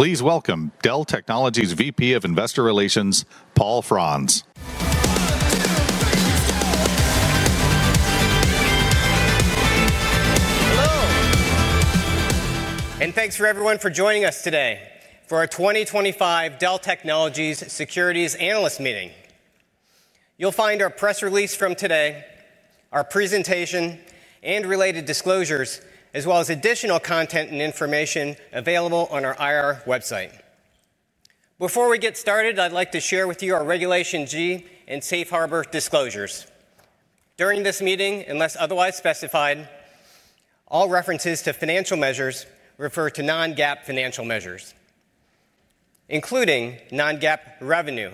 Please welcome Dell Technologies' Vice President of Investor Relations, Paul Frantz Hello, and thanks everyone for joining us today for our 2025 Dell Technologies Securities Analyst Meeting. You'll find our press release from today, our presentation, and related disclosures, as well as additional content and information available on our IR website. Before we get started, I'd like to share with you our Regulation G and Safe Harbor disclosures. During this meeting, unless otherwise specified, all references to financial measures refer to non-GAAP financial measures, including non-GAAP revenue,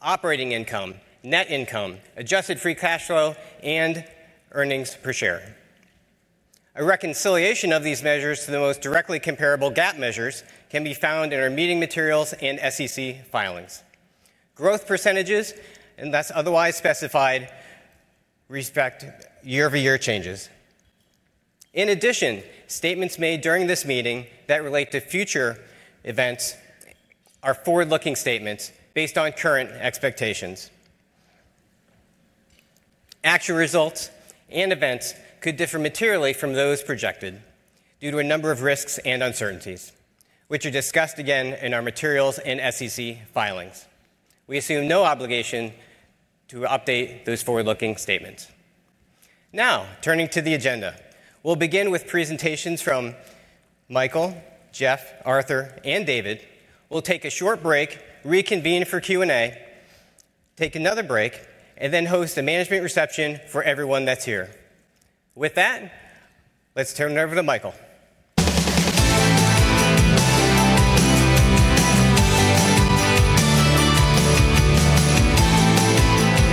operating income, net income, adjusted free cash flow, and earnings per share. A reconciliation of these measures to the most directly comparable GAAP measures can be found in our meeting materials and SEC filings. Growth percentages, unless otherwise specified, reflect year-over-year changes. In addition, statements made during this meeting that relate to future events are forward-looking statements based on current expectations. Actual results and events could differ materially from those projected due to a number of risks and uncertainties, which are discussed again in our materials and SEC filings. We assume no obligation to update those forward-looking statements. Now, turning to the agenda, we'll begin with presentations from Michael, Jeff, Arthur, and David. We'll take a short break, reconvene for Q&A, take another break, and then host a management reception for everyone that's here. With that, let's turn it over to Michael.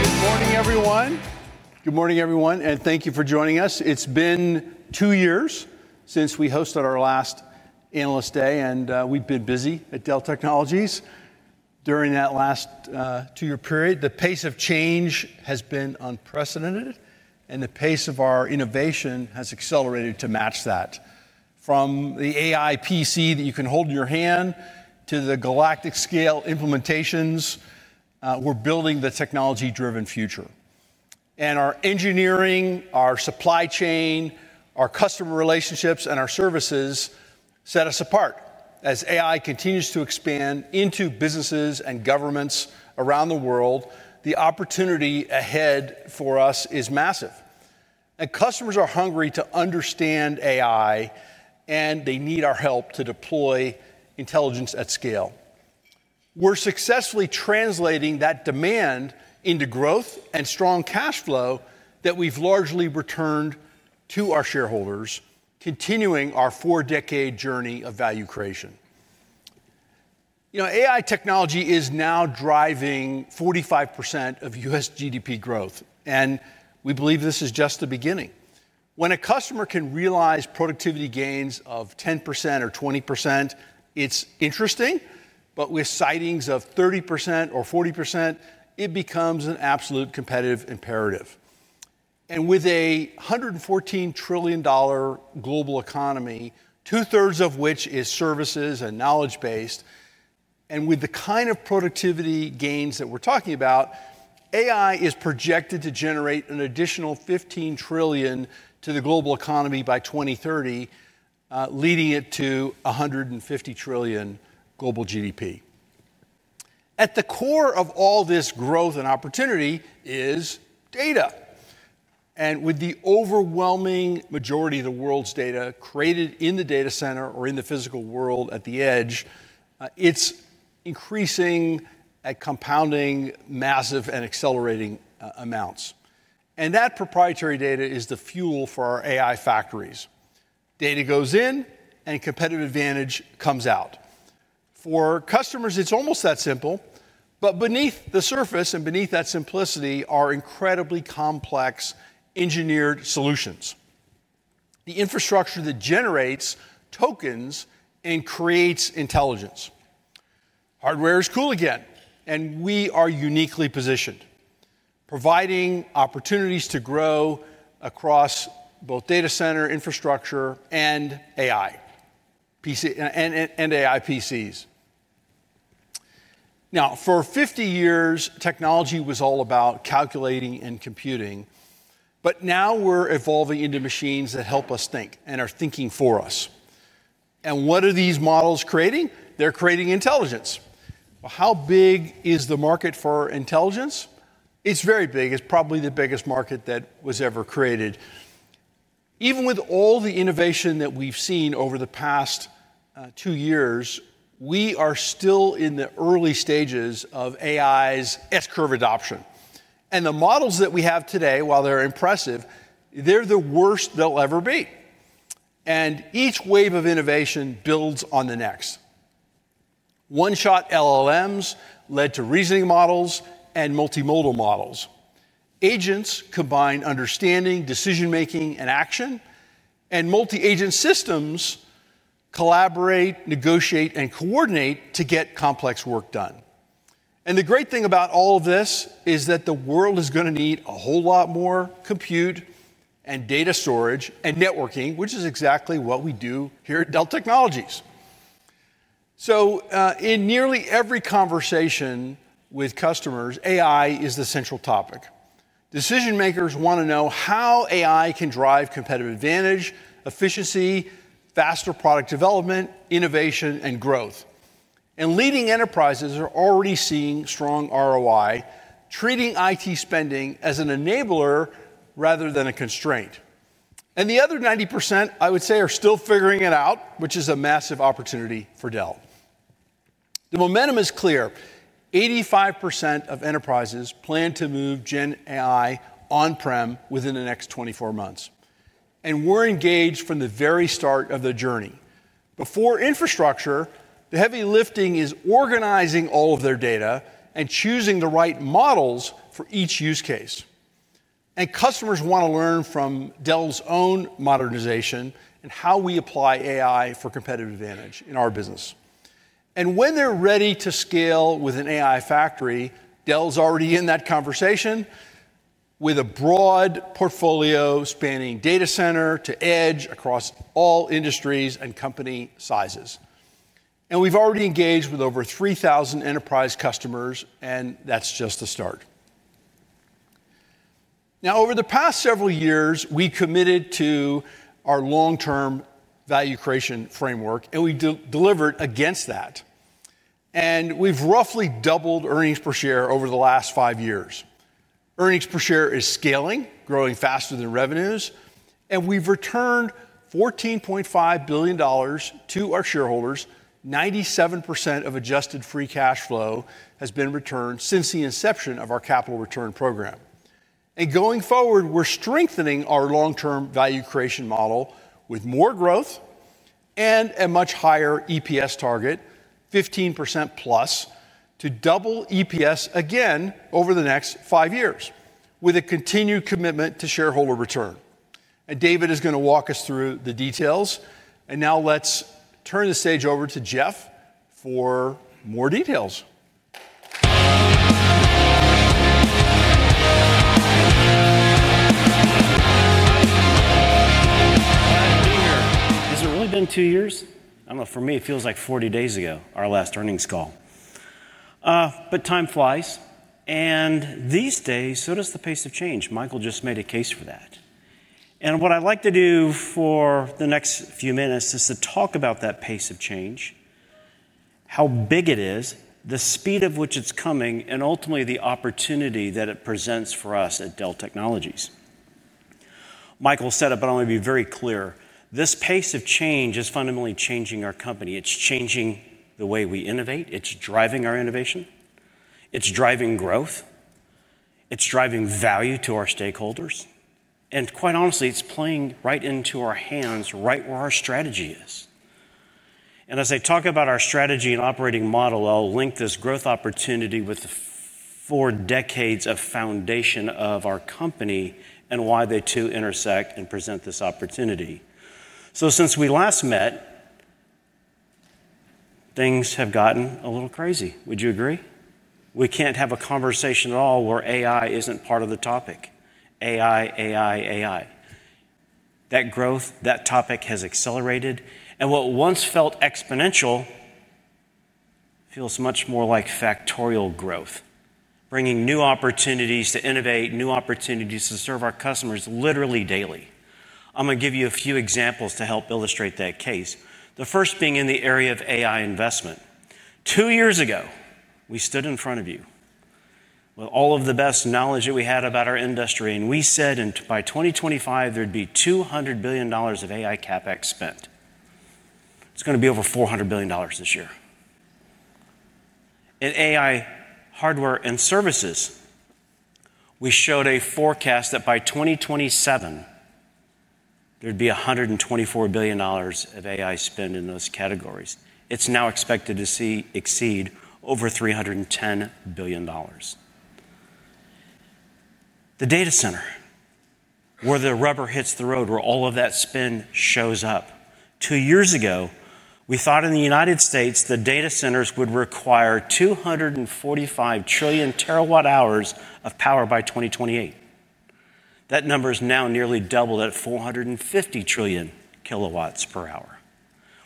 Good morning, everyone. Good morning, everyone, and thank you for joining us. It's been two years since we hosted our last Analyst Day, and we've been busy at Dell Technologies. During that last two-year period, the pace of change has been unprecedented, and the pace of our innovation has accelerated to match that. From the AI PC that you can hold in your hand to the galactic-scale implementations, we're building the technology-driven future. Our engineering, our supply chain, our customer relationships, and our services set us apart. As AI continues to expand into businesses and governments around the world, the opportunity ahead for us is massive. Customers are hungry to understand AI, and they need our help to deploy intelligence at scale. We're successfully translating that demand into growth and strong cash flow that we've largely returned to our shareholders, continuing our four-decade journey of value creation. AI technology is now driving 45% of U.S. GDP growth, and we believe this is just the beginning. When a customer can realize productivity gains of 10% or 20%, it's interesting, but with sightings of 30% or 40%, it becomes an absolute competitive imperative. With a $114 trillion global economy, two-thirds of which is services and knowledge-based, and with the kind of productivity gains that we're talking about, AI is projected to generate an additional $15 trillion to the global economy by 2030, leading it to $150 trillion global GDP. At the core of all this growth and opportunity is data. With the overwhelming majority of the world's data created in the data center or in the physical world at the edge, it's increasing at compounding massive and accelerating amounts. That proprietary data is the fuel for our AI factories. Data goes in, and a competitive advantage comes out. For customers, it's almost that simple, but beneath the surface and beneath that simplicity are incredibly complex engineered solutions. The infrastructure that generates tokens and creates intelligence. Hardware is cool again, and we are uniquely positioned, providing opportunities to grow across both data center infrastructure and AI PCs. For 50 years, technology was all about calculating and computing, but now we're evolving into machines that help us think and are thinking for us. What are these models creating? They're creating intelligence. How big is the market for intelligence? It's very big. It's probably the biggest market that was ever created. Even with all the innovation that we've seen over the past two years, we are still in the early stages of AI's S-curve adoption. The models that we have today, while they're impressive, they're the worst they'll ever be. Each wave of innovation builds on the next. One-shot LLMs led to reasoning models and multimodal models. Agents combine understanding, decision-making, and action, and multi-agent systems collaborate, negotiate, and coordinate to get complex work done. The great thing about all of this is that the world is going to need a whole lot more compute and data storage and networking, which is exactly what we do here at Dell Technologies. In nearly every conversation with customers, AI is the central topic. Decision-makers want to know how AI can drive competitive advantage, efficiency, faster product development, innovation, and growth. Leading enterprises are already seeing strong ROI, treating IT spending as an enabler rather than a constraint. The other 90%, I would say, are still figuring it out, which is a massive opportunity for Dell. The momentum is clear. 85% of enterprises plan to move Gen AI on-prem within the next 24 months. We're engaged from the very start of the journey. Before infrastructure, the heavy lifting is organizing all of their data and choosing the right models for each use case. Customers want to learn from Dell's own modernization and how we apply AI for competitive advantage in our business. When they're ready to scale with an AI Factory, Dell's already in that conversation with a broad portfolio spanning data center to edge across all industries and company sizes. We've already engaged with over 3,000 enterprise customers, and that's just the start. Over the past several years, we committed to our long-term value creation framework, and we delivered against that. We've roughly doubled earnings per share over the last five years. Earnings per share is scaling, growing faster than revenues, and we've returned $14.5 billion to our shareholders. 97% of adjusted free cash flow has been returned since the inception of our capital return program. Going forward, we're strengthening our long-term value creation model with more growth and a much higher EPS target, 15%+, to double EPS again over the next five years, with a continued commitment to shareholder return. David is going to walk us through the details. Let's turn the stage over to Jeff for more details. Glad to be here. Has it really been two years? I don't know. For me, it feels like 40 days ago, our last earnings call. Time flies, and these days, so does the pace of change. Michael just made a case for that. What I'd like to do for the next few minutes is to talk about that pace of change, how big it is, the speed at which it's coming, and ultimately the opportunity that it presents for us at Dell Technologies. Michael said it, but I want to be very clear. This pace of change is fundamentally changing our company. It's changing the way we innovate. It's driving our innovation. It's driving growth. It's driving value to our stakeholders. Quite honestly, it's playing right into our hands, right where our strategy is. As I talk about our strategy and operating model, I'll link this growth opportunity with the four decades of foundation of our company and why the two intersect and present this opportunity. Since we last met, things have gotten a little crazy. Would you agree? We can't have a conversation at all where AI isn't part of the topic. AI, AI, AI. That growth, that topic has accelerated, and what once felt exponential feels much more like factorial growth, bringing new opportunities to innovate, new opportunities to serve our customers literally daily. I'm going to give you a few examples to help illustrate that case, the first being in the area of AI investment. Two years ago, we stood in front of you with all of the best knowledge that we had about our industry, and we said by 2025, there'd be $200 billion of AI CapEx spent. It's going to be over $400 billion this year. In AI hardware and services, we showed a forecast that by 2027, there'd be $124 billion of AI spend in those categories. It's now expected to exceed over $310 billion. The data center, where the rubber hits the road, where all of that spend shows up. Two years ago, we thought in the U.S., the data centers would require 245 trillion terawatt-hours of power by 2028. That number is now nearly doubled at 450 trillion kW per hour.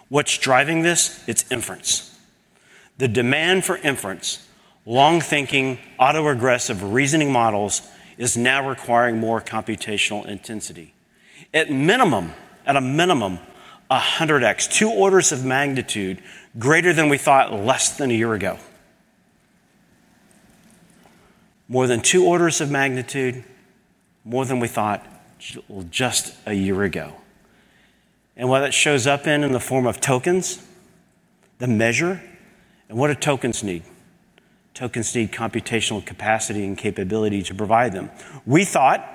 What's driving this? It's inference. The demand for inference, long-thinking, auto-aggressive reasoning models is now requiring more computational intensity. At a minimum, 100x, two orders of magnitude, greater than we thought less than a year ago. More than two orders of magnitude, more than we thought just a year ago. What that shows up in, in the form of tokens, the measure, and what do tokens need? Tokens need computational capacity and capability to provide them. We thought,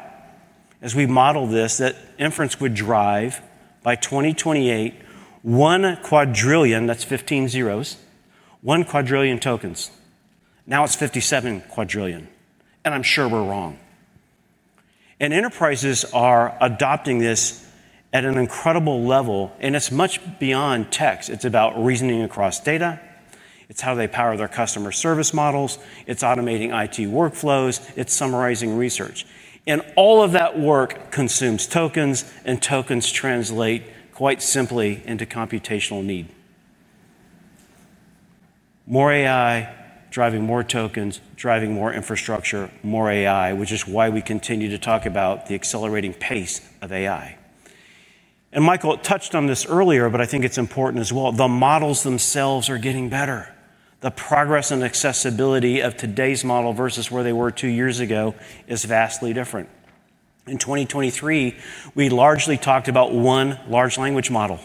as we modeled this, that inference would drive by 2028 one quadrillion, that's 15 zeros, one quadrillion tokens. Now it's 57 quadrillion, and I'm sure we're wrong. Enterprises are adopting this at an incredible level, and it's much beyond tech. It's about reasoning across data. It's how they power their customer service models. It's automating IT workflows. It's summarizing research. All of that work consumes tokens, and tokens translate quite simply into computational need. More AI, driving more tokens, driving more infrastructure, more AI, which is why we continue to talk about the accelerating pace of AI. Michael touched on this earlier, but I think it's important as well. The models themselves are getting better. The progress and accessibility of today's model versus where they were two years ago is vastly different. In 2023, we largely talked about one large language model.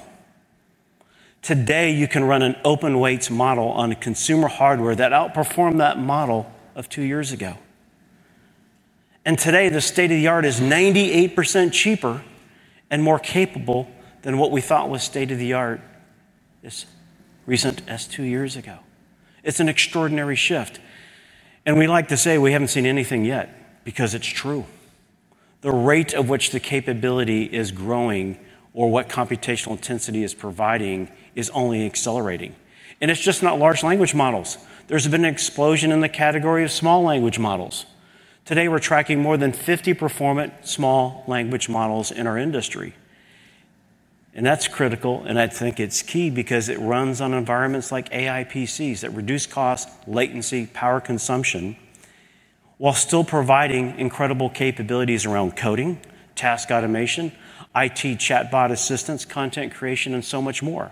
Today, you can run an open weights model on consumer hardware that outperformed that model of two years ago. Today, the state-of-the-art is 98% cheaper and more capable than what we thought was state-of-the-art as recent as two years ago. It's an extraordinary shift. We like to say we haven't seen anything yet because it's true. The rate of which the capability is growing or what computational intensity is providing is only accelerating. It's just not large language models. There's been an explosion in the category of small language models. Today, we're tracking more than 50 performant small language models in our industry. That's critical, and I think it's key because it runs on environments like AI PCs that reduce cost, latency, power consumption while still providing incredible capabilities around coding, task automation, IT chatbot assistance, content creation, and so much more.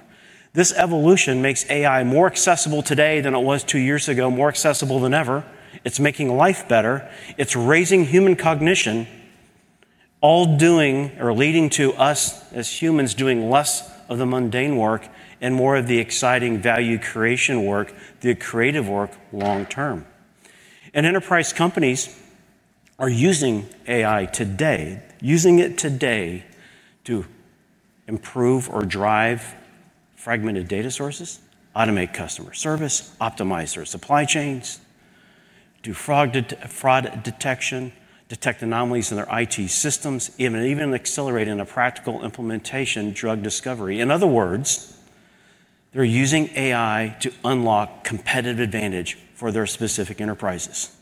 This evolution makes AI more accessible today than it was two years ago, more accessible than ever. It's making life better. It's raising human cognition, all leading to us as humans doing less of the mundane work and more of the exciting value creation work, the creative work long term. Enterprise companies are using AI today, using it today to improve or drive fragmented data sources, automate customer service, optimize their supply chains, do fraud detection, detect anomalies in their IT systems, even accelerate in a practical implementation, drug discovery. In other words, they're using AI to unlock competitive advantage for their specific enterprises.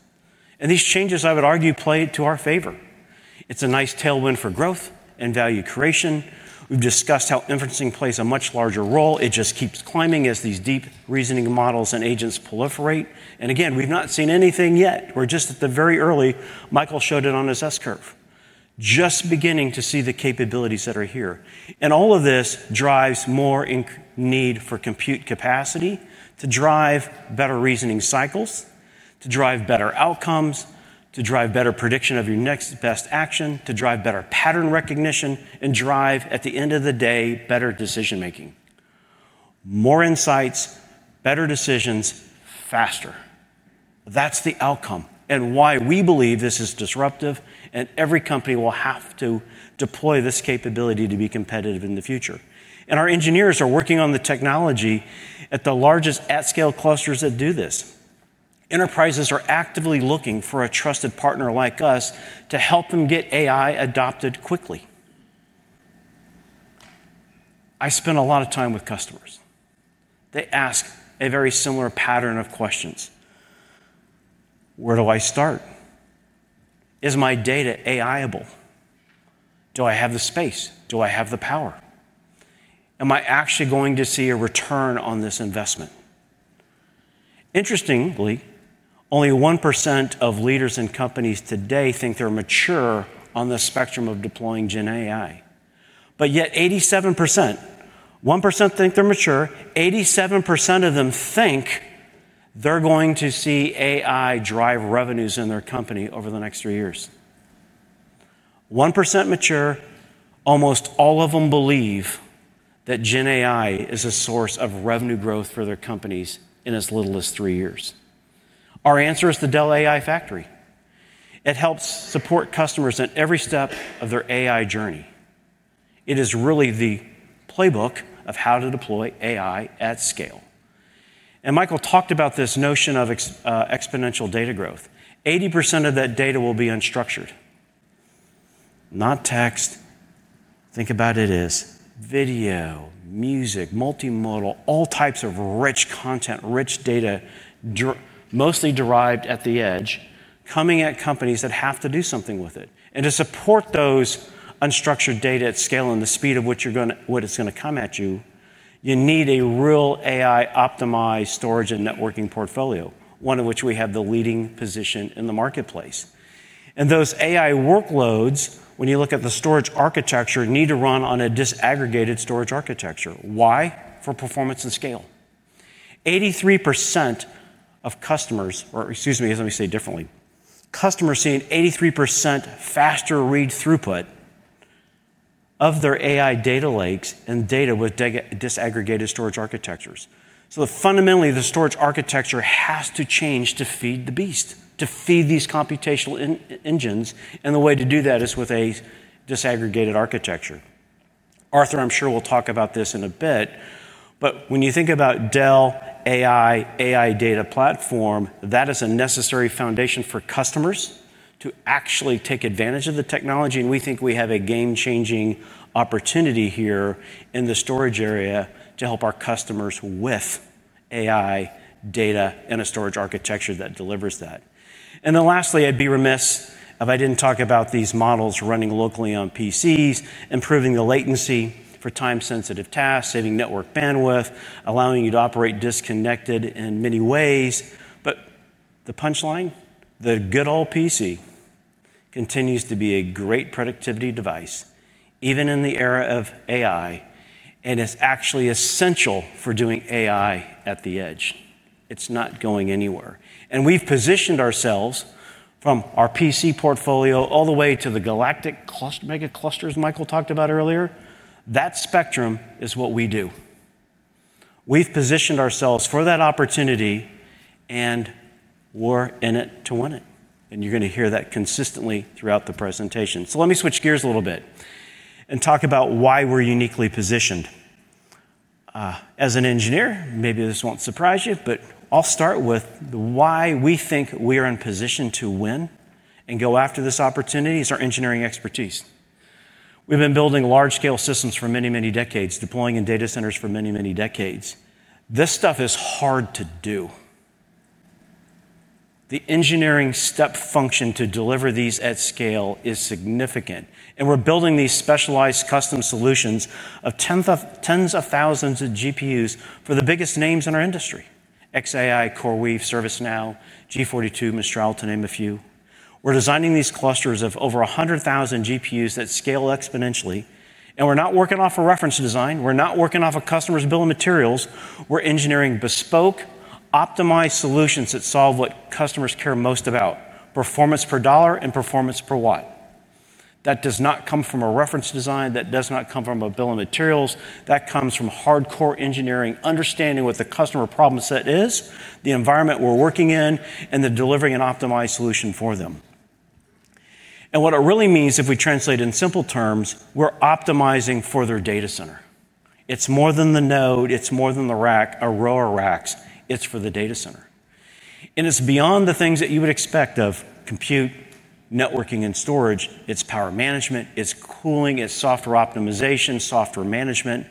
These changes, I would argue, play to our favor. It's a nice tailwind for growth and value creation. We've discussed how inferencing plays a much larger role. It just keeps climbing as these deep reasoning models and agents proliferate. We've not seen anything yet. We're just at the very early. Michael showed it on his S-curve. Just beginning to see the capabilities that are here. All of this drives more need for compute capacity to drive better reasoning cycles, to drive better outcomes, to drive better prediction of your next best action, to drive better pattern recognition, and drive, at the end of the day, better decision-making. More insights, better decisions, faster. That's the outcome and why we believe this is disruptive, and every company will have to deploy this capability to be competitive in the future. Our engineers are working on the technology at the largest at-scale clusters that do this. Enterprises are actively looking for a trusted partner like us to help them get AI adopted quickly. I spend a lot of time with customers. They ask a very similar pattern of questions. Where do I start? Is my data AI-able? Do I have the space? Do I have the power? Am I actually going to see a return on this investment? Interestingly, only 1% of leaders in companies today think they're mature on the spectrum of deploying Gen AI. Yet, 87%, 1% think they're mature, 87% of them think they're going to see AI drive revenues in their company over the next three years. 1% mature, almost all of them believe that Gen AI is a source of revenue growth for their companies in as little as three years. Our answer is the Dell AI Factory. It helps support customers at every step of their AI journey. It is really the playbook of how to deploy AI at scale. Michael talked about this notion of exponential data growth. 80% of that data will be unstructured. Not text. Think about it as video, music, multimodal, all types of rich content, rich data, mostly derived at the edge, coming at companies that have to do something with it. To support those unstructured data at scale and the speed of what is going to come at you, you need a real AI-optimized storage and networking portfolio, one of which we have the leading position in the marketplace. Those AI workloads, when you look at the storage architecture, need to run on a disaggregated storage architecture. Why? For performance and scale. Customers seeing 83% faster read throughput of their AI data lakes and data with disaggregated storage architectures. Fundamentally, the storage architecture has to change to feed the beast, to feed these computational engines. The way to do that is with a disaggregated architecture. Arthur, I'm sure we'll talk about this in a bit. When you think about Dell AI, AI data platform, that is a necessary foundation for customers to actually take advantage of the technology. We think we have a game-changing opportunity here in the storage area to help our customers with AI data and a storage architecture that delivers that. Lastly, I'd be remiss if I didn't talk about these models running locally on PCs, improving the latency for time-sensitive tasks, saving network bandwidth, allowing you to operate disconnected in many ways. The punchline, the good old PC continues to be a great productivity device, even in the era of AI. It's actually essential for doing AI at the edge. It's not going anywhere. We've positioned ourselves from our PC portfolio all the way to the galactic mega clusters Michael talked about earlier. That spectrum is what we do. We've positioned ourselves for that opportunity and we're in it to win it. You're going to hear that consistently throughout the presentation. Let me switch gears a little bit and talk about why we're uniquely positioned. As an engineer, maybe this won't surprise you, but I'll start with why we think we are in position to win and go after this opportunity is our engineering expertise. We've been building large-scale systems for many, many decades, deploying in data centers for many, many decades. This stuff is hard to do. The engineering step function to deliver these at scale is significant. We're building these specialized custom solutions of tens of thousands of GPUs for the biggest names in our industry: xAI, CoreWeave, ServiceNow, G42, Mistral, to name a few. We're designing these clusters of over 100,000 GPUs that scale exponentially. We're not working off a reference design. We're not working off a customer's bill of materials. We're engineering bespoke, optimized solutions that solve what customers care most about: performance per dollar and performance per watt. That does not come from a reference design. That does not come from a bill of materials. That comes from hardcore engineering, understanding what the customer problem set is, the environment we're working in, and then delivering an optimized solution for them. What it really means, if we translate in simple terms, we're optimizing for their data center. It's more than the node. It's more than the rack, a row of racks. It's for the data center. It's beyond the things that you would expect of compute, networking, and storage. It's power management. It's cooling. It's software optimization, software management.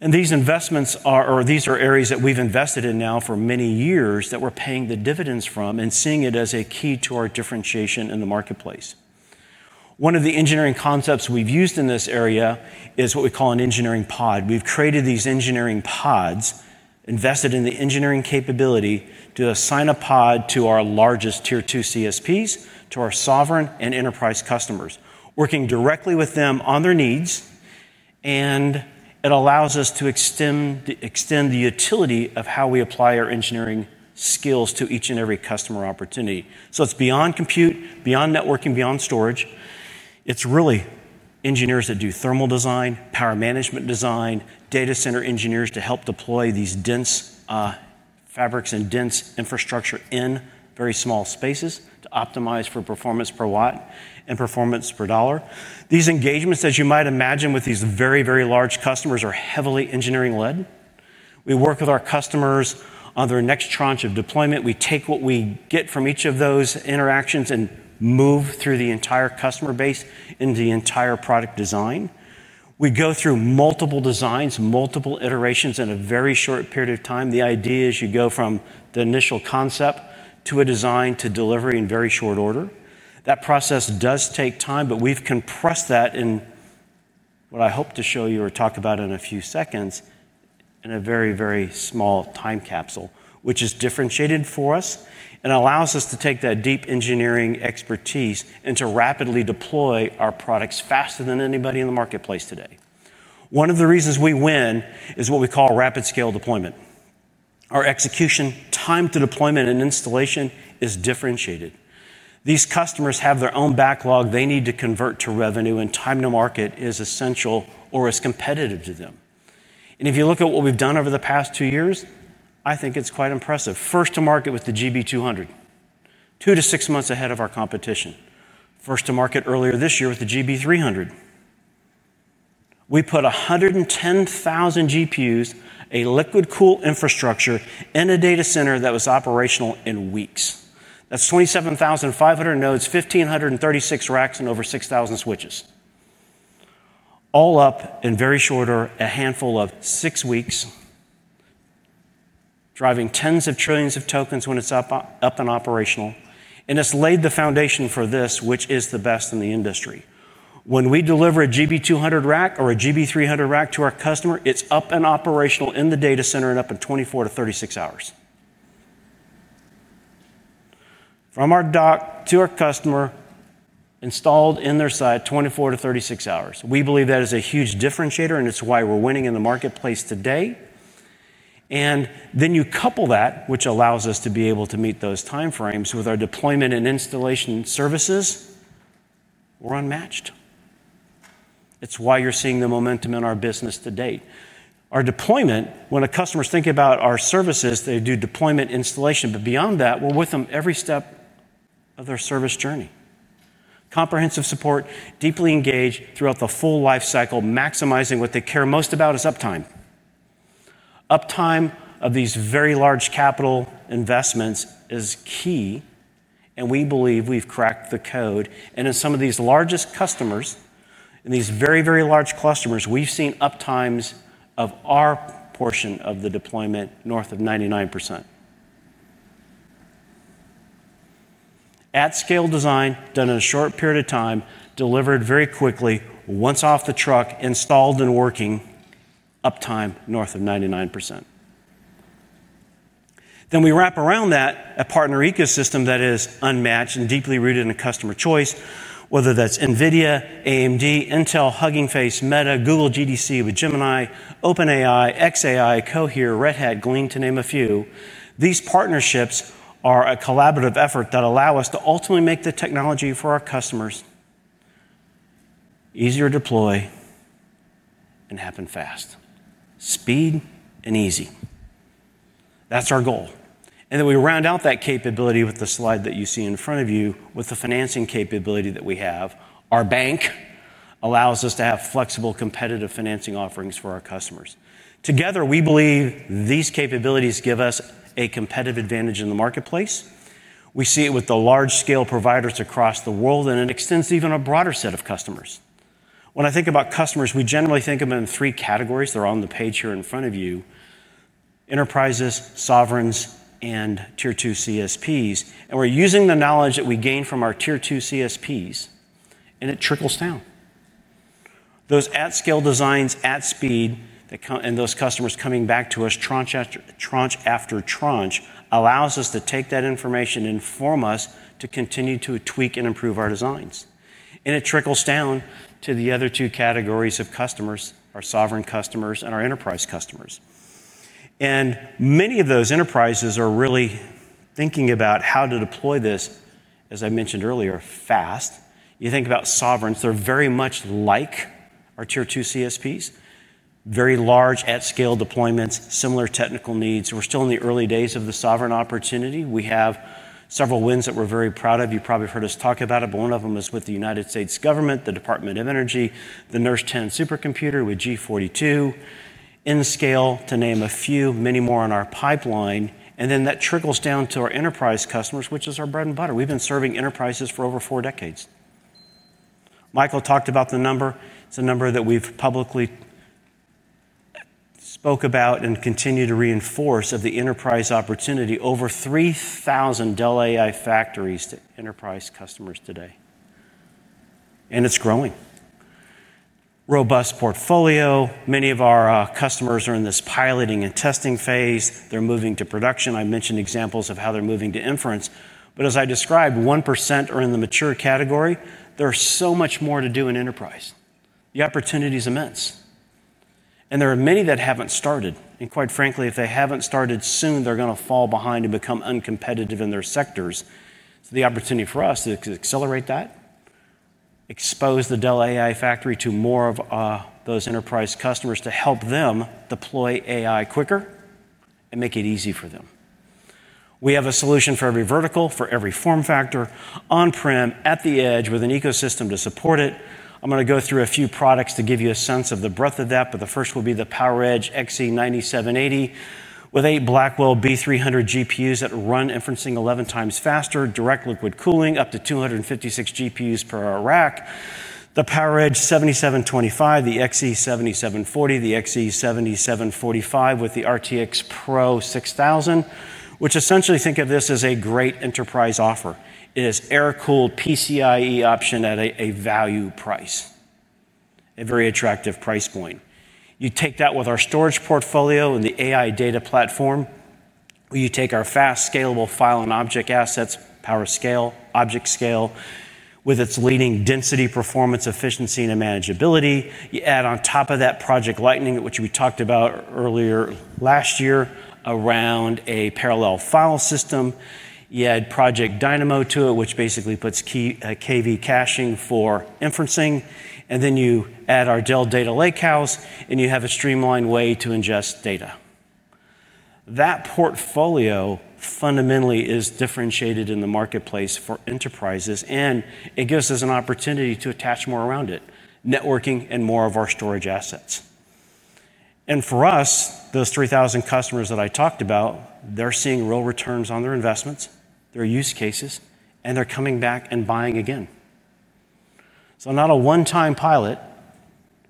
These are areas that we've invested in now for many years that we're paying the dividends from and seeing it as a key to our differentiation in the marketplace. One of the engineering concepts we've used in this area is what we call an engineering pod. We've created these engineering pods, invested in the engineering capability to assign a pod to our largest tier two cloud service providers, to our sovereign and enterprise customers, working directly with them on their needs. It allows us to extend the utility of how we apply our engineering skills to each and every customer opportunity. It's beyond compute, beyond networking, beyond storage. It's really engineers that do thermal design, power management design, data center engineers to help deploy these dense fabrics and dense infrastructure in very small spaces to optimize for performance per watt and performance per dollar. These engagements, as you might imagine, with these very, very large customers are heavily engineering-led. We work with our customers on their next tranche of deployment. We take what we get from each of those interactions and move through the entire customer base into the entire product design. We go through multiple designs, multiple iterations in a very short period of time. The idea is you go from the initial concept to a design to delivery in very short order. That process does take time, but we've compressed that in what I hope to show you or talk about in a few seconds in a very, very small time capsule, which is differentiated for us and allows us to take that deep engineering expertise and to rapidly deploy our products faster than anybody in the marketplace today. One of the reasons we win is what we call rapid scale deployment. Our execution time to deployment and installation is differentiated. These customers have their own backlog they need to convert to revenue, and time to market is essential or is competitive to them. If you look at what we've done over the past two years, I think it's quite impressive. First to market with the GB200, two to six months ahead of our competition. First to market earlier this year with the GB300. We put 110,000 GPUs, a liquid cool infrastructure in a data center that was operational in weeks. That's 27,500 nodes, 1,536 racks, and over 6,000 switches. All up in very short order, a handful of six weeks, driving tens of trillions of tokens when it's up and operational. It's laid the foundation for this, which is the best in the industry. When we deliver a GB200 rack or a GB300 rack to our customer, it's up and operational in the data center and up in 24-36 hours. From our dock to our customer, installed in their site 24-36 hours. We believe that is a huge differentiator, and it's why we're winning in the marketplace today. You couple that, which allows us to be able to meet those timeframes with our deployment and installation services. We're unmatched. It's why you're seeing the momentum in our business to date. Our deployment, when a customer's thinking about our services, they do deployment installation, but beyond that, we're with them every step of their service journey. Comprehensive support, deeply engaged throughout the full life cycle, maximizing what they care most about is uptime. Uptime of these very large capital investments is key, and we believe we've cracked the code. In some of these largest customers, in these very, very large clusters, we've seen uptimes of our portion of the deployment north of 99%. At scale design done in a short period of time, delivered very quickly, once off the truck, installed and working, uptime north of 99%. We wrap around that a partner ecosystem that is unmatched and deeply rooted in a customer choice, whether that's NVIDIA, AMD, Intel, Hugging Face, Meta, Google GDC with Gemini, OpenAI, xAI, Cohere, Red Hat, Glean, to name a few. These partnerships are a collaborative effort that allow us to ultimately make the technology for our customers easier to deploy and happen fast. Speed and easy. That's our goal. We round out that capability with the slide that you see in front of you with the financing capability that we have. Our bank allows us to have flexible, competitive financing offerings for our customers. Together, we believe these capabilities give us a competitive advantage in the marketplace. We see it with the large-scale providers across the world, and it extends even to a broader set of customers. When I think about customers, we generally think of them in three categories. They're on the page here in front of you: enterprises, sovereigns, and tier two cloud service providers. We're using the knowledge that we gain from our tier two cloud service providers, and it trickles down. Those at-scale designs, at speed, and those customers coming back to us, tranche after tranche after tranche, allow us to take that information and inform us to continue to tweak and improve our designs. It trickles down to the other two categories of customers: our sovereign customers and our enterprise customers. Many of those enterprises are really thinking about how to deploy this, as I mentioned earlier, fast. You think about sovereigns. They're very much like our tier two cloud service providers. Very large at-scale deployments, similar technical needs. We're still in the early days of the sovereign opportunity. We have several wins that we're very proud of. You've probably heard us talk about it, but one of them is with the United States government, the Department of Energy, the Nurse 10 supercomputer with G42, in scale to name a few, many more in our pipeline. That trickles down to our enterprise customers, which is our bread and butter. We've been serving enterprises for over four decades. Michael talked about the number. It's a number that we've publicly spoken about and continue to reinforce of the enterprise opportunity. Over 3,000 Dell AI Factory deployments to enterprise customers today, and it's growing. Robust portfolio. Many of our customers are in this piloting and testing phase. They're moving to production. I mentioned examples of how they're moving to inference. As I described, 1% are in the mature category. There's so much more to do in enterprise. The opportunity is immense. There are many that haven't started. Quite frankly, if they haven't started soon, they're going to fall behind and become uncompetitive in their sectors. The opportunity for us is to accelerate that, expose the Dell AI Factory to more of those enterprise customers to help them deploy AI quicker and make it easy for them. We have a solution for every vertical, for every form factor, on-prem, at the edge, with an ecosystem to support it. I'm going to go through a few products to give you a sense of the breadth of that. The first will be the PowerEdge XE9680, with eight Blackwell B300 GPUs that run inferencing 11 times faster, direct liquid cooling, up to 256 GPUs per rack. The PowerEdge 7725, the XE9680, the XE9640, with the RTX Pro 6000, which essentially, think of this as a great enterprise offer. It is an air-cooled PCIe option at a value price, a very attractive price point. You take that with our storage portfolio and the AI data platform, where you take our fast, scalable file and object assets, PowerScale, ObjectScale, with its leading density, performance, efficiency, and manageability. You add on top of that Project Lightning, which we talked about earlier last year around a parallel file system. You add Project Dynamo to it, which basically puts KV caching for inferencing. Then you add our Dell Data Lakehouse, and you have a streamlined way to ingest data. That portfolio fundamentally is differentiated in the marketplace for enterprises, and it gives us an opportunity to attach more around it, networking, and more of our storage assets. For us, those 3,000 customers that I talked about, they're seeing real returns on their investments, their use cases, and they're coming back and buying again. Not a one-time pilot.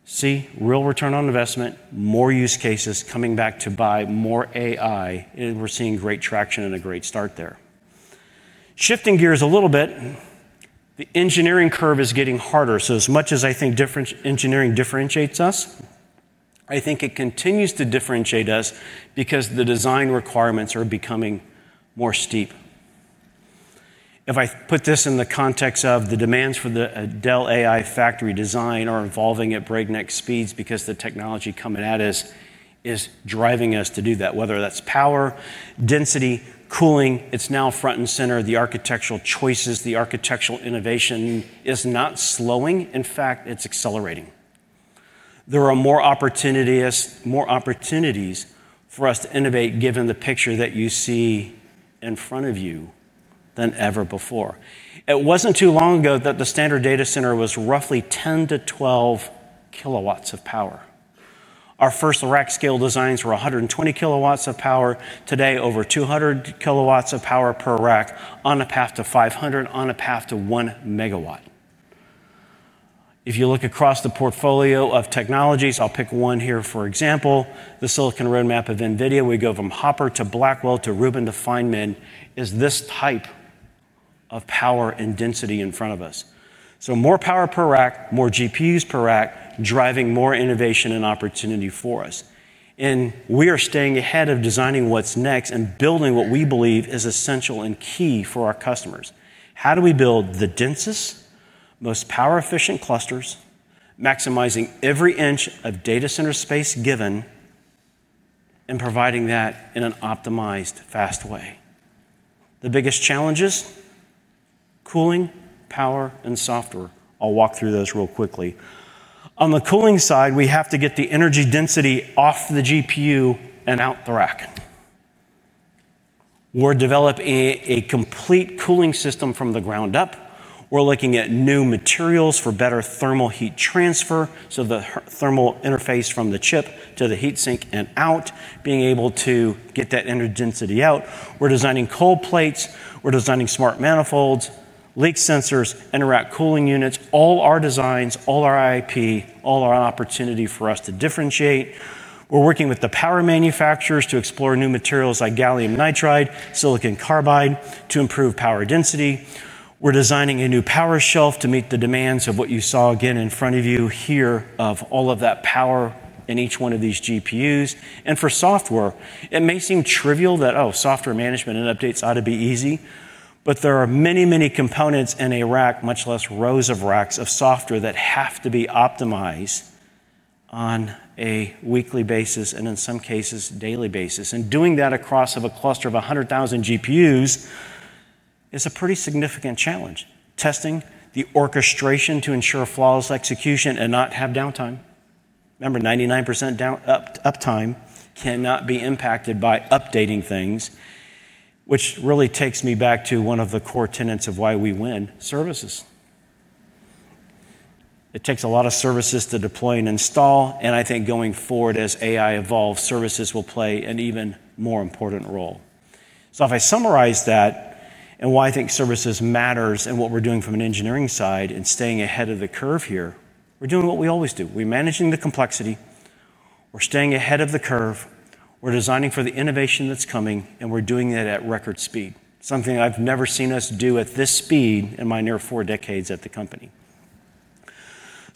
See real return on investment, more use cases coming back to buy more AI, and we're seeing great traction and a great start there. Shifting gears a little bit, the engineering curve is getting harder. As much as I think different engineering differentiates us, I think it continues to differentiate us because the design requirements are becoming more steep. If I put this in the context of the demands for the Dell AI Factory design, they are evolving at breakneck speeds because the technology coming at us is driving us to do that. Whether that's power, density, cooling, it's now front and center. The architectural choices, the architectural innovation is not slowing. In fact, it's accelerating. There are more opportunities for us to innovate, given the picture that you see in front of you than ever before. It wasn't too long ago that the standard data center was roughly 10 kW-12 kW of power. Our first rack scale designs were 120 kW of power. Today, over 200 kW of power per rack, on a path to 500, on a path to 1 MW. If you look across the portfolio of technologies, I'll pick one here for example, the Silicon Roadmap of NVIDIA. We go from Hopper to Blackwell to Rubin to Feynman. It's this type of power and density in front of us. More power per rack, more GPUs per rack, driving more innovation and opportunity for us. We are staying ahead of designing what's next and building what we believe is essential and key for our customers. How do we build the densest, most power-efficient clusters, maximizing every inch of data center space given, and providing that in an optimized, fast way? The biggest challenges: cooling, power, and software. I'll walk through those real quickly. On the cooling side, we have to get the energy density off the GPU and out the rack. We're developing a complete cooling system from the ground up. We're looking at new materials for better thermal heat transfer, so the thermal interface from the chip to the heat sink and out, being able to get that energy density out. We're designing cold plates. We're designing smart manifolds, leak sensors, interact cooling units, all our designs, all our IP, all our opportunity for us to differentiate. We're working with the power manufacturers to explore new materials like gallium nitride, silicon carbide to improve power density. We're designing a new power shelf to meet the demands of what you saw again in front of you here of all of that power in each one of these GPUs. For software, it may seem trivial that, oh, software management and updates ought to be easy, but there are many, many components in a rack, much less rows of racks of software that have to be optimized on a weekly basis and in some cases, daily basis. Doing that across a cluster of 100,000 GPUs is a pretty significant challenge. Testing the orchestration to ensure flawless execution and not have downtime. Remember, 99% uptime cannot be impacted by updating things, which really takes me back to one of the core tenets of why we win: services. It takes a lot of services to deploy and install, and I think going forward as AI evolves, services will play an even more important role. If I summarize that and why I think services matter and what we're doing from an engineering side and staying ahead of the curve here, we're doing what we always do. We're managing the complexity. We're staying ahead of the curve. We're designing for the innovation that's coming, and we're doing that at record speed, something I've never seen us do at this speed in my near four decades at the company.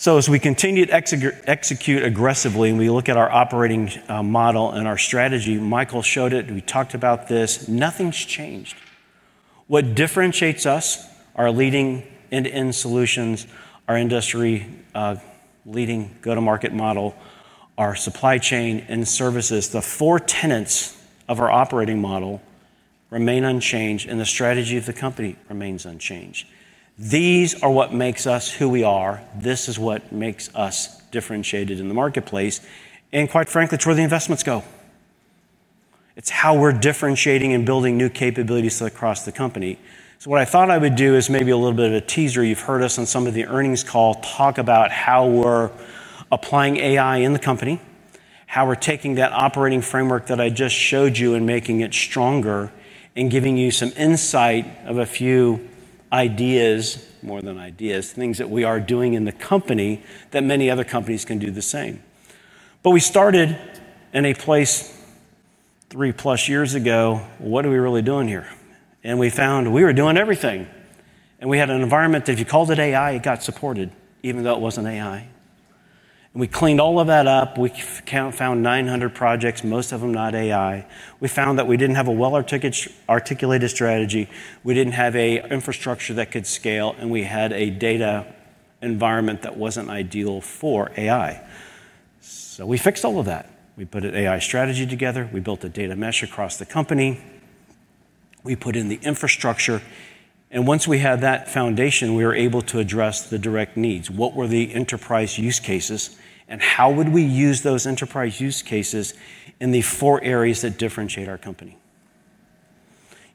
As we continue to execute aggressively and we look at our operating model and our strategy, Michael showed it. We talked about this. Nothing's changed. What differentiates us are our leading end-to-end solutions, our industry-leading go-to-market model, our supply chain, and services. The four tenets of our operating model remain unchanged, and the strategy of the company remains unchanged. These are what make us who we are. This is what makes us differentiated in the marketplace. Quite frankly, it's where the investments go. It's how we're differentiating and building new capabilities across the company. What I thought I would do is maybe a little bit of a teaser. You've heard us on some of the earnings calls talk about how we're applying AI in the company, how we're taking that operating framework that I just showed you and making it stronger and giving you some insight of a few ideas, more than ideas, things that we are doing in the company that many other companies can do the same. We started in a place three-plus years ago. What are we really doing here? We found we were doing everything. We had an environment, if you called it AI, it got supported, even though it wasn't AI. We cleaned all of that up. We found 900 projects, most of them not AI. We found that we didn't have a well-articulated strategy. We didn't have an infrastructure that could scale, and we had a data environment that wasn't ideal for AI. We fixed all of that. We put an AI strategy together. We built a data mesh across the company. We put in the infrastructure. Once we had that foundation, we were able to address the direct needs. What were the enterprise use cases? How would we use those enterprise use cases in the four areas that differentiate our company?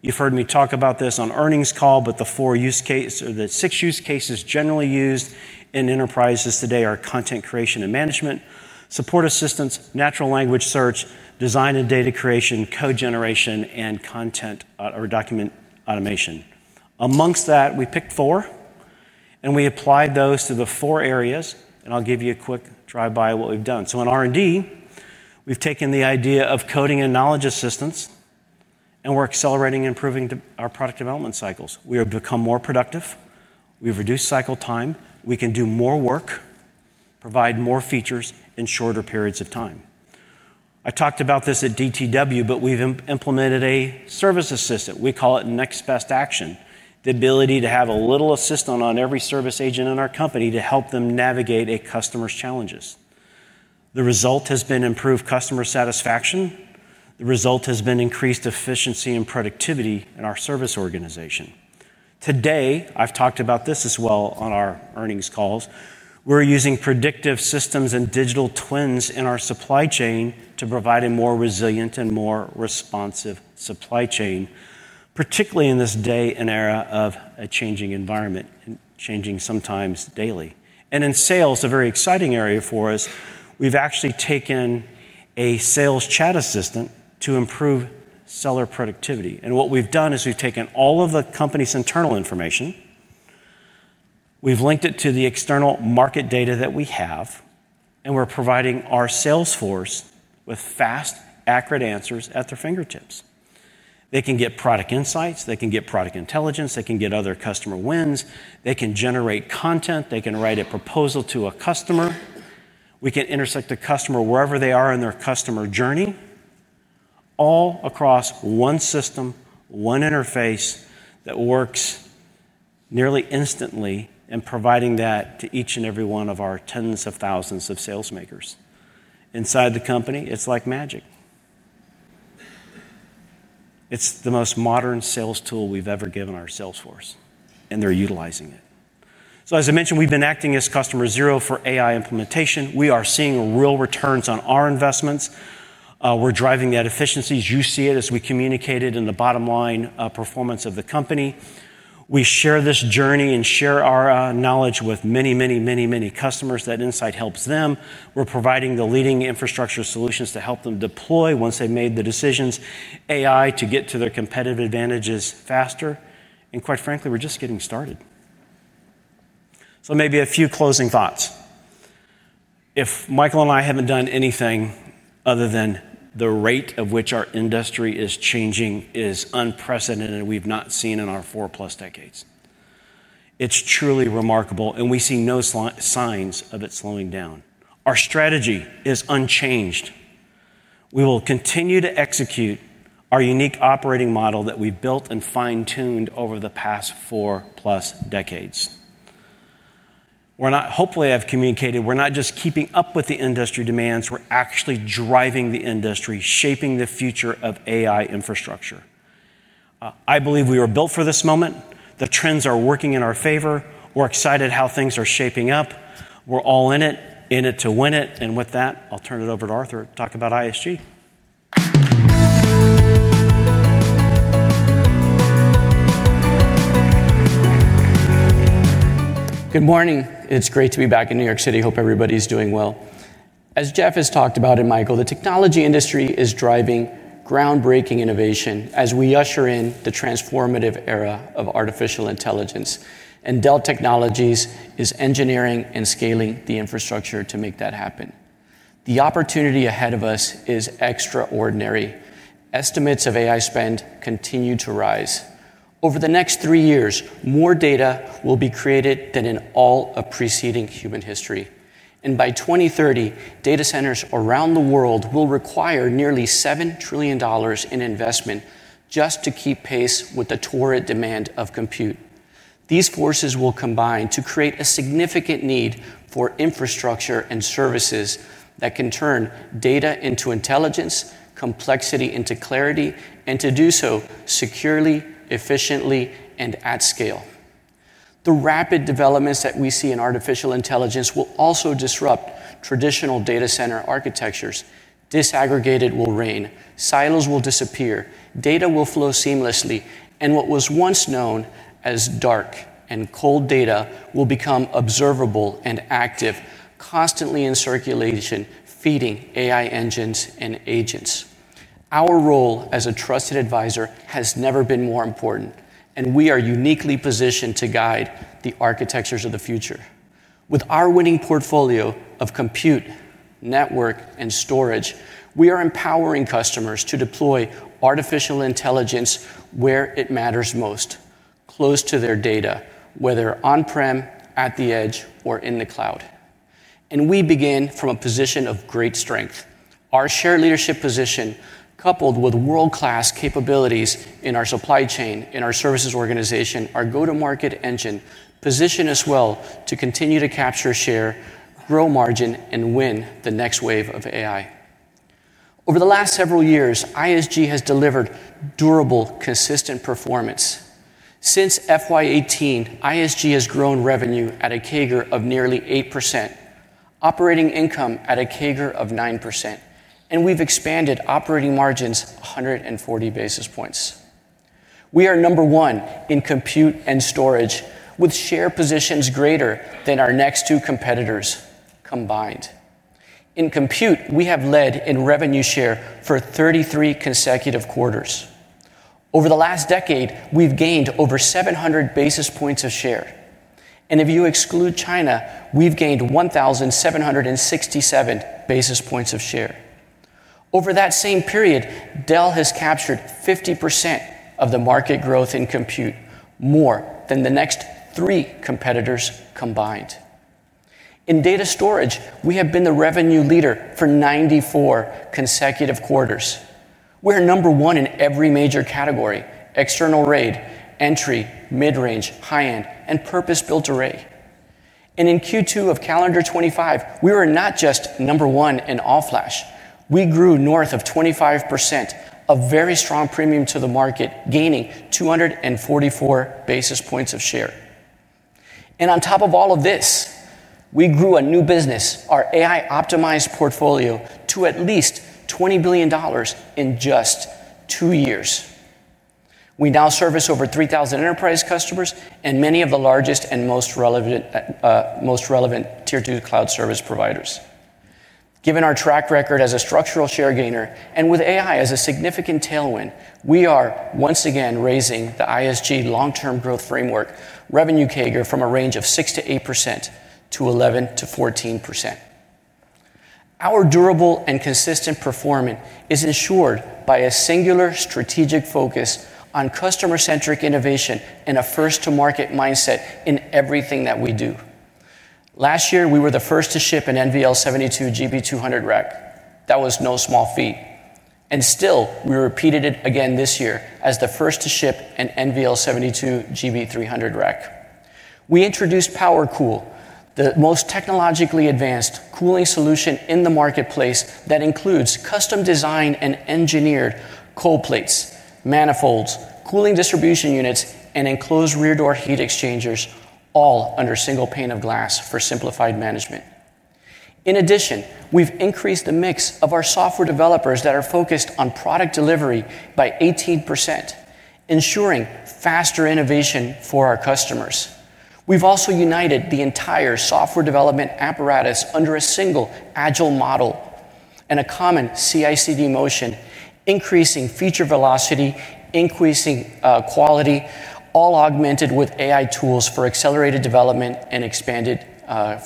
You've heard me talk about this on earnings calls, but the four use cases or the six use cases generally used in enterprises today are content creation and management, support assistance, natural language search, design and data creation, code generation, and content or document automation. Amongst that, we picked four, and we applied those to the four areas. I'll give you a quick drive by of what we've done. In R&D, we've taken the idea of coding and knowledge assistance, and we're accelerating and improving our product development cycles. We have become more productive. We've reduced cycle time. We can do more work, provide more features in shorter periods of time. I talked about this at DTW, but we've implemented a service assistant. We call it next best action, the ability to have a little assistant on every service agent in our company to help them navigate a customer's challenges. The result has been improved customer satisfaction. The result has been increased efficiency and productivity in our service organization. Today, I've talked about this as well on our earnings calls. We're using predictive systems and digital twins in our supply chain to provide a more resilient and more responsive supply chain, particularly in this day and era of a changing environment and changing sometimes daily. In sales, a very exciting area for us, we've actually taken a sales chat assistant to improve seller productivity. What we've done is we've taken all of the company's internal information. We've linked it to the external market data that we have, and we're providing our sales force with fast, accurate answers at their fingertips. They can get product insights. They can get product intelligence. They can get other customer wins. They can generate content. They can write a proposal to a customer. We can intersect the customer wherever they are in their customer journey, all across one system, one interface that works nearly instantly and providing that to each and every one of our tens of thousands of sales makers. Inside the company, it's like magic. It's the most modern sales tool we've ever given our sales force, and they're utilizing it. As I mentioned, we've been acting as customer zero for AI implementation. We are seeing real returns on our investments. We're driving that efficiencies. You see it as we communicated in the bottom line performance of the company. We share this journey and share our knowledge with many, many, many, many customers. That insight helps them. We're providing the leading infrastructure solutions to help them deploy once they've made the decisions, AI to get to their competitive advantages faster. Quite frankly, we're just getting started. Maybe a few closing thoughts. If Michael and I haven't done anything other than the rate at which our industry is changing is unprecedented and we've not seen in our four-plus decades. It's truly remarkable, and we see no signs of it slowing down. Our strategy is unchanged. We will continue to execute our unique operating model that we built and fine-tuned over the past four-plus decades. We're not, hopefully, I've communicated, we're not just keeping up with the industry demands. We're actually driving the industry, shaping the future of AI infrastructure. I believe we were built for this moment. The trends are working in our favor. We're excited how things are shaping up. We're all in it, in it to win it. With that, I'll turn it over to Arthur to talk about ISG. Good morning. It's great to be back in New York City. Hope everybody's doing well. As Jeff has talked about and Michael, the technology industry is driving groundbreaking innovation as we usher in the transformative era of artificial intelligence. Dell Technologies is engineering and scaling the infrastructure to make that happen. The opportunity ahead of us is extraordinary. Estimates of AI spend continue to rise. Over the next three years, more data will be created than in all of preceding human history. By 2030, data centers around the world will require nearly $7 trillion in investment just to keep pace with the torrid demand of compute. These forces will combine to create a significant need for infrastructure and services that can turn data into intelligence, complexity into clarity, and to do so securely, efficiently, and at scale. The rapid developments that we see in artificial intelligence will also disrupt traditional data center architectures. Disaggregated will reign. Silos will disappear. Data will flow seamlessly. What was once known as dark and cold data will become observable and active, constantly in circulation, feeding AI engines and agents. Our role as a trusted advisor has never been more important, and we are uniquely positioned to guide the architectures of the future. With our winning portfolio of compute, network, and storage, we are empowering customers to deploy artificial intelligence where it matters most, close to their data, whether on-prem, at the edge, or in the cloud. We begin from a position of great strength. Our shared leadership position, coupled with world-class capabilities in our supply chain, in our services organization, our go-to-market engine, position us well to continue to capture, share, grow margin, and win the next wave of AI. Over the last several years, ISG has delivered durable, consistent performance. Since FY 2018, ISG has grown revenue at a CAGR of nearly 8%, operating income at a CAGR of 9%, and we've expanded operating margins 140 basis points. We are number one in compute and storage, with share positions greater than our next two competitors combined. In compute, we have led in revenue share for 33 consecutive quarters. Over the last decade, we've gained over 700 basis points of share. If you exclude China, we've gained 1,767 basis points of share. Over that same period, Dell Technologies has captured 50% of the market growth in compute, more than the next three competitors combined. In data storage, we have been the revenue leader for 94 consecutive quarters. We're number one in every major category: external RAID, entry, mid-range, high-end, and purpose-built array. In Q2 of calendar 2025, we were not just number one in all-flash. We grew north of 25%, a very strong premium to the market, gaining 244 basis points of share. On top of all of this, we grew a new business, our AI-optimized portfolio, to at least $20 billion in just two years. We now service over 3,000 enterprise customers and many of the largest and most relevant tier two cloud service providers. Given our track record as a structural share gainer and with AI as a significant tailwind, we are once again raising the ISG long-term growth framework revenue CAGR from a range of 6%-8% to 11%-14%. Our durable and consistent performance is ensured by a singular strategic focus on customer-centric innovation and a first-to-market mindset in everything that we do. Last year, we were the first to ship an NVL 72 GB200 rack. That was no small feat. Still, we repeated it again this year as the first to ship an NVL 72 GB300 rack. We introduced PowerCool, the most technologically advanced cooling solution in the marketplace that includes custom design and engineered cold plates, manifolds, cooling distribution units, and enclosed rear door heat exchangers, all under single pane of glass for simplified management. In addition, we've increased the mix of our software developers that are focused on product delivery by 18%, ensuring faster innovation for our customers. We've also united the entire software development apparatus under a single agile model and a common CI/CD motion, increasing feature velocity, increasing quality, all augmented with AI tools for accelerated development and expanded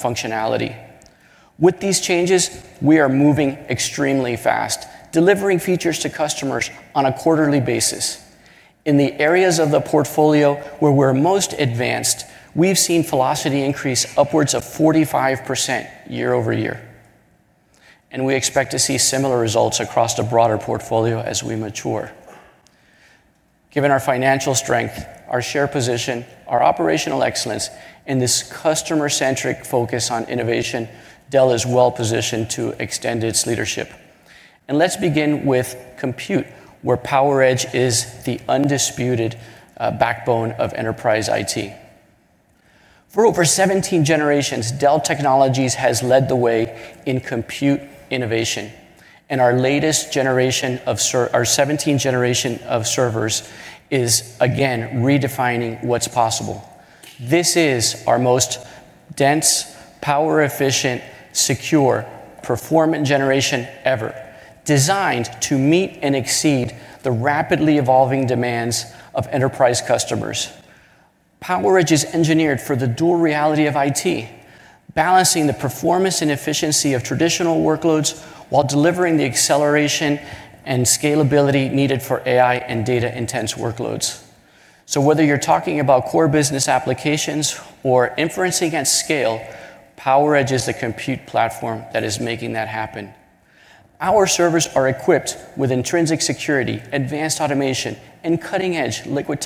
functionality. With these changes, we are moving extremely fast, delivering features to customers on a quarterly basis. In the areas of the portfolio where we're most advanced, we've seen velocity increase upwards of 45% year-over-year. We expect to see similar results across the broader portfolio as we mature. Given our financial strength, our share position, our operational excellence, and this customer-centric focus on innovation, Dell Technologies is well positioned to extend its leadership. Let's begin with compute, where PowerEdge is the undisputed backbone of enterprise IT. For over 17 generations, Dell Technologies has led the way in compute innovation. Our latest generation of servers is, again, redefining what's possible. This is our most dense, power-efficient, secure, performant generation ever, designed to meet and exceed the rapidly evolving demands of enterprise customers. PowerEdge is engineered for the dual reality of IT, balancing the performance and efficiency of traditional workloads while delivering the acceleration and scalability needed for AI and data-intense workloads. Whether you're talking about core business applications or inferencing at scale, PowerEdge is the compute platform that is making that happen. Our servers are equipped with intrinsic security, advanced automation, and cutting-edge liquid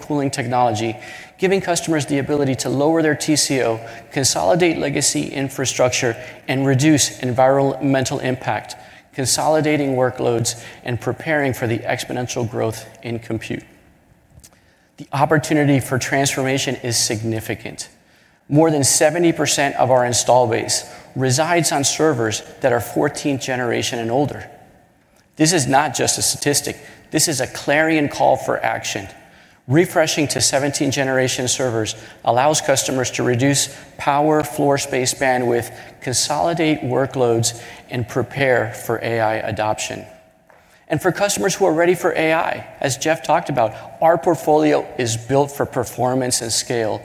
cooling technology, giving customers the ability to lower their TCO, consolidate legacy infrastructure, and reduce environmental impact, consolidating workloads and preparing for the exponential growth in compute. The opportunity for transformation is significant. More than 70% of our install base resides on servers that are 14th generation and older. This is not just a statistic. This is a clarion call for action. Refreshing to 17th generation servers allows customers to reduce power, floor space, bandwidth, consolidate workloads, and prepare for AI adoption. For customers who are ready for AI, as Jeff Clarke talked about, our portfolio is built for performance and scale,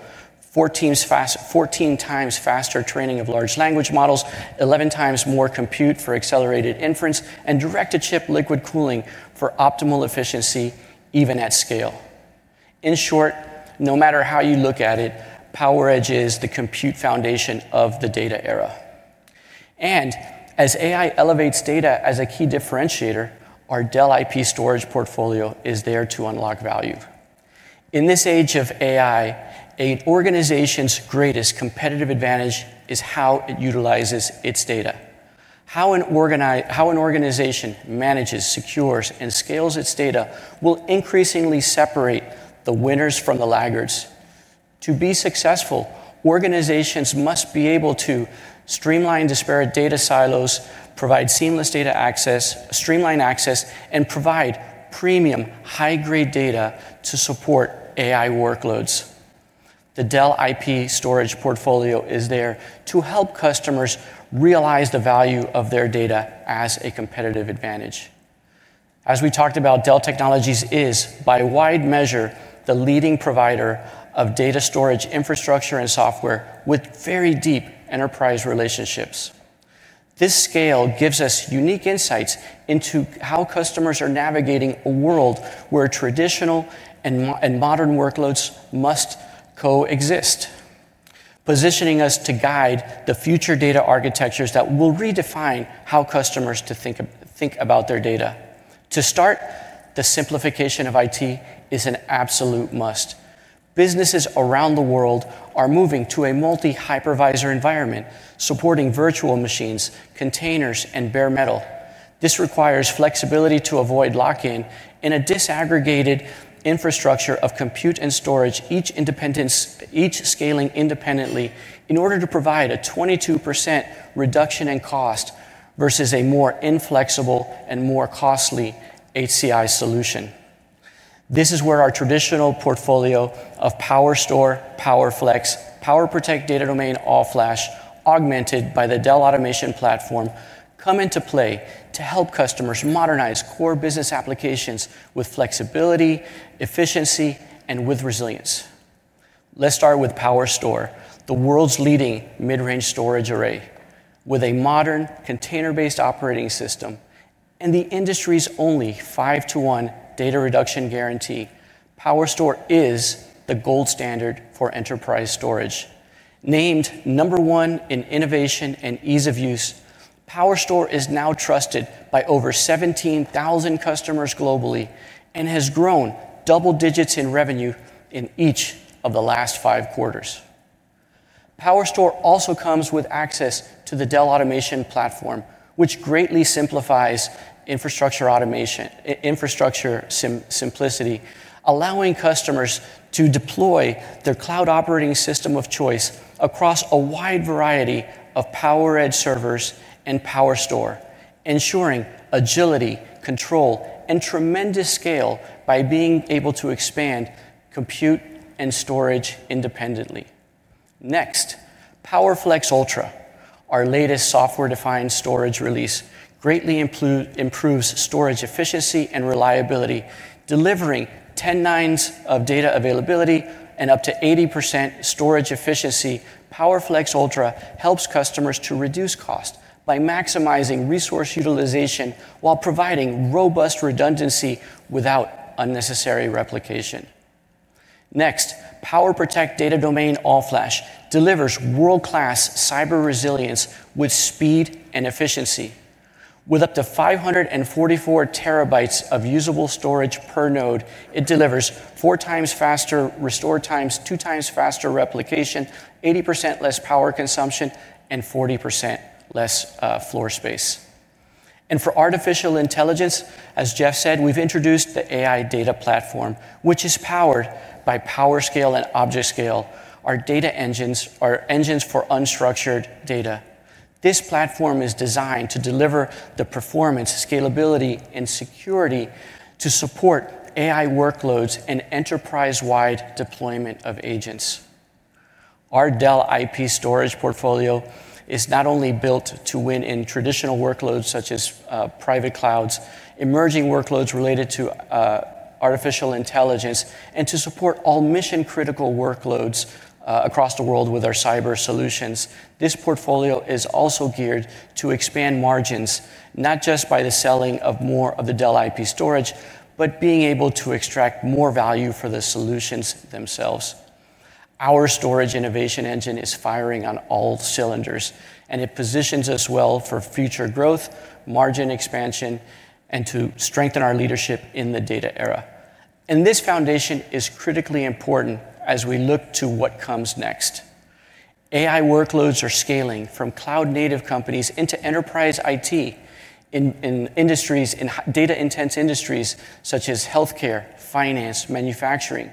14 times faster training of large language models, 11 times more compute for accelerated inference, and direct-to-chip liquid cooling for optimal efficiency, even at scale. In short, no matter how you look at it, PowerEdge is the compute foundation of the data era. As AI elevates data as a key differentiator, our Dell IP storage portfolio is there to unlock value. In this age of AI, an organization's greatest competitive advantage is how it utilizes its data. How an organization manages, secures, and scales its data will increasingly separate the winners from the laggards. To be successful, organizations must be able to streamline disparate data silos, provide seamless data access, streamline access, and provide premium, high-grade data to support AI workloads. The Dell IP storage portfolio is there to help customers realize the value of their data as a competitive advantage. As we talked about, Dell Technologies is, by wide measure, the leading provider of data storage infrastructure and software with very deep enterprise relationships. This scale gives us unique insights into how customers are navigating a world where traditional and modern workloads must coexist, positioning us to guide the future data architectures that will redefine how customers think about their data. To start, the simplification of IT is an absolute must. Businesses around the world are moving to a multi-hypervisor environment, supporting virtual machines, containers, and bare metal. This requires flexibility to avoid lock-in in a disaggregated infrastructure of compute and storage, each scaling independently, in order to provide a 22% reduction in cost versus a more inflexible and more costly HCI solution. This is where our traditional portfolio of PowerStore, PowerFlex, PowerProtect Data Domain All-Flash, augmented by the Dell Automation Platform, come into play to help customers modernize core business applications with flexibility, efficiency, and with resilience. Let's start with PowerStore, the world's leading midrange storage array. With a modern container-based operating system and the industry's only five-to-one data reduction guarantee, PowerStore is the gold standard for enterprise storage. Named number one in innovation and ease of use, PowerStore is now trusted by over 17,000 customers globally and has grown double digits in revenue in each of the last five quarters. PowerStore also comes with access to the Dell Automation Platform, which greatly simplifies infrastructure simplicity, allowing customers to deploy their cloud operating system of choice across a wide variety of PowerEdge servers and PowerStore, ensuring agility, control, and tremendous scale by being able to expand compute and storage independently. Next, PowerFlex Ultra, our latest software-defined storage release, greatly improves storage efficiency and reliability, delivering ten nines of data availability and up to 80% storage efficiency. PowerFlex Ultra helps customers to reduce costs by maximizing resource utilization while providing robust redundancy without unnecessary replication. Next, PowerProtect Data Domain All-Flash delivers world-class cyber resilience with speed and efficiency. With up to 544 TB of usable storage per node, it delivers four times faster restore times, two times faster replication, 80% less power consumption, and 40% less floor space. For artificial intelligence, as Jeff said, we've introduced the AI Data Platform, which is powered by PowerScale and ObjectScale, our data engines, our engines for unstructured data. This platform is designed to deliver the performance, scalability, and security to support AI workloads and enterprise-wide deployment of agents. Our Dell IP storage portfolio is not only built to win in traditional workloads such as private clouds, emerging workloads related to artificial intelligence, and to support all mission-critical workloads across the world with our cyber solutions. This portfolio is also geared to expand margins, not just by the selling of more of the Dell IP storage, but being able to extract more value for the solutions themselves. Our storage innovation engine is firing on all cylinders, and it positions us well for future growth, margin expansion, and to strengthen our leadership in the data era. This foundation is critically important as we look to what comes next. AI workloads are scaling from cloud-native companies into enterprise IT in industries, in data-intense industries such as healthcare, finance, manufacturing.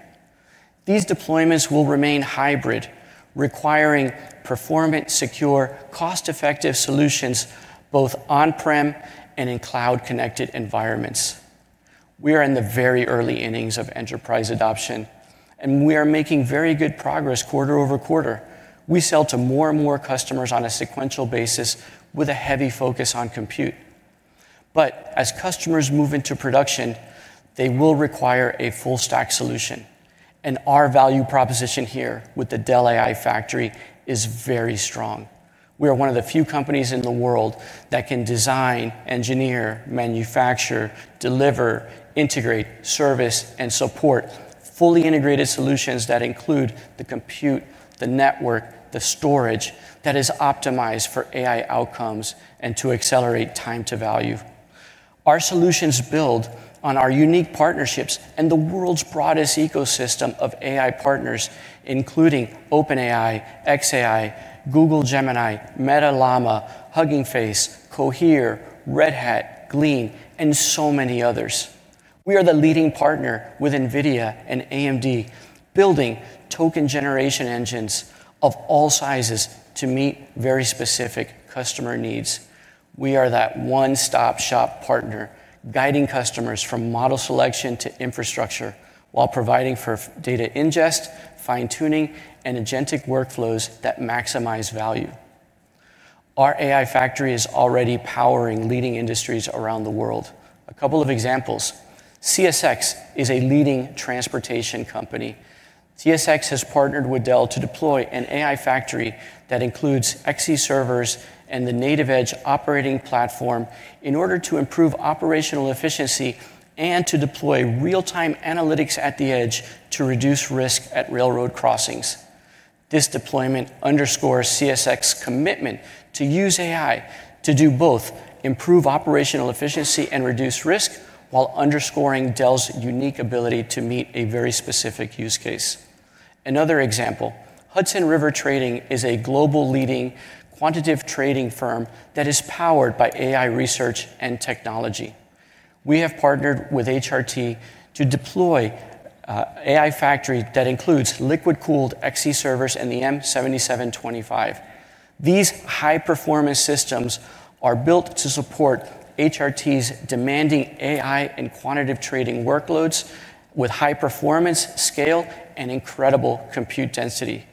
These deployments will remain hybrid, requiring performance, secure, cost-effective solutions both on-prem and in cloud-connected environments. We are in the very early innings of enterprise adoption, and we are making very good progress quarter-over-quarter. We sell to more and more customers on a sequential basis with a heavy focus on compute. As customers move into production, they will require a full stack solution. Our value proposition here with the Dell AI Factory is very strong. We are one of the few companies in the world that can design, engineer, manufacture, deliver, integrate, service, and support fully integrated solutions that include the compute, the network, the storage that is optimized for AI outcomes and to accelerate time to value. Our solutions build on our unique partnerships and the world's broadest ecosystem of AI partners, including OpenAI, xAI, Google Gemini, Meta Llama, Hugging Face, Cohere, Red Hat, Glean, and so many others. We are the leading partner with NVIDIA and AMD, building token generation engines of all sizes to meet very specific customer needs. We are that one-stop shop partner, guiding customers from model selection to infrastructure while providing for data ingest, fine-tuning, and agentic workflows that maximize value. Our AI Factory is already powering leading industries around the world. A couple of examples: CSX is a leading transportation company. CSX has partnered with Dell Technologies to deploy an AI Factory that includes XE servers and the native edge operating platform in order to improve operational efficiency and to deploy real-time analytics at the edge to reduce risk at railroad crossings. This deployment underscores CSX's commitment to use AI to do both, improve operational efficiency and reduce risk, while underscoring Dell Technologies' unique ability to meet a very specific use case. Another example, Hudson River Trading is a global leading quantitative trading firm that is powered by AI research and technology. We have partnered with Hudson River Trading to deploy an AI Factory that includes liquid-cooled XE servers and the M7725. These high-performance systems are built to support Hudson River Trading's demanding AI and quantitative trading workloads with high performance, scale, and incredible compute density.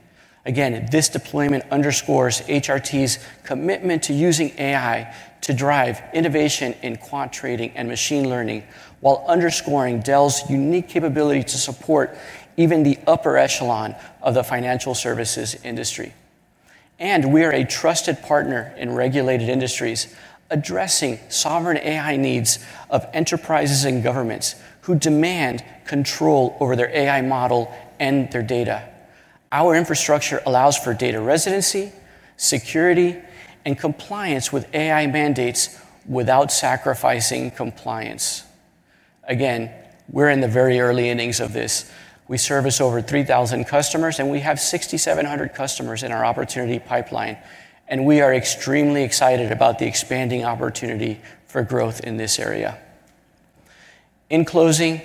This deployment underscores Hudson River Trading's commitment to using AI to drive innovation in quant trading and machine learning, while underscoring Dell Technologies' unique capability to support even the upper echelon of the financial services industry. We are a trusted partner in regulated industries addressing sovereign AI needs of enterprises and governments who demand control over their AI model and their data. Our infrastructure allows for data residency, security, and compliance with AI mandates without sacrificing compliance. We are in the very early innings of this. We service over 3,000 customers, and we have 6,700 customers in our opportunity pipeline. We are extremely excited about the expanding opportunity for growth in this area. In closing,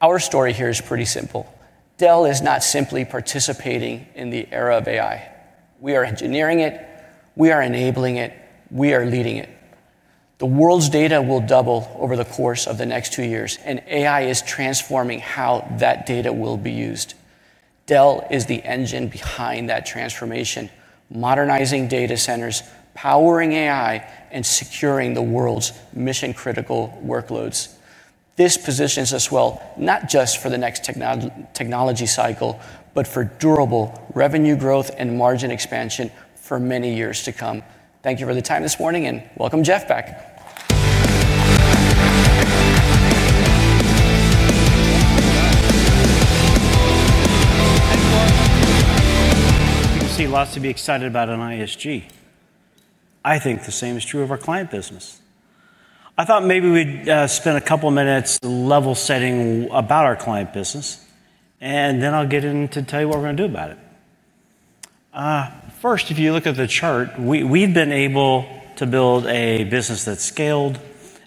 our story here is pretty simple. Dell Technologies is not simply participating in the era of AI. We are engineering it. We are enabling it. We are leading it. The world's data will double over the course of the next two years, and AI is transforming how that data will be used. Dell Technologies is the engine behind that transformation, modernizing data centers, powering AI, and securing the world's mission-critical workloads. This positions us well, not just for the next technology cycle, but for durable revenue growth and margin expansion for many years to come. Thank you for the time this morning, and welcome Jeff back. Did you see lots to be excited about on ISG? I think the same is true of our client business. I thought maybe we'd spend a couple of minutes level setting about our client business, and then I'll get in to tell you what we're going to do about it. First, if you look at the chart, we've been able to build a business that's scaled,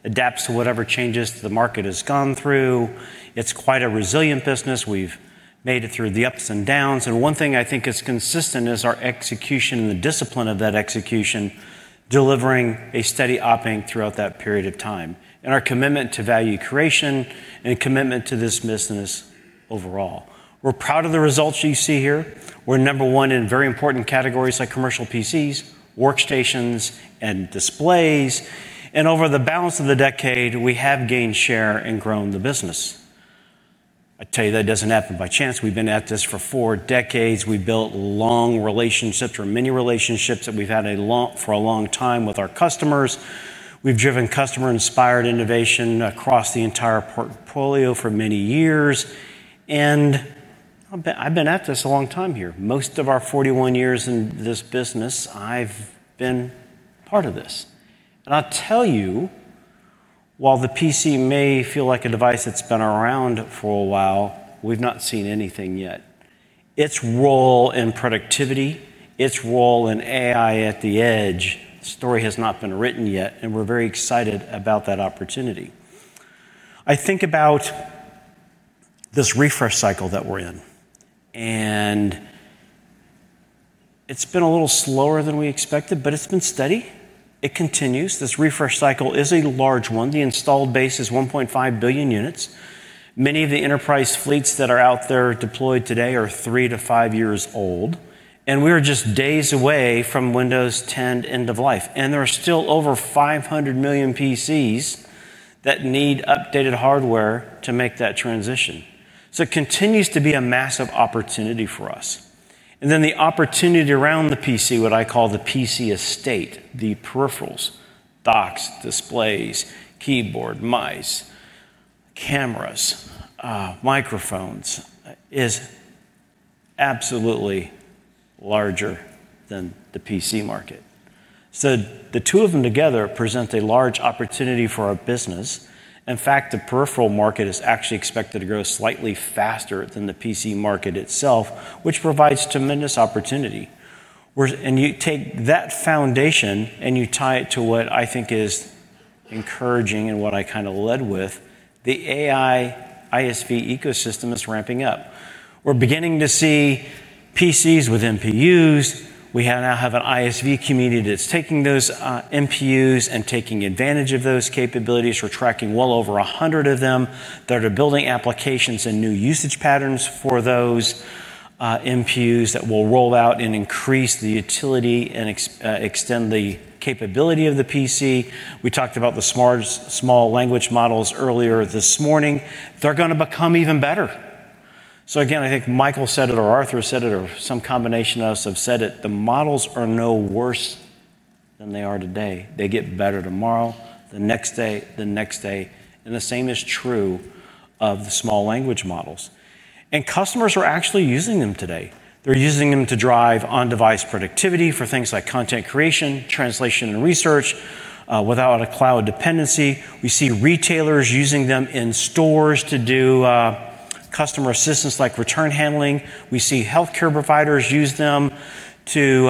adapts to whatever changes the market has gone through. It's quite a resilient business. We've made it through the ups and downs. One thing I think is consistent is our execution and the discipline of that execution, delivering a steady operating throughout that period of time, and our commitment to value creation and commitment to this business overall. We're proud of the results you see here. We're number one in very important categories like commercial PCs, workstations, and displays. Over the balance of the decade, we have gained share and grown the business. I tell you that doesn't happen by chance. We've been at this for four decades. We built long relationships or many relationships that we've had for a long time with our customers. We've driven customer-inspired innovation across the entire portfolio for many years. I've been at this a long time here. Most of our 41 years in this business, I've been part of this. I'll tell you, while the PC may feel like a device that's been around for a while, we've not seen anything yet. Its role in productivity, its role in AI at the edge, the story has not been written yet, and we're very excited about that opportunity. I think about this refresh cycle that we're in, and it's been a little slower than we expected, but it's been steady. It continues. This refresh cycle is a large one. The installed base is 1.5 billion units. Many of the enterprise fleets that are out there deployed today are three to five years old. We are just days away from Windows 10 end of life, and there are still over 500 million PCs that need updated hardware to make that transition. It continues to be a massive opportunity for us. The opportunity around the PC, what I call the PC estate, the peripherals, docks, displays, keyboard, mice, cameras, microphones, is absolutely larger than the PC market. The two of them together present a large opportunity for our business. In fact, the peripheral market is actually expected to grow slightly faster than the PC market itself, which provides tremendous opportunity. You take that foundation and you tie it to what I think is encouraging and what I kind of led with. The AI ISV ecosystem is ramping up. We're beginning to see PCs with NPUs. We now have an ISV community that's taking those NPUs and taking advantage of those capabilities. We're tracking well over 100 of them. They're building applications and new usage patterns for those NPUs that will roll out and increase the utility and extend the capability of the PC. We talked about the smart small language models earlier this morning. They're going to become even better. I think Michael said it or Arthur said it or some combination of us have said it. The models are no worse than they are today. They get better tomorrow, the next day, the next day. The same is true of the small language models. Customers are actually using them today. They're using them to drive on-device productivity for things like content creation, translation, and research without a cloud dependency. We see retailers using them in stores to do customer assistance like return handling. We see healthcare providers use them to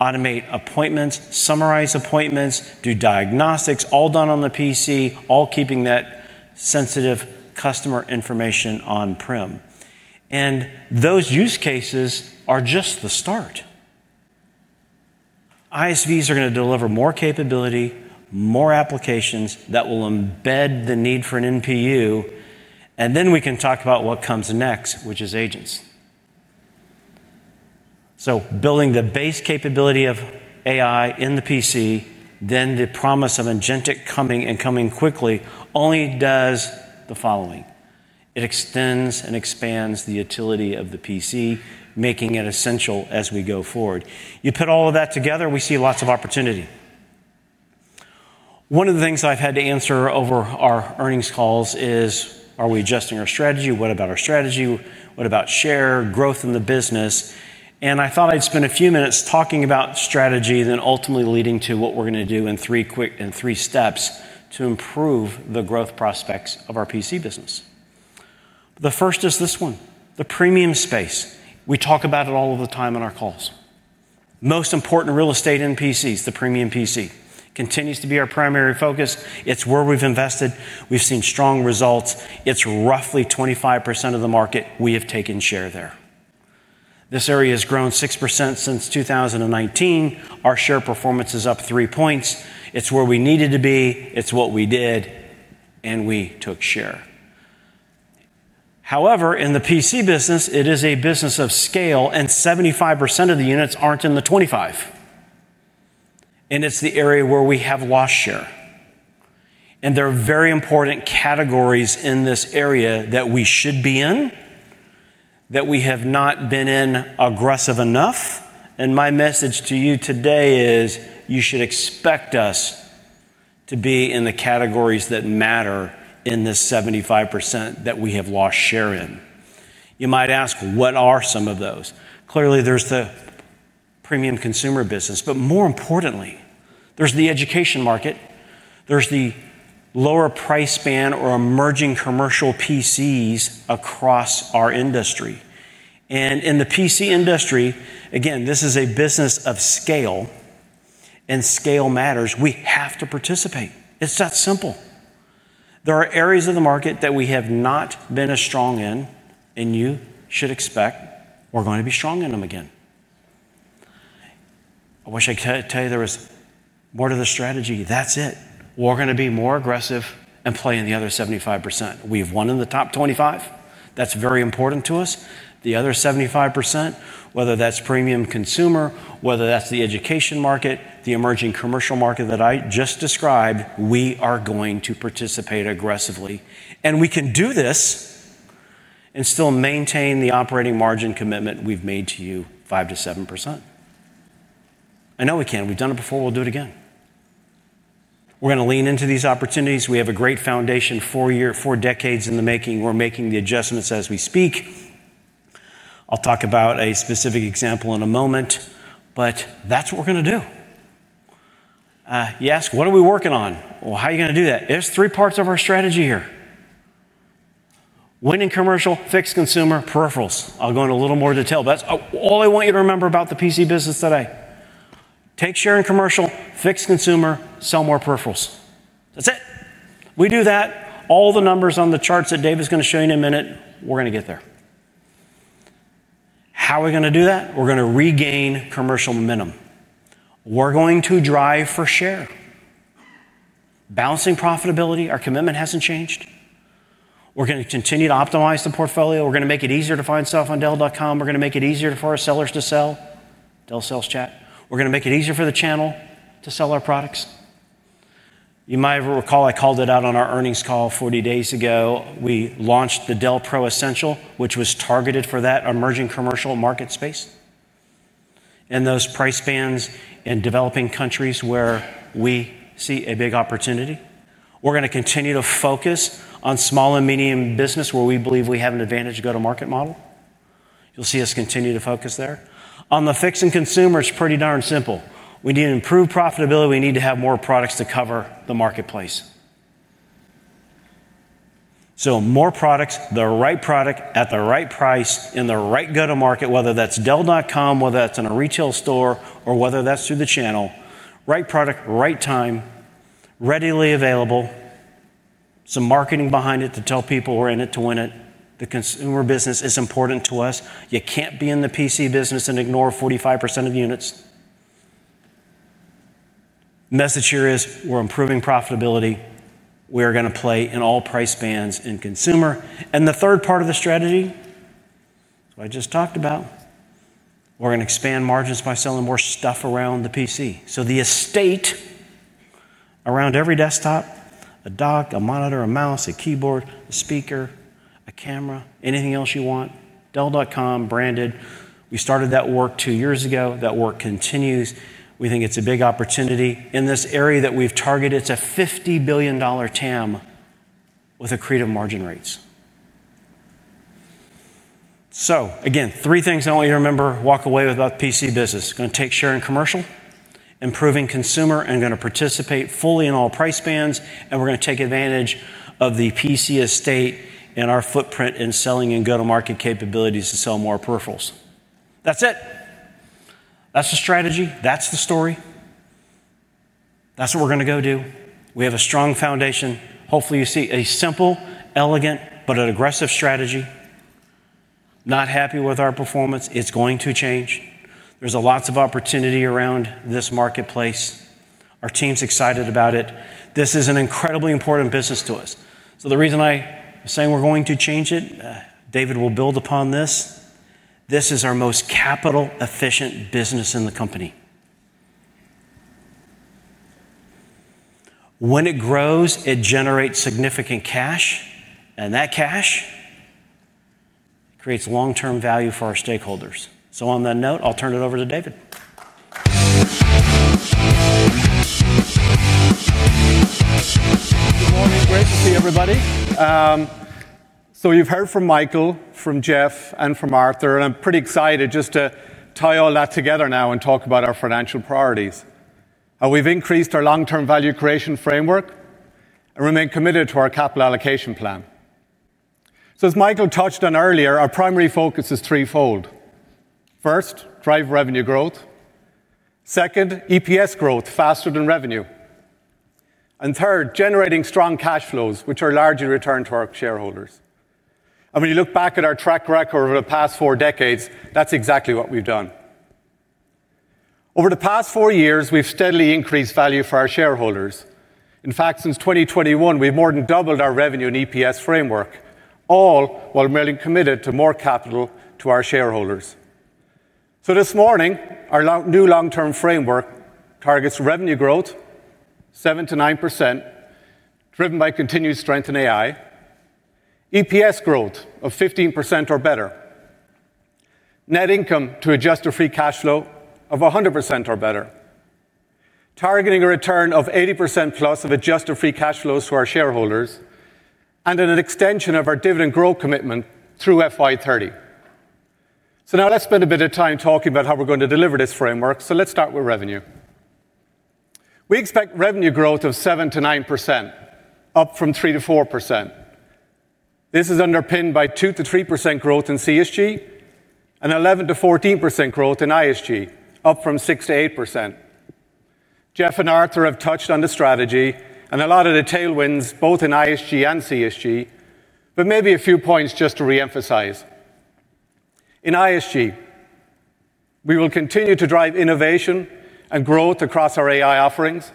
automate appointments, summarize appointments, do diagnostics, all done on the PC, all keeping that sensitive customer information on-prem. Those use cases are just the start. ISVs are going to deliver more capability, more applications that will embed the need for an NPU. We can talk about what comes next, which is agents. Building the base capability of AI in the PC, then the promise of agentic coming and coming quickly only does the following. It extends and expands the utility of the PC, making it essential as we go forward. You put all of that together, we see lots of opportunity. One of the things I've had to answer over our earnings calls is, are we adjusting our strategy? What about our strategy? What about share, growth in the business? I thought I'd spend a few minutes talking about strategy and then ultimately leading to what we're going to do in three quick and three steps to improve the growth prospects of our PC business. The first is this one, the premium space. We talk about it all of the time in our calls. Most important real estate in PCs, the premium PC continues to be our primary focus. It's where we've invested. We've seen strong results. It's roughly 25% of the market. We have taken share there. This area has grown 6% since 2019. Our share performance is up three points. It's where we needed to be. It's what we did, and we took share. However, in the PC business, it is a business of scale, and 75% of the units aren't in the 25. It's the area where we have lost share. There are very important categories in this area that we should be in that we have not been in aggressive enough. My message to you today is you should expect us to be in the categories that matter in this 75% that we have lost share in. You might ask, what are some of those? Clearly, there's the premium consumer business, but more importantly, there's the education market. There's the lower price span or emerging commercial PCs across our industry. In the PC industry, again, this is a business of scale, and scale matters. We have to participate. It's that simple. There are areas of the market that we have not been as strong in, and you should Expect we're going to be strong in them again. I wish I could tell you there was more to the strategy. That's it. We're going to be more aggressive and play in the other 75%. We've won in the top 25%. That's very important to us. The other 75%, whether that's premium consumer, whether that's the education market, the emerging commercial market that I just described, we are going to participate aggressively. We can do this and still maintain the operating margin commitment we've made to you, 5%-7%. I know we can. We've done it before. We'll do it again. We're going to lean into these opportunities. We have a great foundation, four years, four decades in the making. We're making the adjustments as we speak. I'll talk about a specific example in a moment, but that's what we're going to do. Yes. What are we working on? How are you going to do that? There's three parts of our strategy here: winning commercial, fixed consumer, peripherals. I'll go into a little more detail, but that's all I want you to remember about the PC business today. Take share in commercial, fixed consumer, sell more peripherals. That's it. We do that, all the numbers on the charts that Dave is going to show you in a minute, we're going to get there. How are we going to do that? We're going to regain commercial minimum. We're going to drive for share, balancing profitability. Our commitment hasn't changed. We're going to continue to optimize the portfolio. We're going to make it easier to find stuff on Dell.com. We're going to make it easier for our sellers to sell Dell Sales Chat. We're going to make it easier for the channel to sell our products. You might recall I called it out on our earnings call 40 days ago. We launched the Dell Pro Essential, which was targeted for that emerging commercial market space and those price spans in developing countries where we see a big opportunity. We're going to continue to focus on small and medium business where we believe we have an advantage go-to-market model. You'll see us continue to focus there. On the fixed and consumer, it's pretty darn simple. We need improved profitability. We need to have more products to cover the marketplace. More products, the right product at the right price in the right go-to-market, whether that's Dell.com, whether that's in a retail store, or whether that's through the channel. Right product, right time, readily available. Some marketing behind it to tell people we're in it to win it. The consumer business is important to us. You can't be in the PC business and ignore 45% of units. The message here is we're improving profitability. We are going to play in all price bands in consumer. The third part of the strategy I just talked about, we're going to expand margins by selling more stuff around the PC. The estate around every desktop, a dock, a monitor, a mouse, a keyboard, a speaker, a camera, anything else you want, Dell.com branded. We started that work two years ago. That work continues. We think it's a big opportunity in this area that we've targeted. It's a $50 billion TAM with accretive margin rates. Three things I want you to remember: walk away with about the PC business. Going to take share in commercial, improving consumer, and going to participate fully in all price bands. We're going to take advantage of the PC estate and our footprint in selling and go-to-market capabilities to sell more peripherals. That's it. That's the strategy. That's the story. That's what we're going to go do. We have a strong foundation. Hopefully, you see a simple, elegant, but an aggressive strategy. Not happy with our performance. It's going to change. There's lots of opportunity around this marketplace. Our team's excited about it. This is an incredibly important business to us. The reason I am saying we're going to change it, David will build upon this. This is our most capital-efficient business in the company. When it grows, it generates significant cash, and that cash creates long-term value for our stakeholders. On that note, I'll turn it over to David. Good morning. Great to see everybody. You've heard from Michael, from Jeff, and from Arthur, and I'm pretty excited just to tie all that together now and talk about our financial priorities. We've increased our long-term value creation framework and remain committed to our capital allocation plan. As Michael touched on earlier, our primary focus is threefold. First, drive revenue growth. Second, EPS growth faster than revenue. Third, generating strong cash flows, which are largely returned to our shareholders. When you look back at our track record over the past four decades, that's exactly what we've done. Over the past four years, we've steadily increased value for our shareholders. In fact, since 2021, we've more than doubled our revenue and EPS framework, all while remaining committed to more capital to our shareholders. This morning, our new long-term framework targets revenue growth, 7%-9%, driven by continued strength in AI, EPS growth of 15% or better, net income to adjusted free cash flow of 100% or better, targeting a return of 80%+ of adjusted free cash flows for our shareholders, and an extension of our dividend growth commitment through FY 2030. Let's spend a bit of time talking about how we're going to deliver this framework. Let's start with revenue. We expect revenue growth of 7%-9%, up from 3%-4%. This is underpinned by 2%-3% growth in CSG and 11%-14% growth in ISG, up from 6%-8%. Jeff and Arthur have touched on the strategy and a lot of the tailwinds both in ISG and CSG, but maybe a few points just to reemphasize. In ISG, we will continue to drive innovation and growth across our AI offerings.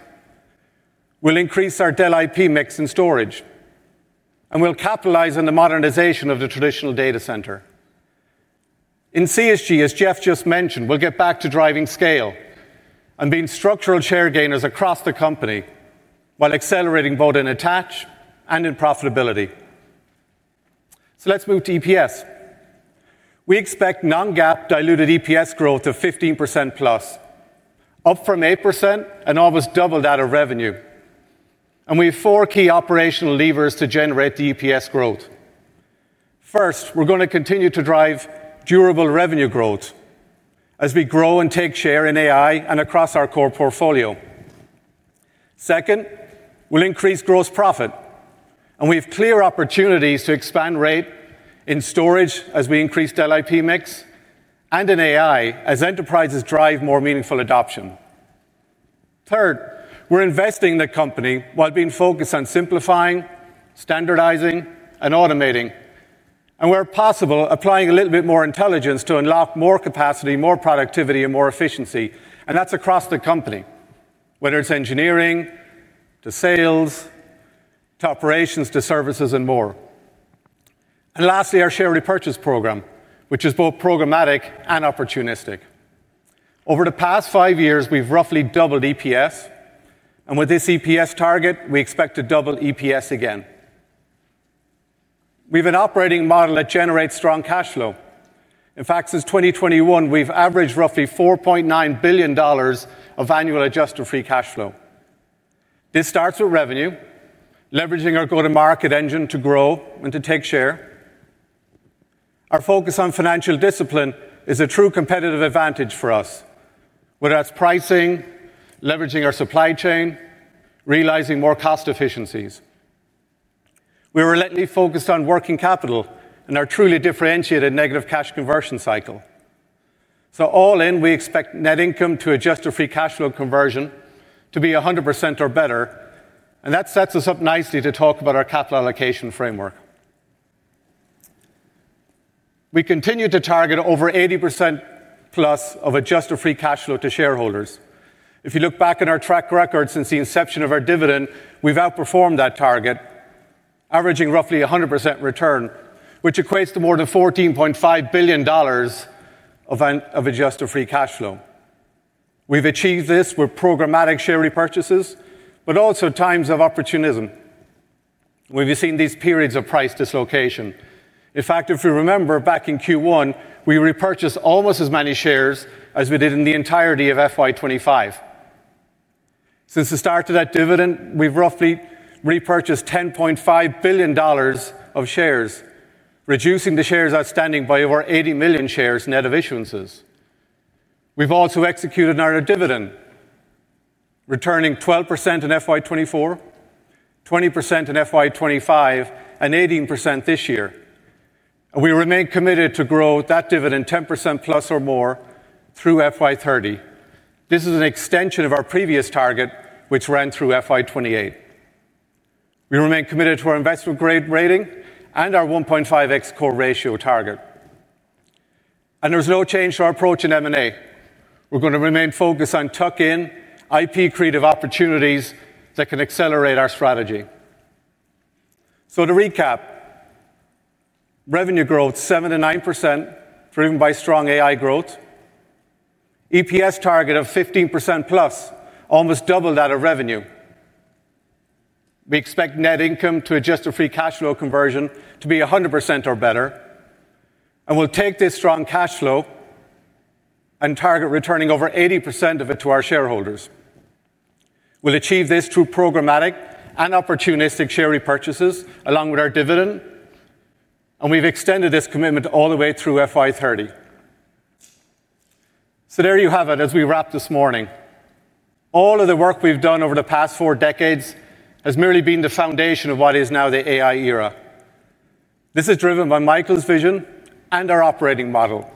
We'll increase our Dell IP mix in storage, and we'll capitalize on the modernization of the traditional data center. In CSG, as Jeff just mentioned, we'll get back to driving scale and being structural share gainers across the company while accelerating both in attach and in profitability. Let's move to EPS. We expect non-GAAP diluted EPS growth of 15%+, up from 8% and almost doubled that of revenue. We have four key operational levers to generate the EPS growth. First, we're going to continue to drive durable revenue growth as we grow and take share in AI and across our core portfolio. Second, we'll increase gross profit, and we have clear opportunities to expand RAID in storage as we increase Dell IP mix and in AI as enterprises drive more meaningful adoption. Third, we're investing in the company while being focused on simplifying, standardizing, and automating, and where possible, applying a little bit more intelligence to unlock more capacity, more productivity, and more efficiency. That's across the company, whether it's engineering, to sales, to operations, to services, and more. Lastly, our share repurchase program, which is both programmatic and opportunistic. Over the past five years, we've roughly doubled EPS, and with this EPS target, we expect to double EPS again. We have an operating model that generates strong cash flow. In fact, since 2021, we've averaged roughly $4.9 billion of annual adjusted free cash flow. This starts with revenue, leveraging our go-to-market engine to grow and to take share. Our focus on financial discipline is a true competitive advantage for us, whether that's pricing, leveraging our supply chain, realizing more cost efficiencies. We are relentlessly focused on working capital and our truly differentiated negative cash conversion cycle. All in, we expect net income to adjusted free cash flow conversion to be 100% or better, and that sets us up nicely to talk about our capital allocation framework. We continue to target over 80%+ of adjusted free cash flow to shareholders. If you look back on our track record since the inception of our dividend, we've outperformed that target, averaging roughly 100% return, which equates to more than $14.5 billion of adjusted free cash flow. We've achieved this with programmatic share repurchases, but also times of opportunism. We've seen these periods of price dislocation. In fact, if you remember back in Q1, we repurchased almost as many shares as we did in the entirety of FY 2025. Since the start of that dividend, we've roughly repurchased $10.5 billion of shares, reducing the shares outstanding by over 80 million shares net of issuances. We've also executed on our dividend, returning 12% in FY 2024, 20% in FY 2025, and 18% this year. We remain committed to grow that dividend 10%+ or more through FY 2030. This is an extension of our previous target, which ran through FY 2028. We remain committed to our investment grade rating and our 1.5x core ratio target. There's no change to our approach in M&A. We're going to remain focused on tuck-in IP creative opportunities that can accelerate our strategy. To recap, revenue growth 7%-9%, driven by strong AI growth, EPS target of 15%+, almost double that of revenue. We expect net income to adjusted free cash flow conversion to be 100% or better. We'll take this strong cash flow and target returning over 80% of it to our shareholders. We'll achieve this through programmatic and opportunistic share repurchases along with our dividend. We've extended this commitment all the way through FY 2030. There you have it as we wrap this morning. All of the work we've done over the past four decades has merely been the foundation of what is now the AI era. This is driven by Michael's vision and our operating model.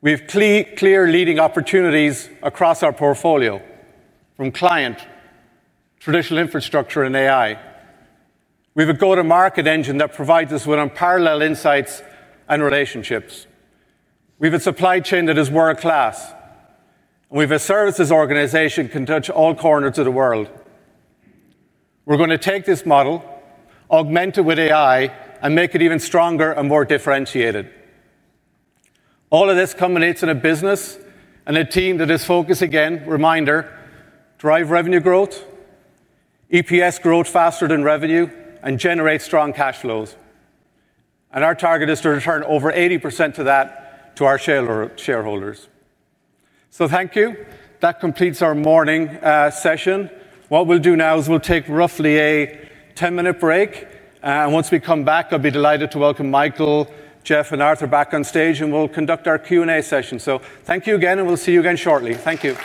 We have clear leading opportunities across our portfolio from client, traditional infrastructure, and AI. We have a go-to-market engine that provides us with unparalleled insights and relationships. We have a supply chain that is world-class. We have a services organization that can touch all corners of the world. We're going to take this model, augment it with AI, and make it even stronger and more differentiated. All of this culminates in a business and a team that is focused, again, reminder, drive revenue growth, EPS growth faster than revenue, and generate strong cash flows. Our target is to return over 80% of that to our shareholders. Thank you. That completes our morning session. What we'll do now is take roughly a 10-minute break. Once we come back, I'll be delighted to welcome Michael, Jeff, and Arthur back on stage, and we'll conduct our Q&A session. Thank you again, and we'll see you again shortly. Thank you.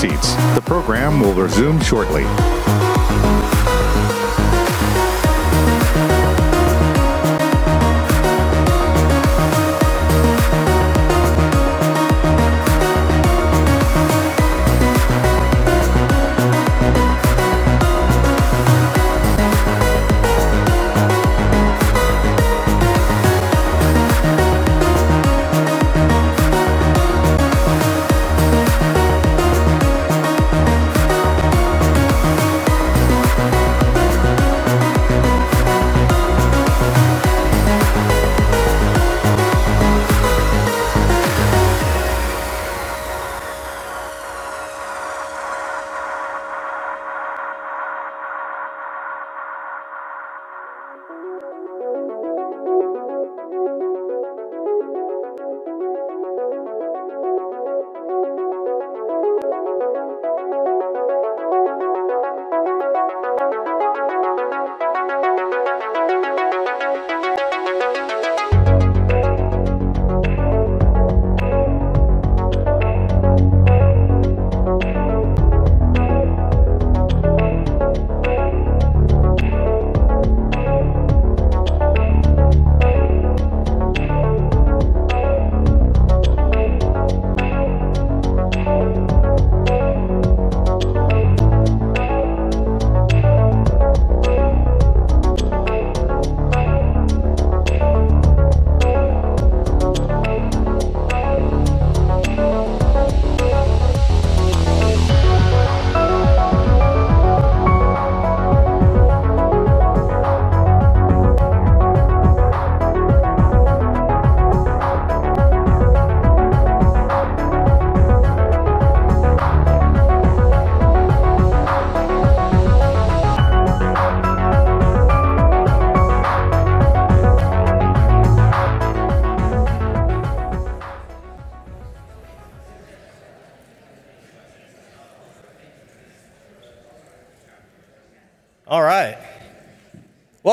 Please take your seats. The program will resume shortly.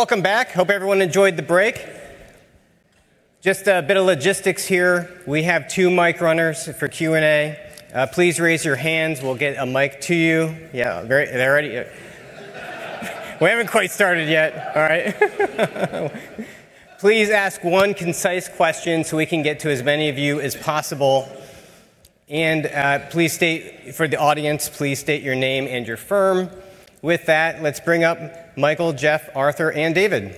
All right. Welcome back. Hope everyone enjoyed the break. Just a bit of logistics here. We have two mic runners for Q&A. Please raise your hands. We'll get a mic to you. Very ready. We haven't quite started yet. All right. Please ask one concise question so we can get to as many of you as possible. Please state for the audience, please state your name and your firm. With that, let's bring up Michael, Jeff, Arthur, and David.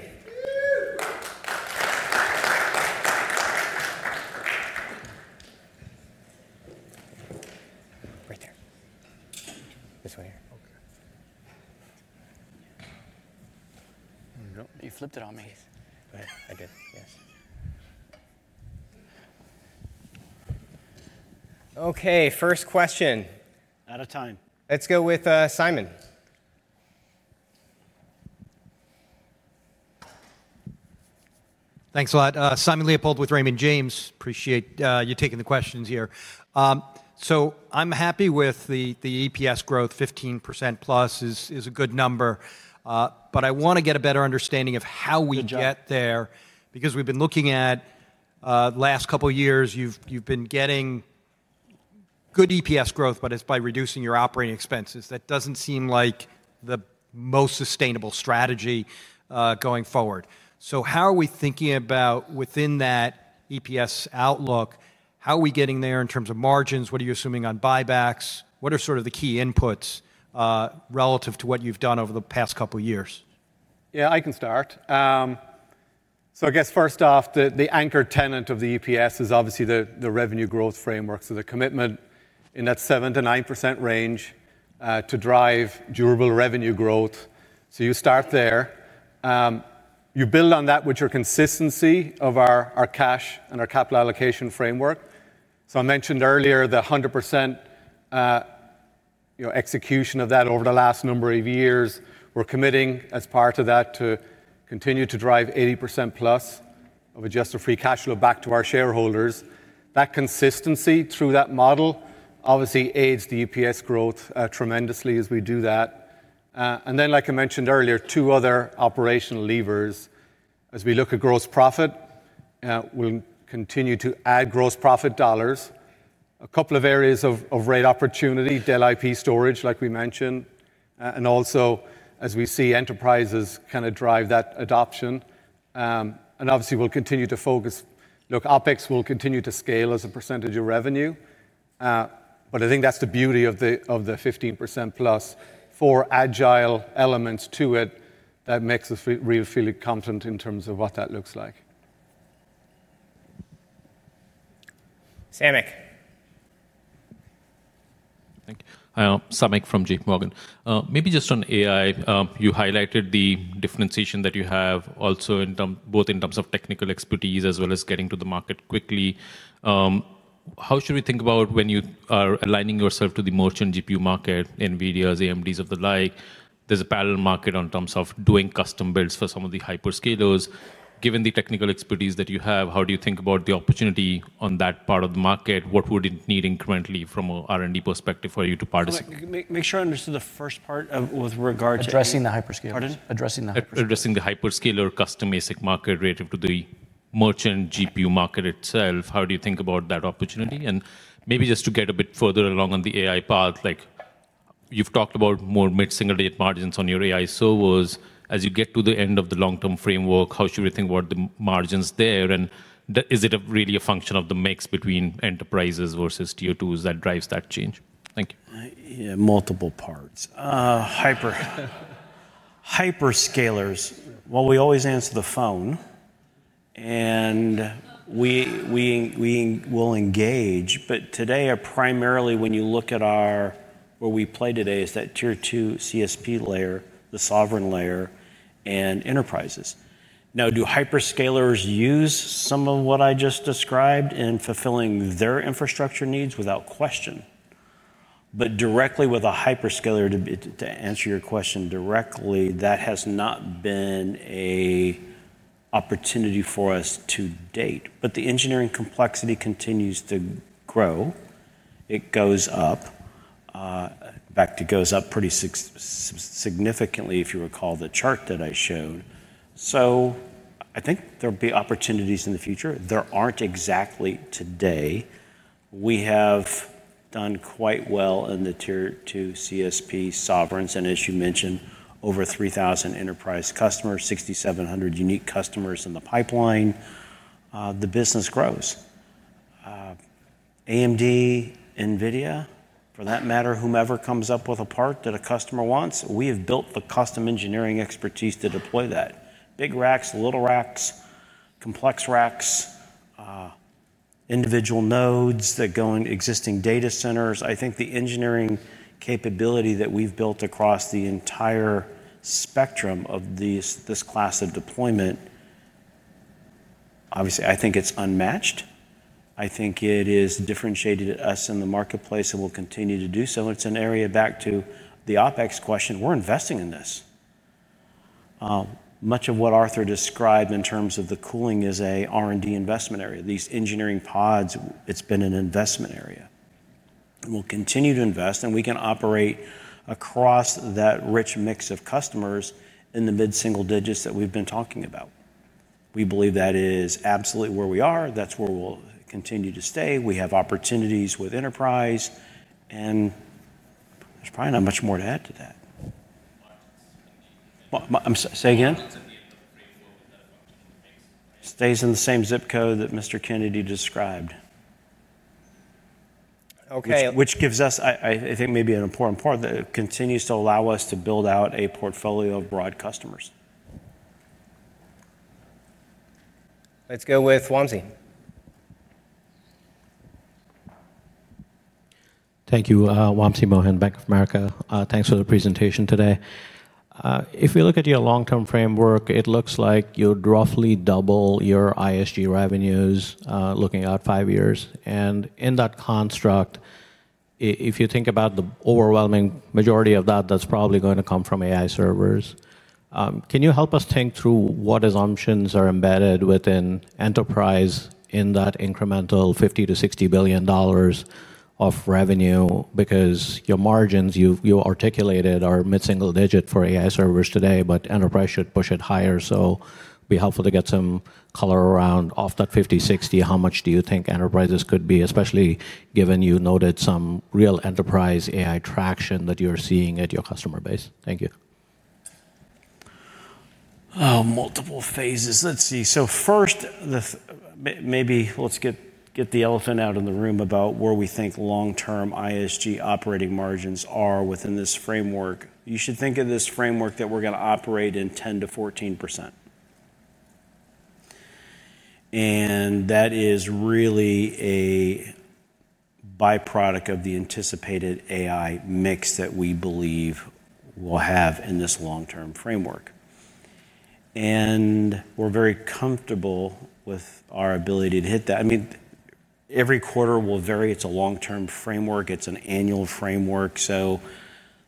Right there. This one here. Oh, good. You flipped it on me. Go ahead. Yes. Okay, first question. Out of time. Let's go with Simon. Thanks a lot. Simon Leopold with Raymond James. Appreciate you taking the questions here. I'm happy with the EPS growth. 15%+ is a good number. I want to get a better understanding of how we get there because we've been looking at the last couple of years, you've been getting good EPS growth, but it's by reducing your operating expenses. That doesn't seem like the most sustainable strategy going forward. How are we thinking about within that EPS outlook? How are we getting there in terms of margins? What are you assuming on buybacks? What are sort of the key inputs relative to what you've done over the past couple of years? Yeah, I can start. First off, the anchor tenant of the EPS is obviously the revenue growth framework. The commitment in that 7%-9% range is to drive durable revenue growth. You start there. You build on that with your consistency of our cash and our capital allocation framework. I mentioned earlier the 100% execution of that over the last number of years. We're committing as part of that to continue to drive 80%+ of adjusted free cash flow back to our shareholders. That consistency through that model obviously aids the EPS growth tremendously as we do that. Like I mentioned earlier, two other operational levers. As we look at gross profit, we'll continue to add gross profit dollars. A couple of areas of rate opportunity, Dell IP storage, like we mentioned, and also as we see enterprises kind of drive that adoption. We'll continue to focus. OpEx will continue to scale as a percentage of revenue. I think that's the beauty of the 15%+ for agile elements to it that makes us really feel confident in terms of what that looks like. Samik. Thank you. Hi, Samik from JPMorgan. Maybe just on AI, you highlighted the differentiation that you have also in both in terms of technical expertise as well as getting to the market quickly. How should we think about when you are aligning yourself to the merchant GPU market, NVIDIAs, AMDs of the like? There's a parallel market in terms of doing custom builds for some of the hyperscalers. Given the technical expertise that you have, how do you think about the opportunity on that part of the market? What would it need currently from an R&D perspective for you to participate? Make sure I understood the first part with regard to. Addressing the hyperscalers. Pardon? Addressing the hyperscaler custom ASIC market relative to the merchant GPU market itself, how do you think about that opportunity? Maybe just to get a bit further along on the AI path, like you've talked about more mid-single-digit margins on your AI servers. As you get to the end of the long-term framework, how should we think about the margins there? Is it really a function of the mix between enterprises versus Tier 2s that drives that change? Thank you. Yeah, multiple parts. Hyperscalers, we always answer the phone and we will engage. Today, primarily when you look at where we play is that tier two cloud service provider layer, the sovereign layer, and enterprises. Now, do hyperscalers use some of what I just described in fulfilling their infrastructure needs? Without question. Directly with a hyperscaler, to answer your question directly, that has not been an opportunity for us to date. The engineering complexity continues to grow. It goes up. In fact, it goes up pretty significantly if you recall the chart that I showed. I think there will be opportunities in the future. There aren't exactly today. We have done quite well in the tier two cloud service provider sovereigns. As you mentioned, over 3,000 enterprise customers, 6,700 unique customers in the pipeline. The business grows. AMD, NVIDIA, for that matter, whomever comes up with a part that a customer wants, we have built the custom engineering expertise to deploy that. Big racks, little racks, complex racks, individual nodes that go in existing data centers. I think the engineering capability that we've built across the entire spectrum of this class of deployment, obviously, I think it's unmatched. I think it is differentiated to us in the marketplace and will continue to do so. It is an area back to the OpEx question. We're investing in this. Much of what Arthur described in terms of the cooling is an R&D investment area. These engineering pods, it's been an investment area. We'll continue to invest, and we can operate across that rich mix of customers in the mid-single digits that we've been talking about. We believe that is absolutely where we are. That's where we'll continue to stay. We have opportunities with enterprise, and there's probably not much more to add to that. Say again? Stays in the same zip code that Mr. Kennedy described. Okay, which gives us, I think, maybe an important part that continues to allow us to build out a portfolio of broad customers. Let's go with Wamsi. Thank you, Wamsi Mohan, Bank of America. Thanks for the presentation today. If you look at your long-term framework, it looks like you'd roughly double your ISG revenues looking out five years. In that construct, if you think about the overwhelming majority of that, that's probably going to come from AI servers. Can you help us think through what assumptions are embedded within enterprise in that incremental $50 billion-$60 billion of revenue? Your margins you articulated are mid-single digit for AI servers today, but enterprise should push it higher. It'd be helpful to get some color around off that $50 billion- $60 billion. How much do you think enterprises could be, especially given you noted some real enterprise AI traction that you're seeing at your customer base? Thank you. Multiple phases. Let's see. First, maybe let's get the elephant out in the room about where we think long-term ISG operating margins are within this framework. You should think of this framework that we're going to operate in 10%-14%. That is really a byproduct of the anticipated AI mix that we believe we'll have in this long-term framework. We're very comfortable with our ability to hit that. Every quarter will vary. It's a long-term framework. It's an annual framework. The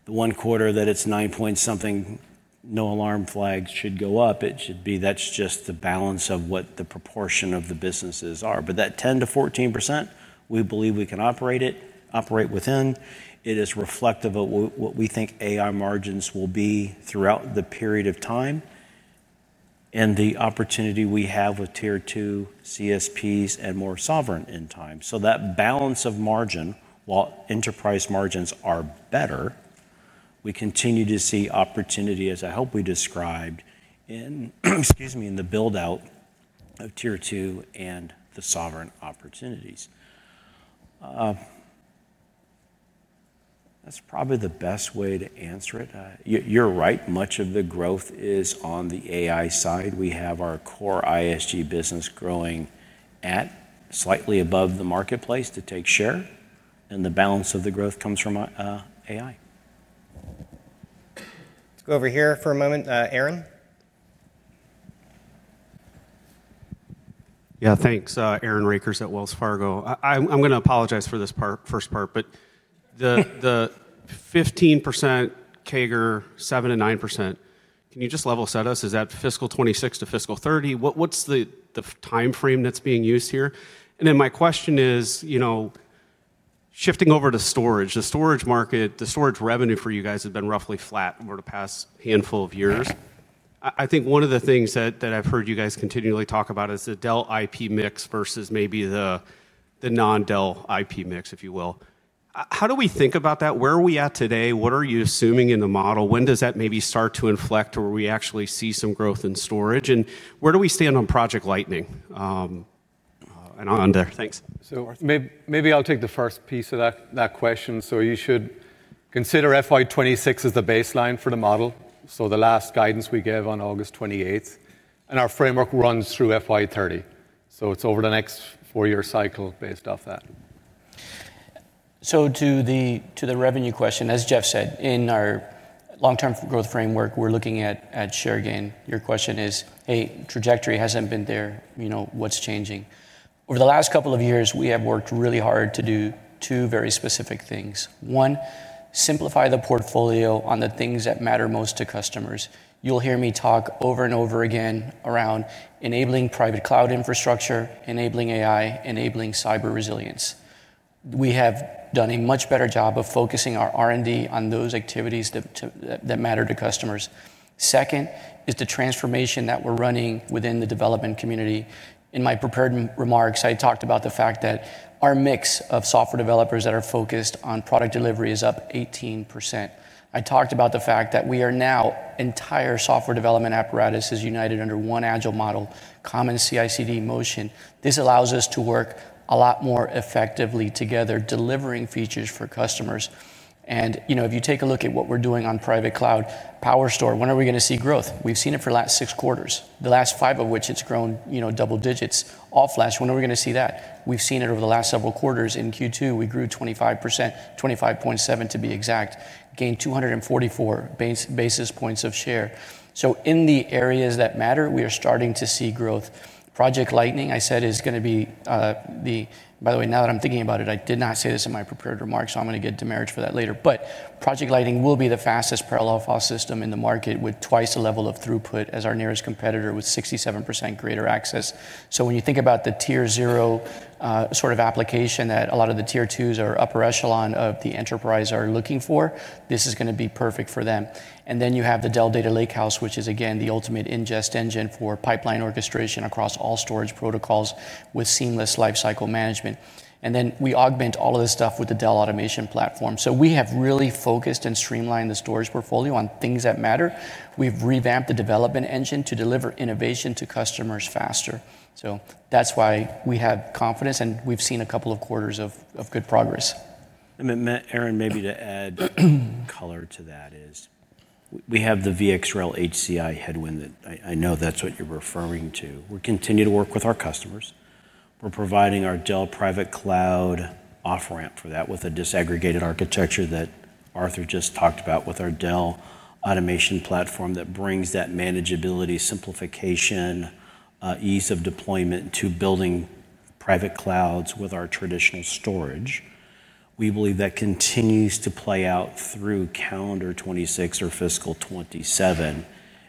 one quarter that it's 9 point something, no alarm flags should go up. It should be, that's just the balance of what the proportion of the businesses are. That 10%-14%, we believe we can operate within. It is reflective of what we think AI margins will be throughout the period of time and the opportunity we have with tier two cloud service providers and more sovereign in time. That balance of margin, while enterprise margins are better, we continue to see opportunity, as I hope we described, in the build-out of tier two and the sovereign opportunities. That's probably the best way to answer it. You're right. Much of the growth is on the AI side. We have our core ISG business growing at slightly above the marketplace to take share, and the balance of the growth comes from AI. Let's go over here for a moment. Aaron. Yeah, thanks. Aaron Rakers at Wells Fargo. I'm going to apologize for this first part, but the 15% CAGR, 7%-9%, can you just level set us? Is that fiscal 2026 to fiscal 2030? What's the timeframe that's being used here? My question is, you know, shifting over to storage, the storage market, the storage revenue for you guys has been roughly flat over the past handful of years. I think one of the things that I've heard you guys continually talk about is the Dell IP mix versus maybe the non-Dell IP mix, if you will. How do we think about that? Where are we at today? What are you assuming in the model? When does that maybe start to inflect where we actually see some growth in storage? Where do we stand on Project Lightning? I'm on there. Thanks. I will take the first piece of that question. You should consider FY 2026 as the baseline for the model. The last guidance we give is on August 28th, and our framework runs through FY 2030. It is over the next four-year cycle based off that. To the revenue question, as Jeff said, in our long-term growth framework, we're looking at share gain. Your question is, hey, trajectory hasn't been there. You know, what's changing? Over the last couple of years, we have worked really hard to do two very specific things. One, simplify the portfolio on the things that matter most to customers. You'll hear me talk over and over again around enabling private cloud infrastructure, enabling AI, enabling cyber resilience. We have done a much better job of focusing our R&D on those activities that matter to customers. Second is the transformation that we're running within the development community. In my prepared remarks, I talked about the fact that our mix of software developers that are focused on product delivery is up 18%. I talked about the fact that we are now, the entire software development apparatus is united under one agile model, common CI/CD motion. This allows us to work a lot more effectively together, delivering features for customers. If you take a look at what we're doing on private cloud, PowerStore, when are we going to see growth? We've seen it for the last six quarters, the last five of which it's grown, double digits. AllFlash, when are we going to see that? We've seen it over the last several quarters. In Q2, we grew 25%, 25.7% to be exact, gained 244 basis points of share. In the areas that matter, we are starting to see growth. Project Lightning, I said, is going to be, by the way, now that I'm thinking about it, I did not say this in my prepared remarks, so I'm going to get demerits for that later. Project Lightning will be the fastest parallel file system in the market with twice the level of throughput as our nearest competitor with 67% greater access. When you think about the tier zero sort of application that a lot of the tier twos or upper echelon of the enterprise are looking for, this is going to be perfect for them. You have the Dell Data Lakehouse, which is again the ultimate ingest engine for pipeline orchestration across all storage protocols with seamless lifecycle management. We augment all of this stuff with the Dell Automation Platform. We have really focused and streamlined the storage portfolio on things that matter. We've revamped the development engine to deliver innovation to customers faster. That's why we have confidence and we've seen a couple of quarters of good progress. Aaron, maybe to add color to that is we have the VxRail HCI headwind that I know that's what you're referring to. We'll continue to work with our customers. We're providing our Dell private cloud off-ramp for that with a disaggregated architecture that Arthur just talked about with our Dell Automation Platform that brings that manageability, simplification, ease of deployment to building private clouds with our traditional storage. We believe that continues to play out through calendar 2026 or fiscal 2027.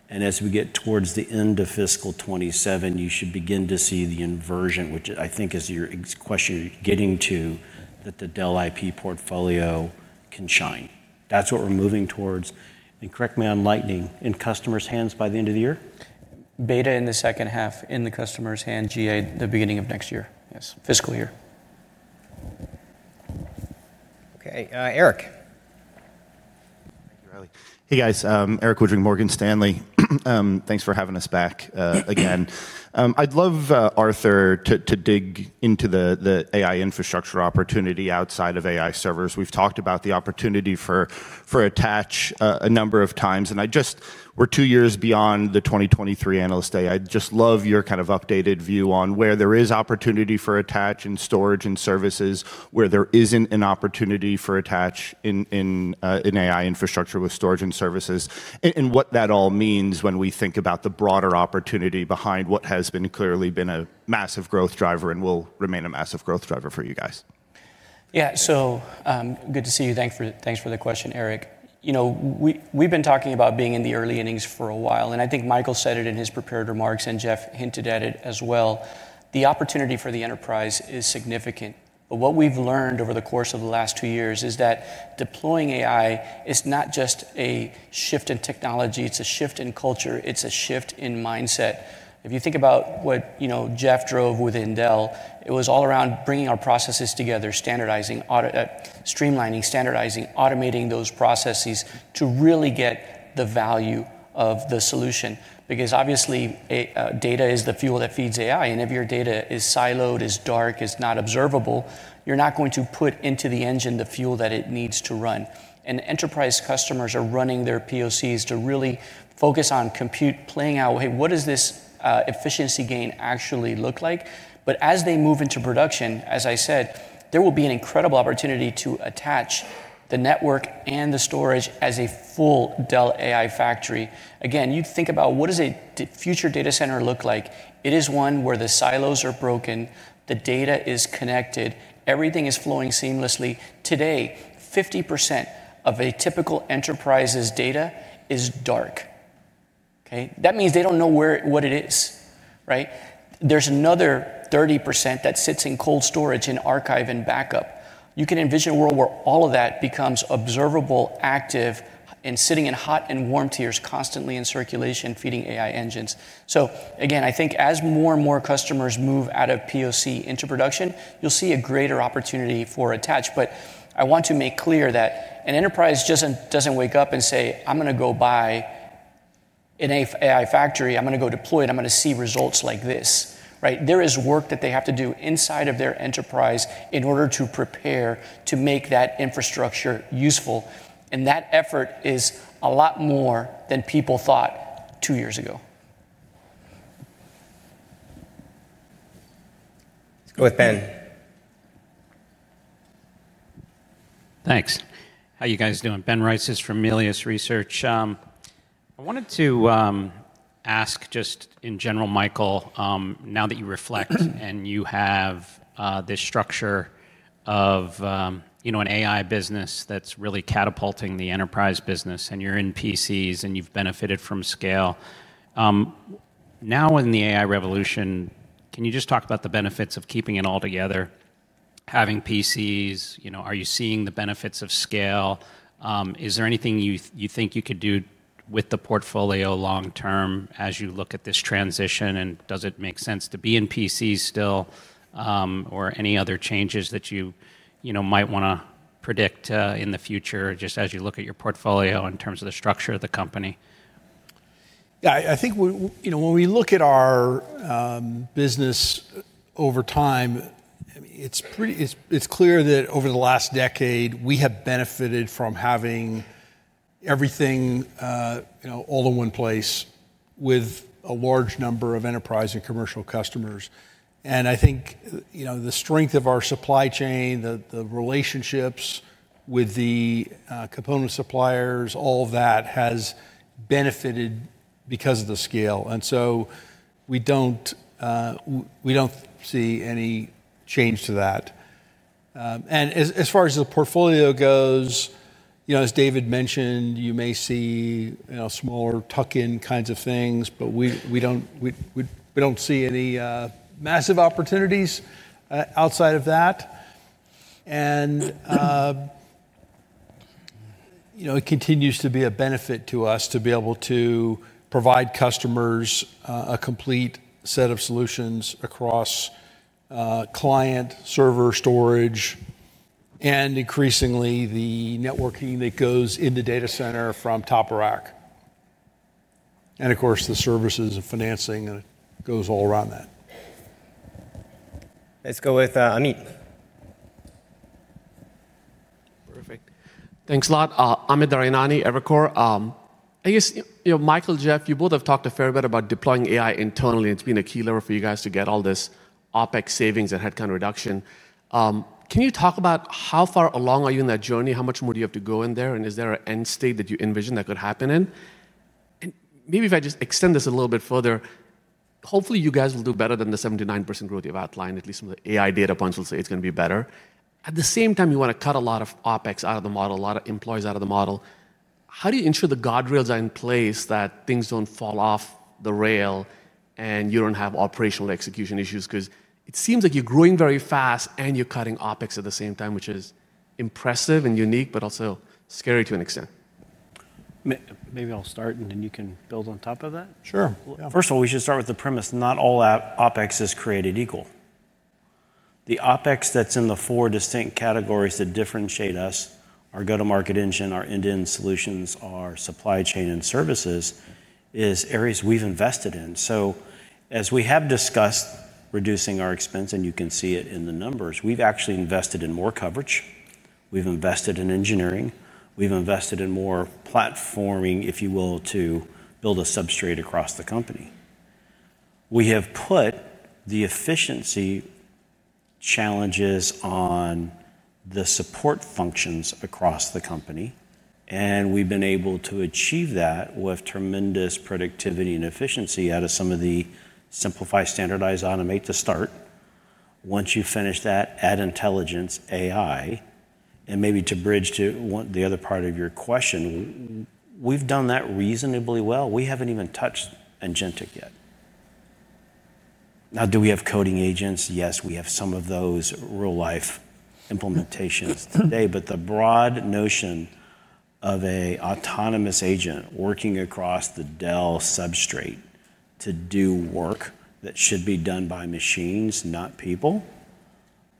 As we get towards the end of fiscal 2027, you should begin to see the inversion, which I think is your question you're getting to, that the Dell IP portfolio can shine. That's what we're moving towards. Correct me on Lightning, in customers' hands by the end of the year? Beta in the second half, in the customer's hand, GA at the beginning of next year. Yes, fiscal year. Okay, Erik. Hey guys, Erik Woodring, Morgan Stanley. Thanks for having us back again. I'd love Arthur to dig into the AI infrastructure opportunity outside of AI servers. We've talked about the opportunity for Attach a number of times. We're two years beyond the 2023 Analyst Day. I just love your kind of updated view on where there is opportunity for Attach in storage and services, where there isn't an opportunity for Attach in AI infrastructure with storage and services, and what that all means when we think about the broader opportunity behind what has clearly been a massive growth driver and will remain a massive growth driver for you guys. Yeah, so good to see you. Thanks for the question, Erik. You know, we've been talking about being in the early innings for a while, and I think Michael said it in his prepared remarks, and Jeff hinted at it as well. The opportunity for the enterprise is significant. What we've learned over the course of the last two years is that deploying AI is not just a shift in technology, it's a shift in culture, it's a shift in mindset. If you think about what Jeff drove within Dell Technologies, it was all around bringing our processes together, standardizing, streamlining, standardizing, automating those processes to really get the value of the solution. Obviously, data is the fuel that feeds AI, and if your data is siloed, is dark, is not observable, you're not going to put into the engine the fuel that it needs to run. Enterprise customers are running their POCs to really focus on compute, playing out, hey, what does this efficiency gain actually look like? As they move into production, as I said, there will be an incredible opportunity to attach the networking and the storage as a full Dell Technologies AI Factory. You think about what does a future data center look like? It is one where the silos are broken, the data is connected, everything is flowing seamlessly. Today, 50% of a typical enterprise's data is dark. That means they don't know what it is, right? There's another 30% that sits in cold storage in archive and backup. You can envision a world where all of that becomes observable, active, and sitting in hot and warm tiers constantly in circulation, feeding AI engines. I think as more and more customers move out of POC into production, you'll see a greater opportunity for attach. I want to make clear that an enterprise doesn't wake up and say, I'm going to go buy an AI Factory, I'm going to go deploy it, I'm going to see results like this, right? There is work that they have to do inside of their enterprise in order to prepare to make that infrastructure useful. That effort is a lot more than people thought two years ago. Let's go with Ben. Thanks. How are you guys doing? Ben Reitzes from Melius Research. I wanted to ask just in general, Michael, now that you reflect and you have this structure of an AI business that's really catapulting the enterprise business and you're in PCs and you've benefited from scale. Now in the AI revolution, can you just talk about the benefits of keeping it all together, having PCs? Are you seeing the benefits of scale? Is there anything you think you could do with the portfolio long term as you look at this transition? Does it make sense to be in PCs still or any other changes that you might want to predict in the future just as you look at your portfolio in terms of the structure of the company? Yeah, I think when we look at our business over time, it's clear that over the last decade, we have benefited from having everything all in one place with a large number of enterprise and commercial customers. I think the strength of our supply chain, the relationships with the component suppliers, all of that has benefited because of the scale. We don't see any change to that. As far as the portfolio goes, you know, as David mentioned, you may see smaller tuck-in kinds of things, but we don't see any massive opportunities outside of that. It continues to be a benefit to us to be able to provide customers a complete set of solutions across client, server, storage, and increasingly the networking that goes into data center from top rack. Of course, the services and financing goes all around that. Let's go with Amit. Perfect. Thanks a lot. Amit Daryanani of Evercore. I guess, you know, Michael and Jeff, you both have talked a fair bit about deploying AI internally. It's been a key lever for you guys to get all this OpEx savings and headcount reduction. Can you talk about how far along are you in that journey? How much more do you have to go in there? Is there an end state that you envision that could happen in? Maybe if I just extend this a little bit further, hopefully you guys will do better than the 7%-9% growth you've outlined, at least from the AI data points. We'll say it's going to be better. At the same time, you want to cut a lot of OpEx out of the model, a lot of employees out of the model. How do you ensure the guardrails are in place that things don't fall off the rail and you don't have operational execution issues? It seems like you're growing very fast and you're cutting OpEx at the same time, which is impressive and unique, but also scary to an extent. Maybe I'll start, and then you can build on top of that. Sure. First of all, we should start with the premise, not all that OPEX is created equal. The OPEX that's in the four distinct categories that differentiate us, our go-to-market engine, our end-to-end solutions, our supply chain and services are areas we've invested in. As we have discussed reducing our expense, and you can see it in the numbers, we've actually invested in more coverage. We've invested in engineering. We've invested in more platforming, if you will, to build a substrate across the company. We have put the efficiency challenges on the support functions across the company. We've been able to achieve that with tremendous productivity and efficiency out of some of the simplify, standardize, automate to start. Once you finish that, add intelligence, AI, and maybe to bridge to the other part of your question, we've done that reasonably well. We haven't even touched Agentic yet. Now, do we have coding agents? Yes, we have some of those real-life implementations today. The broad notion of an autonomous agent working across the Dell substrate to do work that should be done by machines, not people,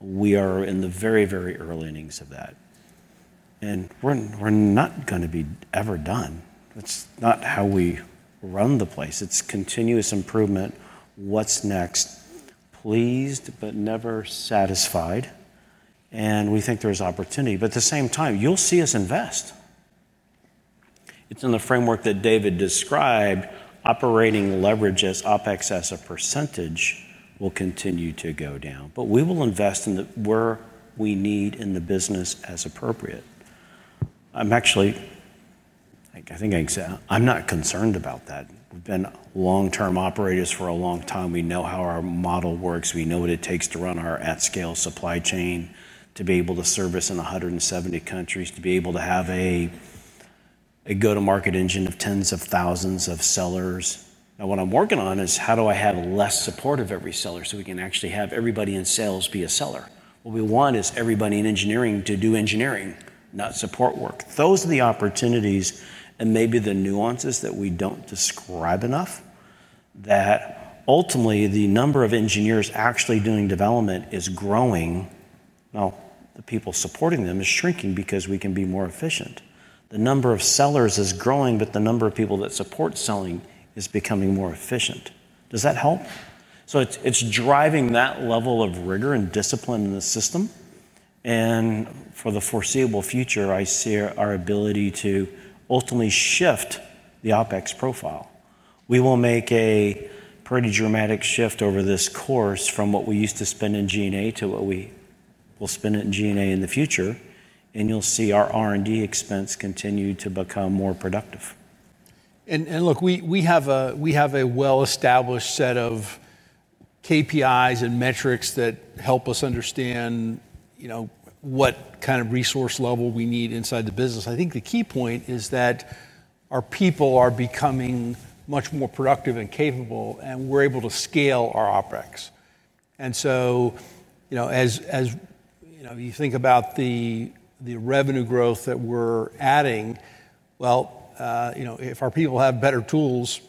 we are in the very, very early innings of that. We're not going to be ever done. That's not how we run the place. It's continuous improvement. What's next? Pleased, but never satisfied. We think there's opportunity. At the same time, you'll see us invest. It's in the framework that David described. Operating leverage as OPEX as a percentage will continue to go down. We will invest in where we need in the business as appropriate. I'm actually, I think I can say I'm not concerned about that. We've been long-term operators for a long time. We know how our model works. We know what it takes to run our at-scale supply chain, to be able to service in 170 countries, to be able to have a go-to-market engine of tens of thousands of sellers. What I'm working on is how do I have less support of every seller so we can actually have everybody in sales be a seller? What we want is everybody in engineering to do engineering, not support work. Those are the opportunities and maybe the nuances that we don't describe enough that ultimately the number of engineers actually doing development is growing. The people supporting them is shrinking because we can be more efficient. The number of sellers is growing, but the number of people that support selling is becoming more efficient. Does that help? It's driving that level of rigor and discipline in the system. For the foreseeable future, I see our ability to ultimately shift the OPEX profile. We will make a pretty dramatic shift over this course from what we used to spend in G&A to what we will spend in G&A in the future. You'll see our R&D expense continue to become more productive. We have a well-established set of KPIs and metrics that help us understand what kind of resource level we need inside the business. I think the key point is that our people are becoming much more productive and capable, and we're able to scale our OpEx. As you think about the revenue growth that we're adding, if our people have better tools,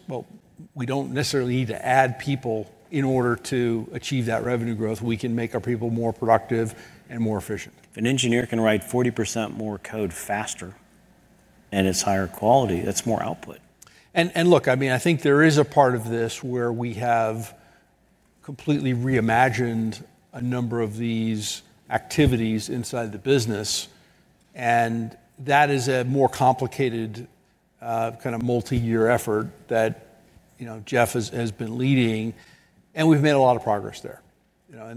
we don't necessarily need to add people in order to achieve that revenue growth. We can make our people more productive and more efficient. If an engineer can write 40% more code faster and is higher quality, that's more output. I think there is a part of this where we have completely reimagined a number of these activities inside the business. That is a more complicated kind of multi-year effort that Jeff has been leading. We've made a lot of progress there.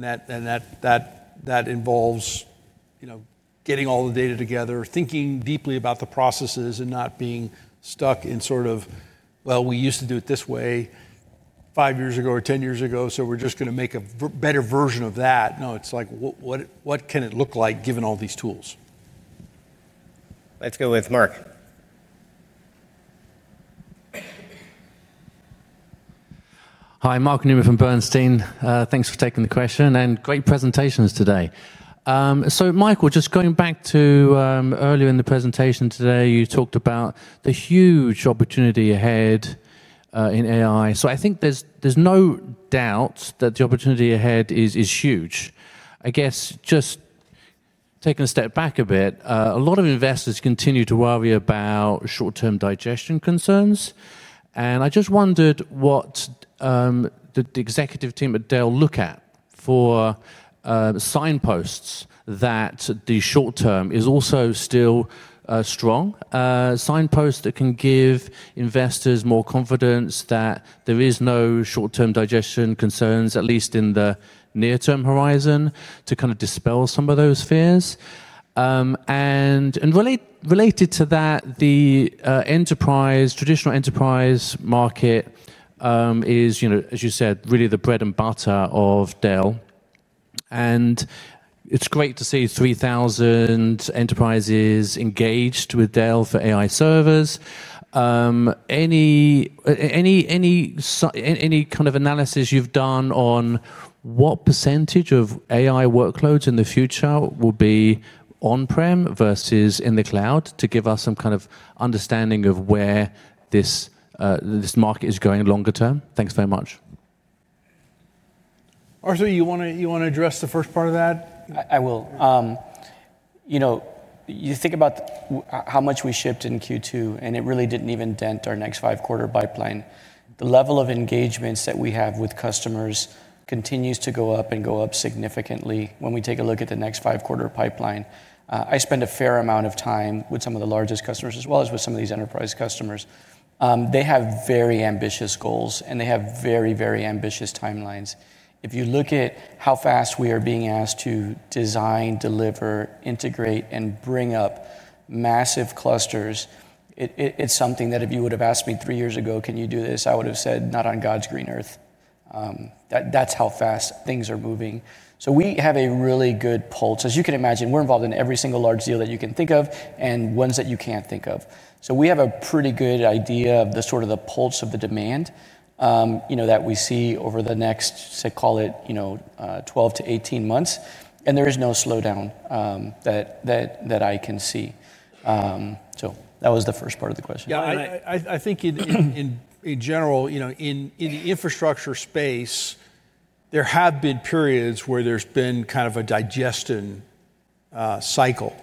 That involves getting all the data together, thinking deeply about the processes, and not being stuck in sort of, well, we used to do it this way five years ago or 10 years ago, so we're just going to make a better version of that. No, it's like, what can it look like given all these tools? Let's go with Mark. Hi, Mark Newman from Bernstein. Thanks for taking the question and great presentations today. Michael, just going back to earlier in the presentation today, you talked about the huge opportunity ahead in AI. I think there's no doubt that the opportunity ahead is huge. I guess just taking a step back a bit, a lot of investors continue to worry about short-term digestion concerns. I just wondered what did the executive team at Dell Technologies look at for signposts that the short-term is also still strong. Signposts that can give investors more confidence that there is no short-term digestion concerns, at least in the near-term horizon, to kind of dispel some of those fears. Related to that, the traditional enterprise market is, you know, as you said, really the bread and butter of Dell Technologies. It's great to see 3,000 enterprises engaged with Dell Technologies for AI servers. Any kind of analysis you've done on what percentage of AI workloads in the future will be on-prem versus in the cloud to give us some kind of understanding of where this market is going longer term. Thanks very much. Arthur, you want to address the first part of that? I will. You know, you think about how much we shipped in Q2, and it really didn't even dent our next five-quarter pipeline. The level of engagements that we have with customers continues to go up and go up significantly when we take a look at the next five-quarter pipeline. I spend a fair amount of time with some of the largest customers as well as with some of these enterprise customers. They have very ambitious goals, and they have very, very ambitious timelines. If you look at how fast we are being asked to design, deliver, integrate, and bring up massive clusters, it's something that if you would have asked me three years ago, can you do this? I would have said not on God's green earth. That's how fast things are moving. We have a really good pulse. As you can imagine, we're involved in every single large deal that you can think of and ones that you can't think of. We have a pretty good idea of the sort of the pulse of the demand, you know, that we see over the next, say, call it, you know, 12-18 months. There is no slowdown that I can see. That was the first part of the question. Yeah, I think in general, you know, in the infrastructure space, there have been periods where there's been kind of a digestion cycle.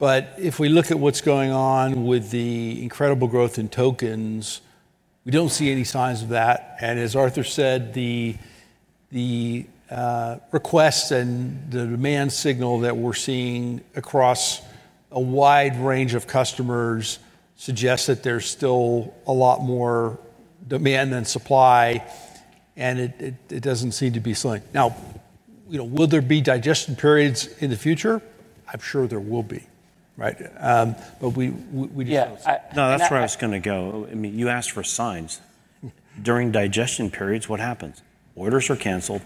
If we look at what's going on with the incredible growth in tokens, we don't see any signs of that. As Arthur said, the requests and the demand signal that we're seeing across a wide range of customers suggests that there's still a lot more demand than supply, and it doesn't seem to be slipping. Now, you know, will there be digestion periods in the future? I'm sure there will be, right? We just. Yeah, no, that's where I was going to go. I mean, you asked for signs. During digestion periods, what happens? Orders are canceled,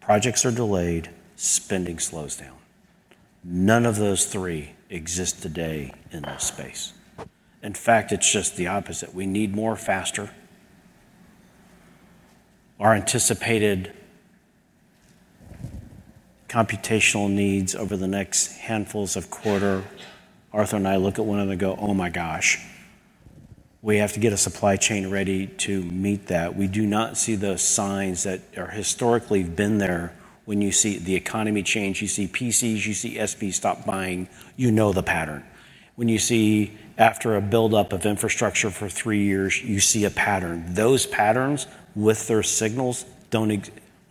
projects are delayed, spending slows down. None of those three exist today in this space. In fact, it's just the opposite. We need more faster. Our anticipated computational needs over the next handful of quarters, Arthur and I look at one of them and go, oh my gosh. We have to get a supply chain ready to meet that. We do not see those signs that have historically been there. When you see the economy change, you see PCs, you see CSG stop buying, you know the pattern. When you see after a buildup of infrastructure for three years, you see a pattern. Those patterns with their signals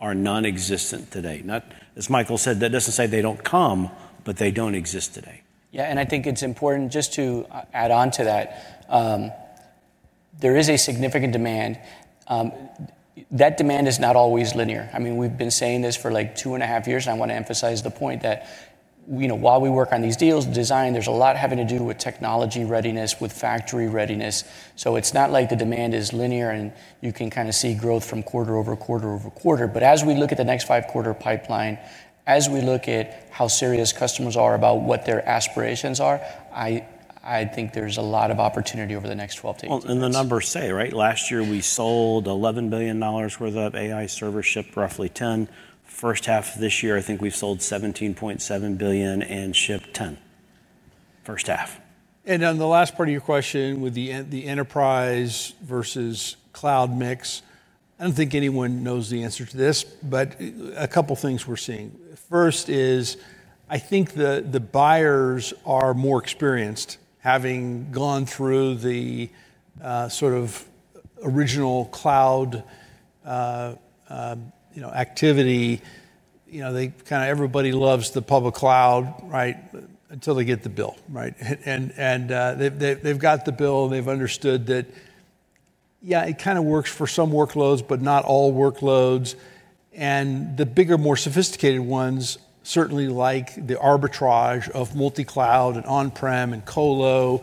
are nonexistent today. As Michael said, that doesn't say they don't come, but they don't exist today. Yeah, I think it's important just to add on to that. There is a significant demand. That demand is not always linear. I mean, we've been saying this for like two and a half years, and I want to emphasize the point that, you know, while we work on these deals, design, there's a lot having to do with technology readiness, with factory readiness. It's not like the demand is linear and you can kind of see growth from quarter-over-quarter. As we look at the next five-quarter pipeline, as we look at how serious customers are about what their aspirations are, I think there's a lot of opportunity over the next 12-18 months. The numbers say, right? Last year we sold $11 billion worth of AI servers, shipped roughly 10. First half of this year, I think we've sold $17.7 billion and shipped 10. First half. On the last part of your question with the enterprise versus cloud mix, I don't think anyone knows the answer to this, but a couple of things we're seeing. First is I think the buyers are more experienced, having gone through the sort of original cloud activity. They kind of, everybody loves the public cloud, right? Until they get the bill, right? They've got the bill and they've understood that, yeah, it kind of works for some workloads, but not all workloads. The bigger, more sophisticated ones certainly like the arbitrage of multi-cloud and on-prem and colo.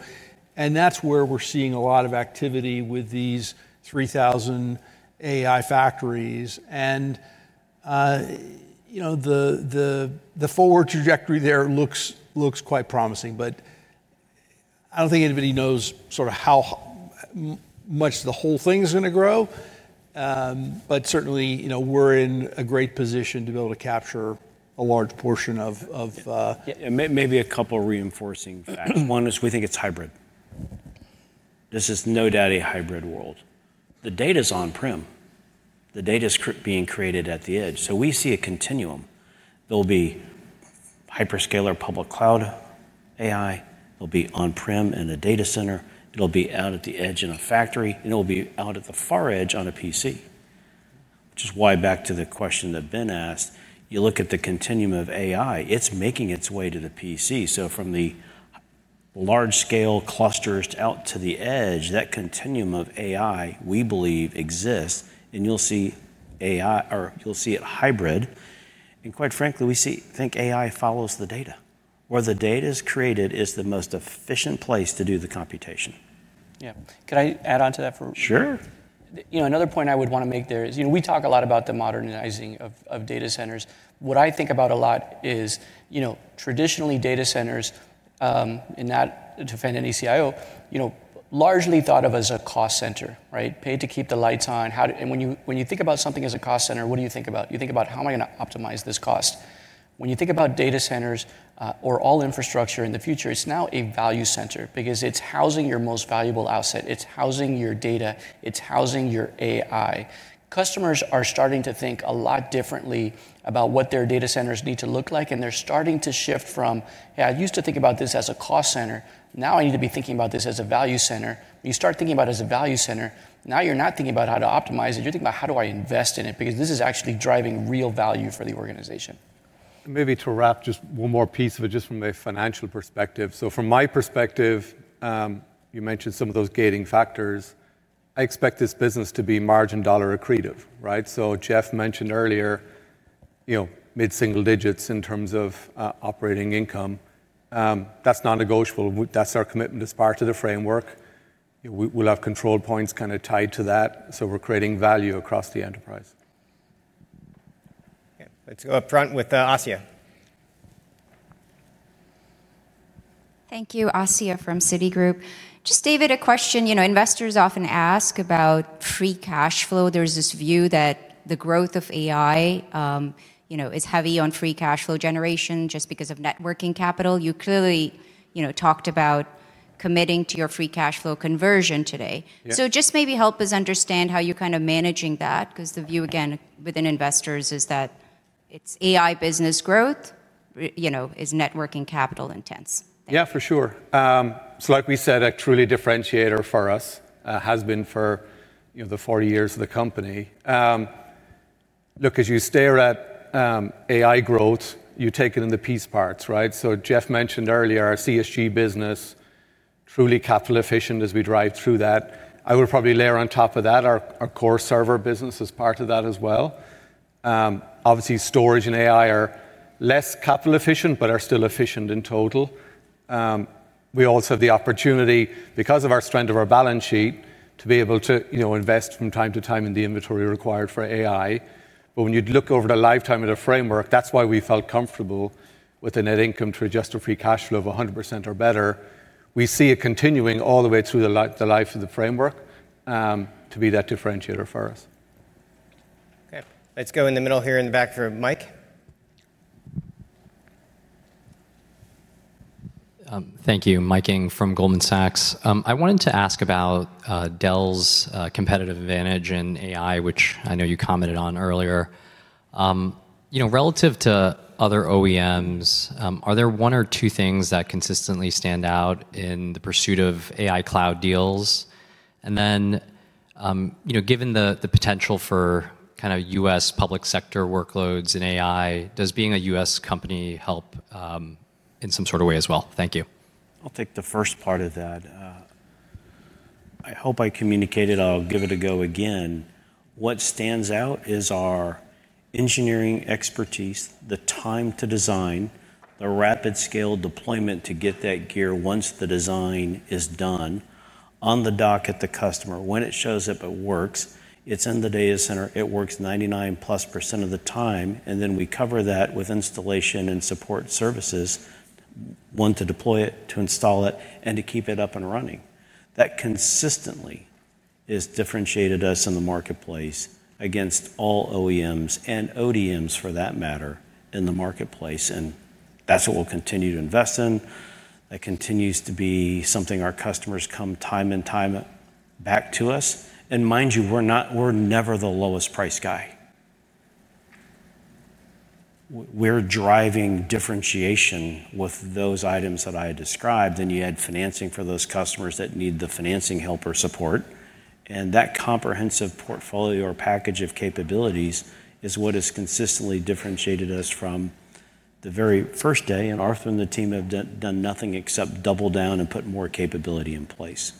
That's where we're seeing a lot of activity with these 3,000 AI factories. The forward trajectory there looks quite promising, but I don't think anybody knows sort of how much the whole thing is going to grow. Certainly, we're in a great position to be able to capture a large portion of. Maybe a couple of reinforcing factors. One is we think it's hybrid. This is no doubt a hybrid world. The data is on-prem. The data is being created at the edge. We see a continuum. There'll be hyperscaler public cloud AI. It'll be on-prem in a data center. It'll be out at the edge in a factory. It'll be out at the far edge on a PC. Which is why, back to the question that Ben asked, you look at the continuum of AI, it's making its way to the PC. From the large-scale clusters out to the edge, that continuum of AI we believe exists. You'll see AI, or you'll see it hybrid. Quite frankly, we think AI follows the data. Where the data is created is the most efficient place to do the computation. Yeah, can I add on to that? Sure. You know, another point I would want to make there is, you know, we talk a lot about the modernizing of data centers. What I think about a lot is, you know, traditionally data centers, and not to offend any CIO, you know, largely thought of as a cost center, right? Paid to keep the lights on. When you think about something as a cost center, what do you think about? You think about how am I going to optimize this cost? When you think about data centers or all infrastructure in the future, it's now a value center because it's housing your most valuable asset. It's housing your data. It's housing your AI. Customers are starting to think a lot differently about what their data centers need to look like. They're starting to shift from, hey, I used to think about this as a cost center. Now I need to be thinking about this as a value center. When you start thinking about it as a value center, now you're not thinking about how to optimize it. You're thinking about how do I invest in it because this is actually driving real value for the organization. Maybe to wrap just one more piece of it, just from a financial perspective. From my perspective, you mentioned some of those gating factors. I expect this business to be margin dollar accretive, right? Jeff mentioned earlier, you know, mid-single digits in terms of operating income. That's non-negotiable. That's our commitment as part of the framework. We'll have control points kind of tied to that. We're creating value across the enterprise. Let's go up front with Asiya. Thank you, Asiya from Citi. Just David, a question. You know, investors often ask about free cash flow. There's this view that the growth of AI, you know, is heavy on free cash flow generation just because of networking capital. You clearly, you know, talked about committing to your free cash flow conversion today. Maybe help us understand how you're kind of managing that because the view again within investors is that it's AI business growth, you know, is networking capital intense. Yeah, for sure. Like we said, a true differentiator for us has been for, you know, the 40 years of the company. Look, as you stare at AI growth, you take it in the piece parts, right? Jeff mentioned earlier our CSG business, truly capital efficient as we drive through that. I would probably layer on top of that our core server business as part of that as well. Obviously, storage and AI are less capital efficient, but are still efficient in total. We also have the opportunity, because of the strength of our balance sheet, to be able to, you know, invest from time to time in the inventory required for AI. When you look over the lifetime of the framework, that's why we felt comfortable with the net income to adjusted free cash flow of 100% or better. We see it continuing all the way through the life of the framework to be that differentiator for us. Okay. Let's go in the middle here in the back for Mike. Thank you, Mike Ng from Goldman Sachs. I wanted to ask about Dell Technologies' competitive advantage in AI, which I know you commented on earlier. You know, relative to other OEMs, are there one or two things that consistently stand out in the pursuit of AI cloud deals? Given the potential for kind of U.S. public sector workloads in AI, does being a U.S. company help in some sort of way as well? Thank you. I'll take the first part of that. I hope I communicated. I'll give it a go again. What stands out is our engineering expertise, the time to design, the rapid scale deployment to get that gear once the design is done, on the dock at the customer. When it shows up, it works. It's in the data center. It works 99%+ of the time. We cover that with installation and support services, to deploy it, to install it, and to keep it up and running. That consistently has differentiated us in the marketplace against all OEMs and ODMs in the marketplace. That's what we'll continue to invest in. That continues to be something our customers come time and time back to us for. Mind you, we're never the lowest price guy. We're driving differentiation with those items that I described. You add financing for those customers that need the financing help or support. That comprehensive portfolio or package of capabilities is what has consistently differentiated us from the very first day. Arthur and the team have done nothing except double down and put more capability in place.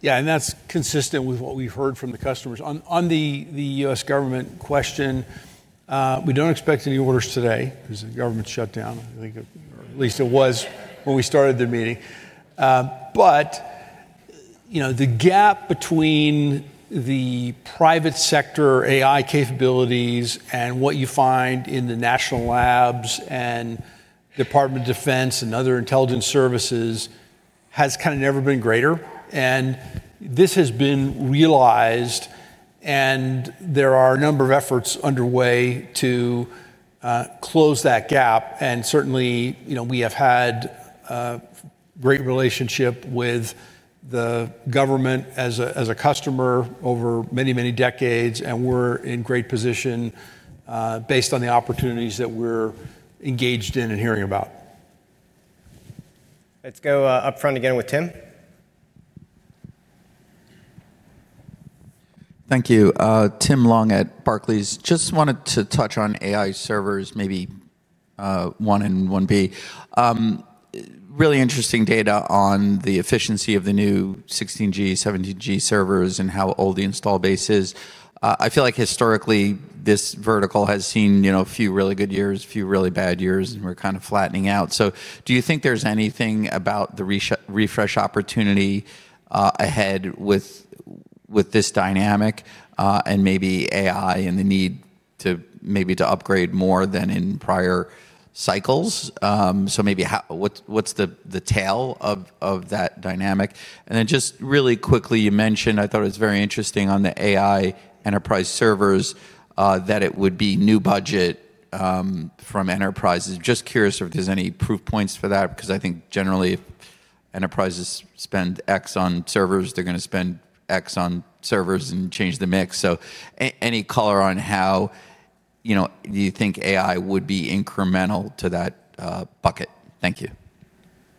Yeah, and that's consistent with what we've heard from the customers. On the U.S. government question, we don't expect any orders today because of the government shutdown. I think at least it was when we started the meeting. You know, the gap between the private sector AI capabilities and what you find in the national labs and Department of Defense and other intelligence services has kind of never been greater. This has been realized. There are a number of efforts underway to close that gap. Certainly, you know, we have had A great relationship with the government as a customer over many, many decades, and we're in a great position, based on the opportunities that we're engaged in and hearing about. Let's go up front again with Tim. Thank you. Tim Long at Barclays. Just wanted to touch on AI servers, maybe one and one B. Really interesting data on the efficiency of the new 16G, 17G servers and how old the install base is. I feel like historically this vertical has seen a few really good years, a few really bad years, and we're kind of flattening out. Do you think there's anything about the refresh opportunity ahead with this dynamic and maybe AI and the need to maybe upgrade more than in prior cycles? What's the tail of that dynamic? Really quickly, you mentioned, I thought it was very interesting on the AI enterprise servers, that it would be new budget from enterprises. Just curious if there's any proof points for that, because I think generally if enterprises spend X on servers, they're going to spend X on servers and change the mix. Any color on how, you know, do you think AI would be incremental to that bucket? Thank you.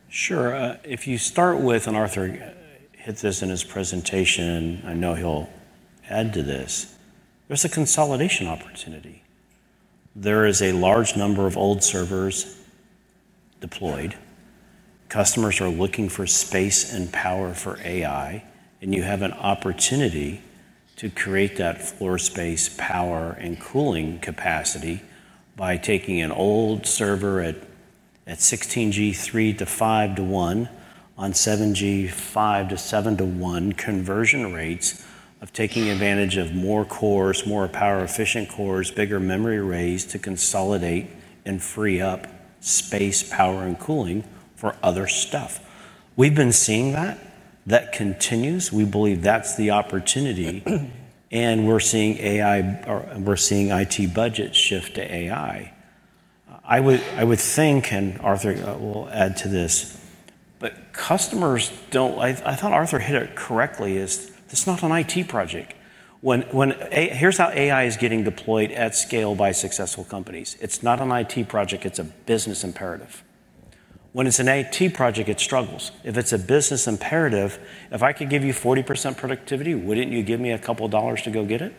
Sure. If you start with, and Arthur hits this in his presentation, I know he'll add to this, there's a consolidation opportunity. There is a large number of old servers deployed. Customers are looking for space and power for AI, and you have an opportunity to create that floor space, power, and cooling capacity by taking an old server at 16G 3 to 5 to 1 on 7G 5 to 7 to 1 conversion rates of taking advantage of more cores, more power-efficient cores, bigger memory arrays to consolidate and free up space, power, and cooling for other stuff. We've been seeing that. That continues. We believe that's the opportunity. We're seeing AI, or we're seeing IT budgets shift to AI. I would think, and Arthur will add to this, but customers don't, I thought Arthur hit it correctly, is this is not an IT project. When, here's how AI is getting deployed at scale by successful companies. It's not an IT project. It's a business imperative. When it's an IT project, it struggles. If it's a business imperative, if I could give you 40% productivity, wouldn't you give me a couple of dollars to go get it?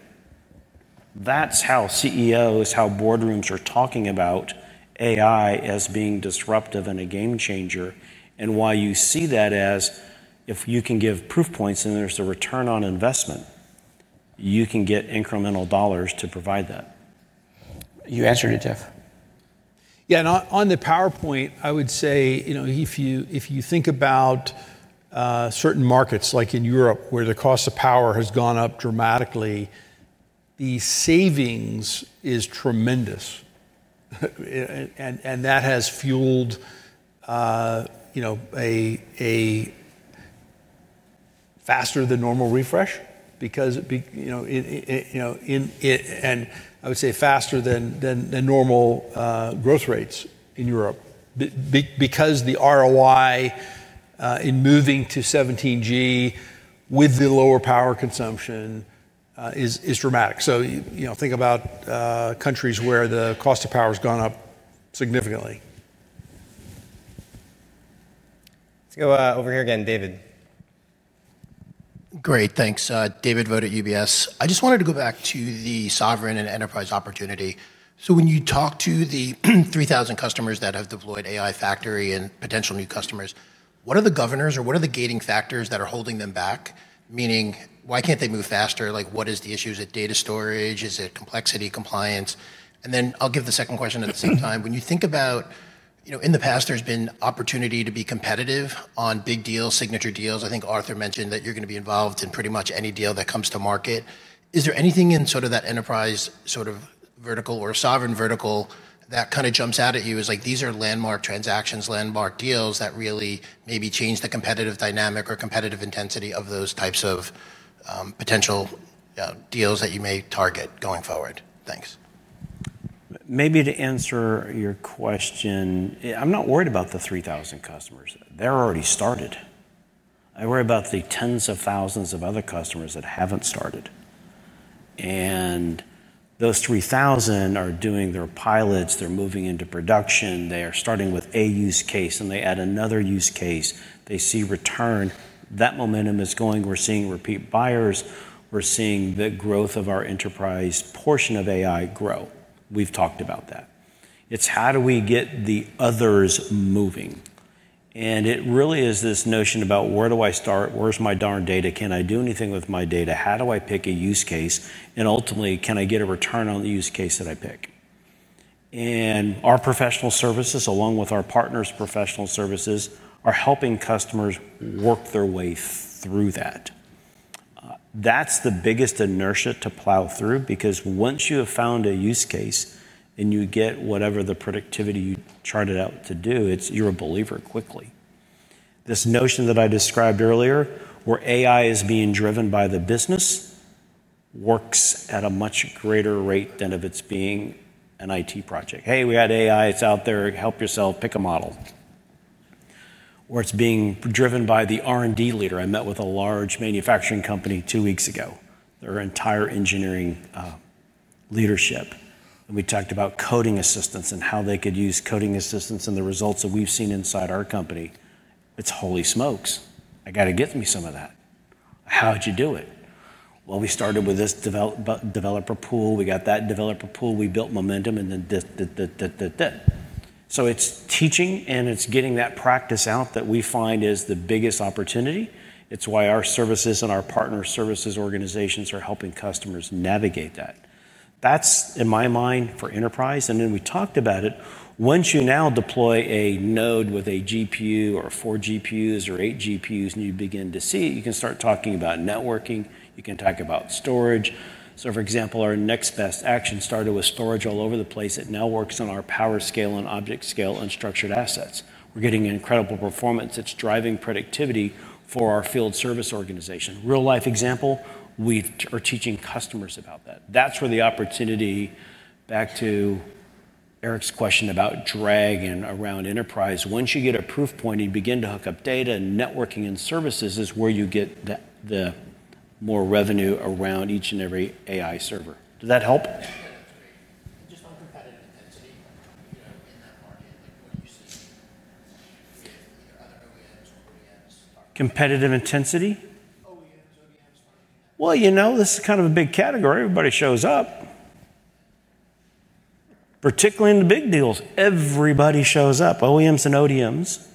That's how CEOs, how boardrooms are talking about AI as being disruptive and a game changer, and why you see that as if you can give proof points and there's a return on investment, you can get incremental dollars to provide that. You answered it, Jeff. Yeah, on the PowerPoint, I would say, you know, if you think about certain markets, like in Europe, where the cost of power has gone up dramatically, the savings are tremendous. That has fueled a faster than normal refresh because, you know, I would say faster than normal growth rates in Europe because the ROI in moving to 17G with the lower power consumption is dramatic. Think about countries where the cost of power has gone up significantly. Let's go over here again, David. Great, thanks. David Vogt at UBS. I just wanted to go back to the sovereign and enterprise opportunity. When you talk to the 3,000 customers that have deployed AI Factory and potential new customers, what are the governors or what are the gating factors that are holding them back? Meaning, why can't they move faster? What is the issue? Is it data storage? Is it complexity, compliance? I'll give the second question at the same time. When you think about, in the past, there's been opportunity to be competitive on big deals, signature deals. I think Arthur mentioned that you're going to be involved in pretty much any deal that comes to market. Is there anything in that enterprise vertical or sovereign vertical that jumps out at you as these are landmark transactions, landmark deals that really maybe change the competitive dynamic or competitive intensity of those types of potential deals that you may target going forward? Thanks. Maybe to answer your question, I'm not worried about the 3,000 customers. They're already started. I worry about the tens of thousands of other customers that haven't started. Those 3,000 are doing their pilots, they're moving into production, they are starting with a use case, and they add another use case. They see return. That momentum is going. We're seeing repeat buyers. We're seeing the growth of our enterprise portion of AI grow. We've talked about that. It's how do we get the others moving? It really is this notion about where do I start? Where's my darn data? Can I do anything with my data? How do I pick a use case? Ultimately, can I get a return on the use case that I pick? Our professional services, along with our partners' professional services, are helping customers work their way through that. That's the biggest inertia to plow through because once you have found a use case and you get whatever the productivity you charted out to do, you're a believer quickly. This notion that I described earlier, where AI is being driven by the business, works at a much greater rate than if it's being an IT project. Hey, we had AI, it's out there, help yourself, pick a model. Or it's being driven by the R&D leader. I met with a large manufacturing company two weeks ago, their entire engineering leadership. We talked about coding assistants and how they could use coding assistants and the results that we've seen inside our company. It's holy smokes. I got to get me some of that. How'd you do it? We started with this developer pool. We got that developer pool. We built momentum and then did, did, did, did, did, did. It's teaching and it's getting that practice out that we find is the biggest opportunity. It's why our services and our partner services organizations are helping customers navigate that. That's, in my mind, for enterprise, and then we talked about it. Once you now deploy a node with a GPU or four GPUs or eight GPUs, and you begin to see it, you can start talking about networking. You can talk about storage. For example, our next best action started with storage all over the place. It now works on our PowerScale and ObjectScale unstructured assets. We're getting incredible performance. It's driving productivity for our field service organization. Real life example, we are teaching customers about that. That's where the opportunity, back to Erik's question about drag and around enterprise, once you get a proof point, you begin to hook up data and networking and services is where you get the more revenue around each and every AI server. Does that help? Competitive intensity. This is kind of a big category. Everybody shows up. Particularly in the big deals, everybody shows up. OEMs and ODMs.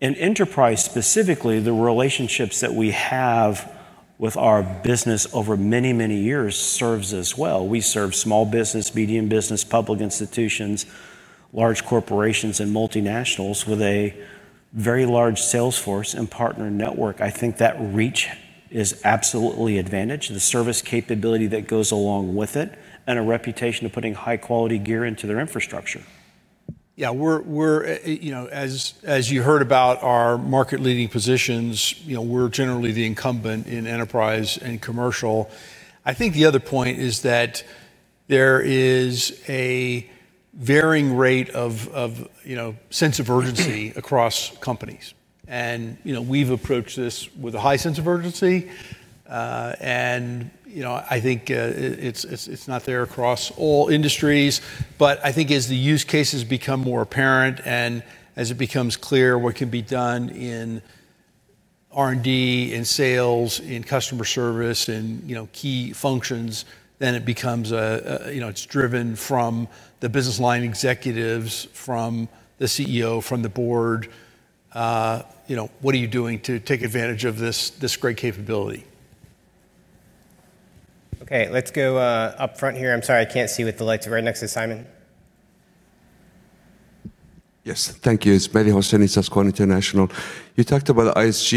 In enterprise specifically, the relationships that we have with our business over many, many years serve us well. We serve small business, medium business, public institutions, large corporations, and multinationals with a very large sales force and partner network. I think that reach is absolutely an advantage, the service capability that goes along with it, and a reputation of putting high-quality gear into their infrastructure. Yeah, as you heard about our market-leading positions, we're generally the incumbent in enterprise and commercial. I think the other point is that there is a varying rate of sense of urgency across companies. We've approached this with a high sense of urgency. I think it's not there across all industries, but as the use cases become more apparent and as it becomes clear what can be done in R&D, in sales, in customer service, in key functions, then it becomes driven from the business line executives, from the CEO, from the board. What are you doing to take advantage of this great capability? Okay, let's go up front here. I'm sorry, I can't see with the lights. We're next to Simon. Yes, thank you. It's Mehdi Hosseini, Susquehanna International. You talked about the ISG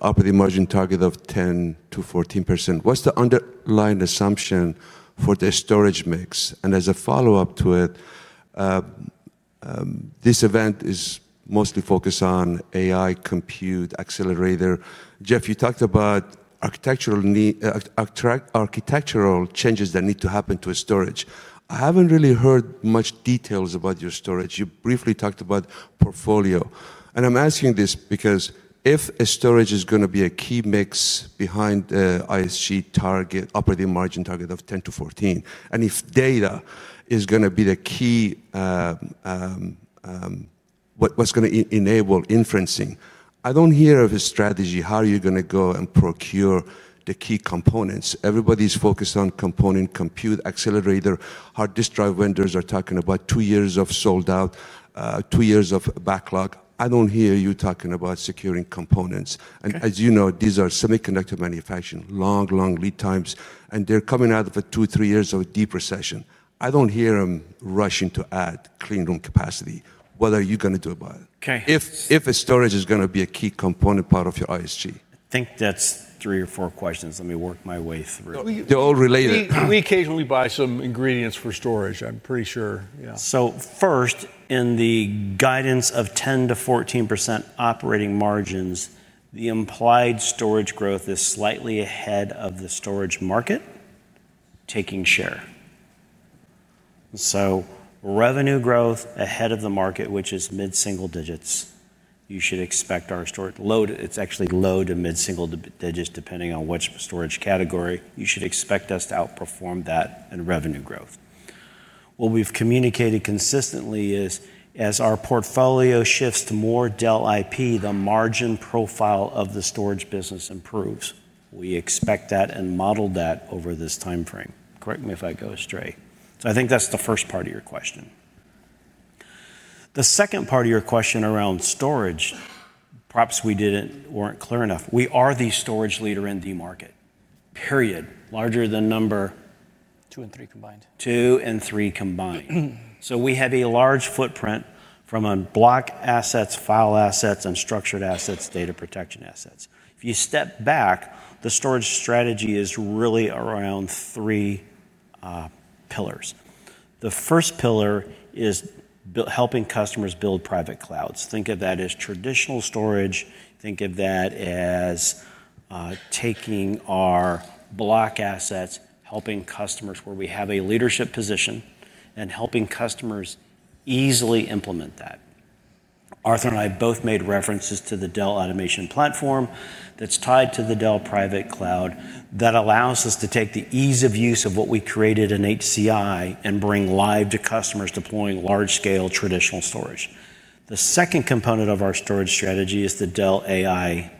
up at the margin target of 10%-14%. What's the underlying assumption for the storage mix? As a follow-up to it, this event is mostly focused on AI compute accelerator. Jeff, you talked about architectural changes that need to happen to storage. I haven't really heard much details about your storage. You briefly talked about portfolio. I'm asking this because if storage is going to be a key mix behind the ISG target, operating margin target of 10%-14%, and if data is going to be the key, what's going to enable inferencing, I don't hear of a strategy. How are you going to go and procure the key components? Everybody's focused on component compute accelerator. Hard disk drive vendors are talking about two years of sold out, two years of backlog. I don't hear you talking about securing components. As you know, these are semiconductor manufacturing, long, long lead times, and they're coming out of a two, three years of a deep recession. I don't hear them rushing to add clean room capacity. What are you going to do about it? If storage is going to be a key component part of your ISG? I think that's three or four questions. Let me work my way through. They're all related. We occasionally buy some ingredients for storage. I'm pretty sure. Yeah. First, in the guidance of 10%-14% operating margins, the implied storage growth is slightly ahead of the storage market, taking share. Revenue growth ahead of the market, which is mid-single digits, you should expect our storage load. It's actually low to mid-single digits, depending on which storage category. You should expect us to outperform that in revenue growth. What we've communicated consistently is, as our portfolio shifts to more Dell IP, the margin profile of the storage business improves. We expect that and model that over this timeframe. Correct me if I go astray. I think that's the first part of your question. The second part of your question around storage, perhaps we weren't clear enough. We are the storage leader in the market. Period. Larger than number. Two and three combined. Two and three combined. We have a large footprint from block assets, file assets, unstructured assets, data protection assets. If you step back, the storage strategy is really around three pillars. The first pillar is helping customers build private clouds. Think of that as traditional storage. Think of that as taking our block assets, helping customers where we have a leadership position, and helping customers easily implement that. Arthur and I both made references to the Dell Automation Platform that's tied to the Dell Private Cloud that allows us to take the ease of use of what we created in HCI and bring live to customers deploying large-scale traditional storage. The second component of our storage strategy is the Dell AI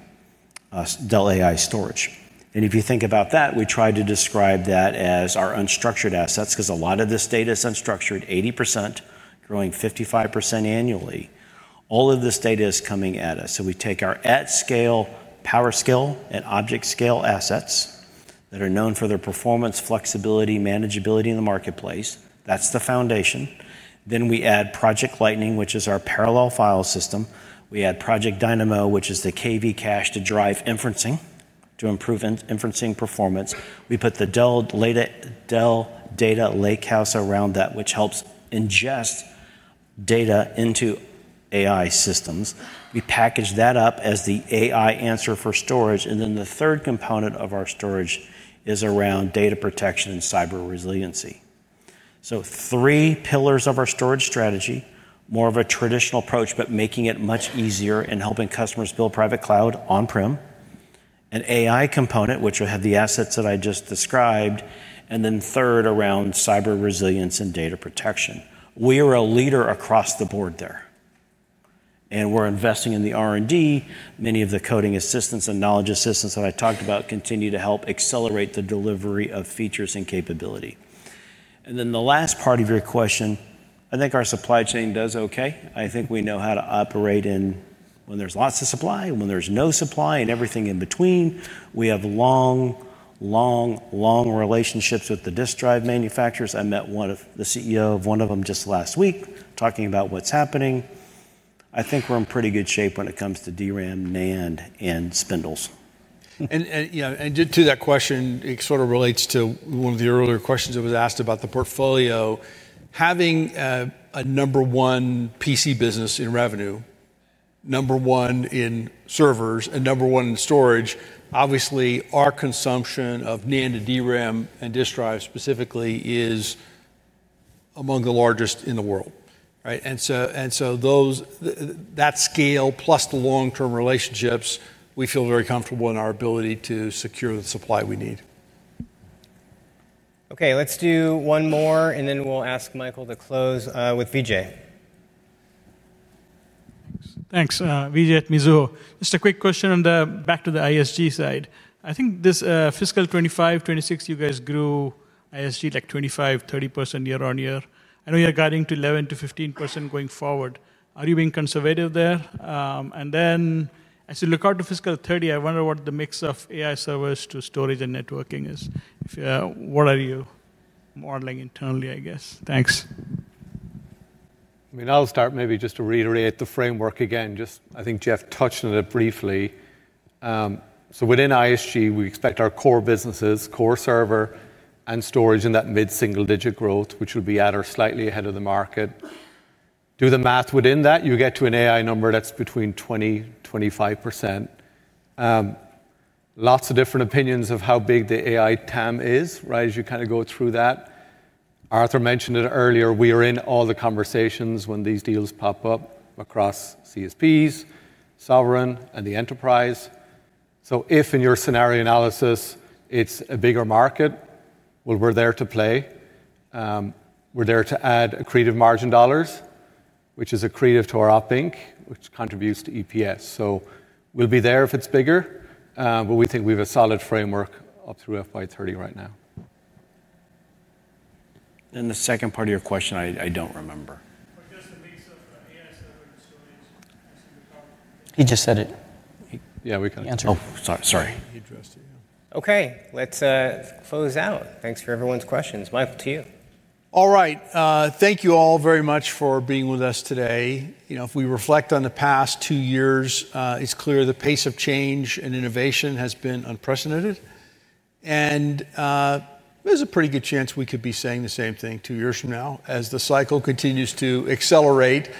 Storage. If you think about that, we try to describe that as our unstructured assets because a lot of this data is unstructured, 80%, growing 55% annually. All of this data is coming at us. We take our at-scale PowerScale and ObjectScale assets that are known for their performance, flexibility, and manageability in the marketplace. That's the foundation. We add Project Lightning, which is our parallel file system. We add Project Dynamo, which is the KV cache to drive inferencing, to improve inferencing performance. We put the Dell Data Lakehouse around that, which helps ingest data into AI systems. We package that up as the AI answer for storage. The third component of our storage is around data protection and cyber resiliency. Three pillars of our storage strategy: more of a traditional approach, but making it much easier and helping customers build private cloud on-prem, an AI component which will have the assets that I just described, and then third, around cyber resilience and data protection. We are a leader across the board there. We're investing in the R&D. Many of the coding assistants and knowledge assistants that I talked about continue to help accelerate the delivery of features and capability. The last part of your question, I think our supply chain does okay. I think we know how to operate in when there's lots of supply, when there's no supply, and everything in between. We have long, long, long relationships with the disk drive manufacturers. I met one of the CEOs of one of them just last week, talking about what's happening. I think we're in pretty good shape when it comes to DRAM, NAND, and spindles. To that question, it sort of relates to one of the earlier questions that was asked about the portfolio. Having a number one PC business in revenue, number one in servers, and number one in storage, obviously our consumption of NAND, DRAM, and disk drive specifically is among the largest in the world. That scale plus the long-term relationships, we feel very comfortable in our ability to secure the supply we need. Okay, let's do one more, and then we'll ask Michael Dell to close with Vijay. Thanks, Vijay at Mizuho. Just a quick question on the back to the ISG side. I think this fiscal 2025-2026, you guys grew ISG like 25%-30% year-on-year. I know you're guiding to 11%-15% going forward. Are you being conservative there? As you look out to fiscal 2030, I wonder what the mix of AI servers to storage and networking is. What are you modeling internally, I guess? Thanks. I'll start maybe just to reiterate the framework again. I think Jeff touched on it briefly. Within ISG, we expect our core businesses, core server, and storage in that mid-single digit growth, which will be at or slightly ahead of the market. Do the math within that, you get to an AI number that's between 20%-25%. Lots of different opinions of how big the AI TAM is, right, as you kind of go through that. Arthur mentioned it earlier, we are in all the conversations when these deals pop up across CSPs, sovereign, and the enterprise. If in your scenario analysis, it's a bigger market, we're there to play. We're there to add accretive margin dollars, which is accretive to our op-inc, which contributes to EPS. We'll be there if it's bigger, but we think we have a solid framework up through FY 2030 right now. The second part of your question, I don't remember. What does the mix of AI servers and storage? He just said it. Yeah, we can. Sorry. He addressed it. Okay, let's close out. Thanks for everyone's questions. Michael, to you. All right. Thank you all very much for being with us today. If we reflect on the past two years, it's clear the pace of change and innovation has been unprecedented. There's a pretty good chance we could be saying the same thing two years from now as the cycle continues to accelerate.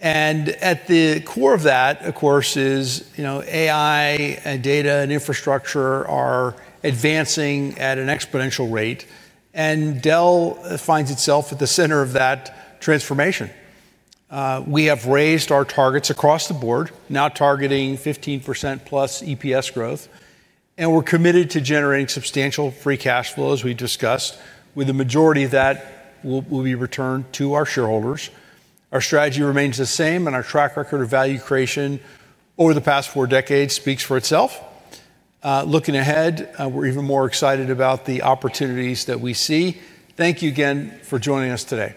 At the core of that, of course, is AI and data and infrastructure are advancing at an exponential rate. Dell Technologies finds itself at the center of that transformation. We have raised our targets across the board, now targeting 15%+ EPS growth. We're committed to generating substantial free cash flows, as we discussed, with the majority of that to be returned to our shareholders. Our strategy remains the same, and our track record of value creation over the past four decades speaks for itself. Looking ahead, we're even more excited about the opportunities that we see. Thank you again for joining us today.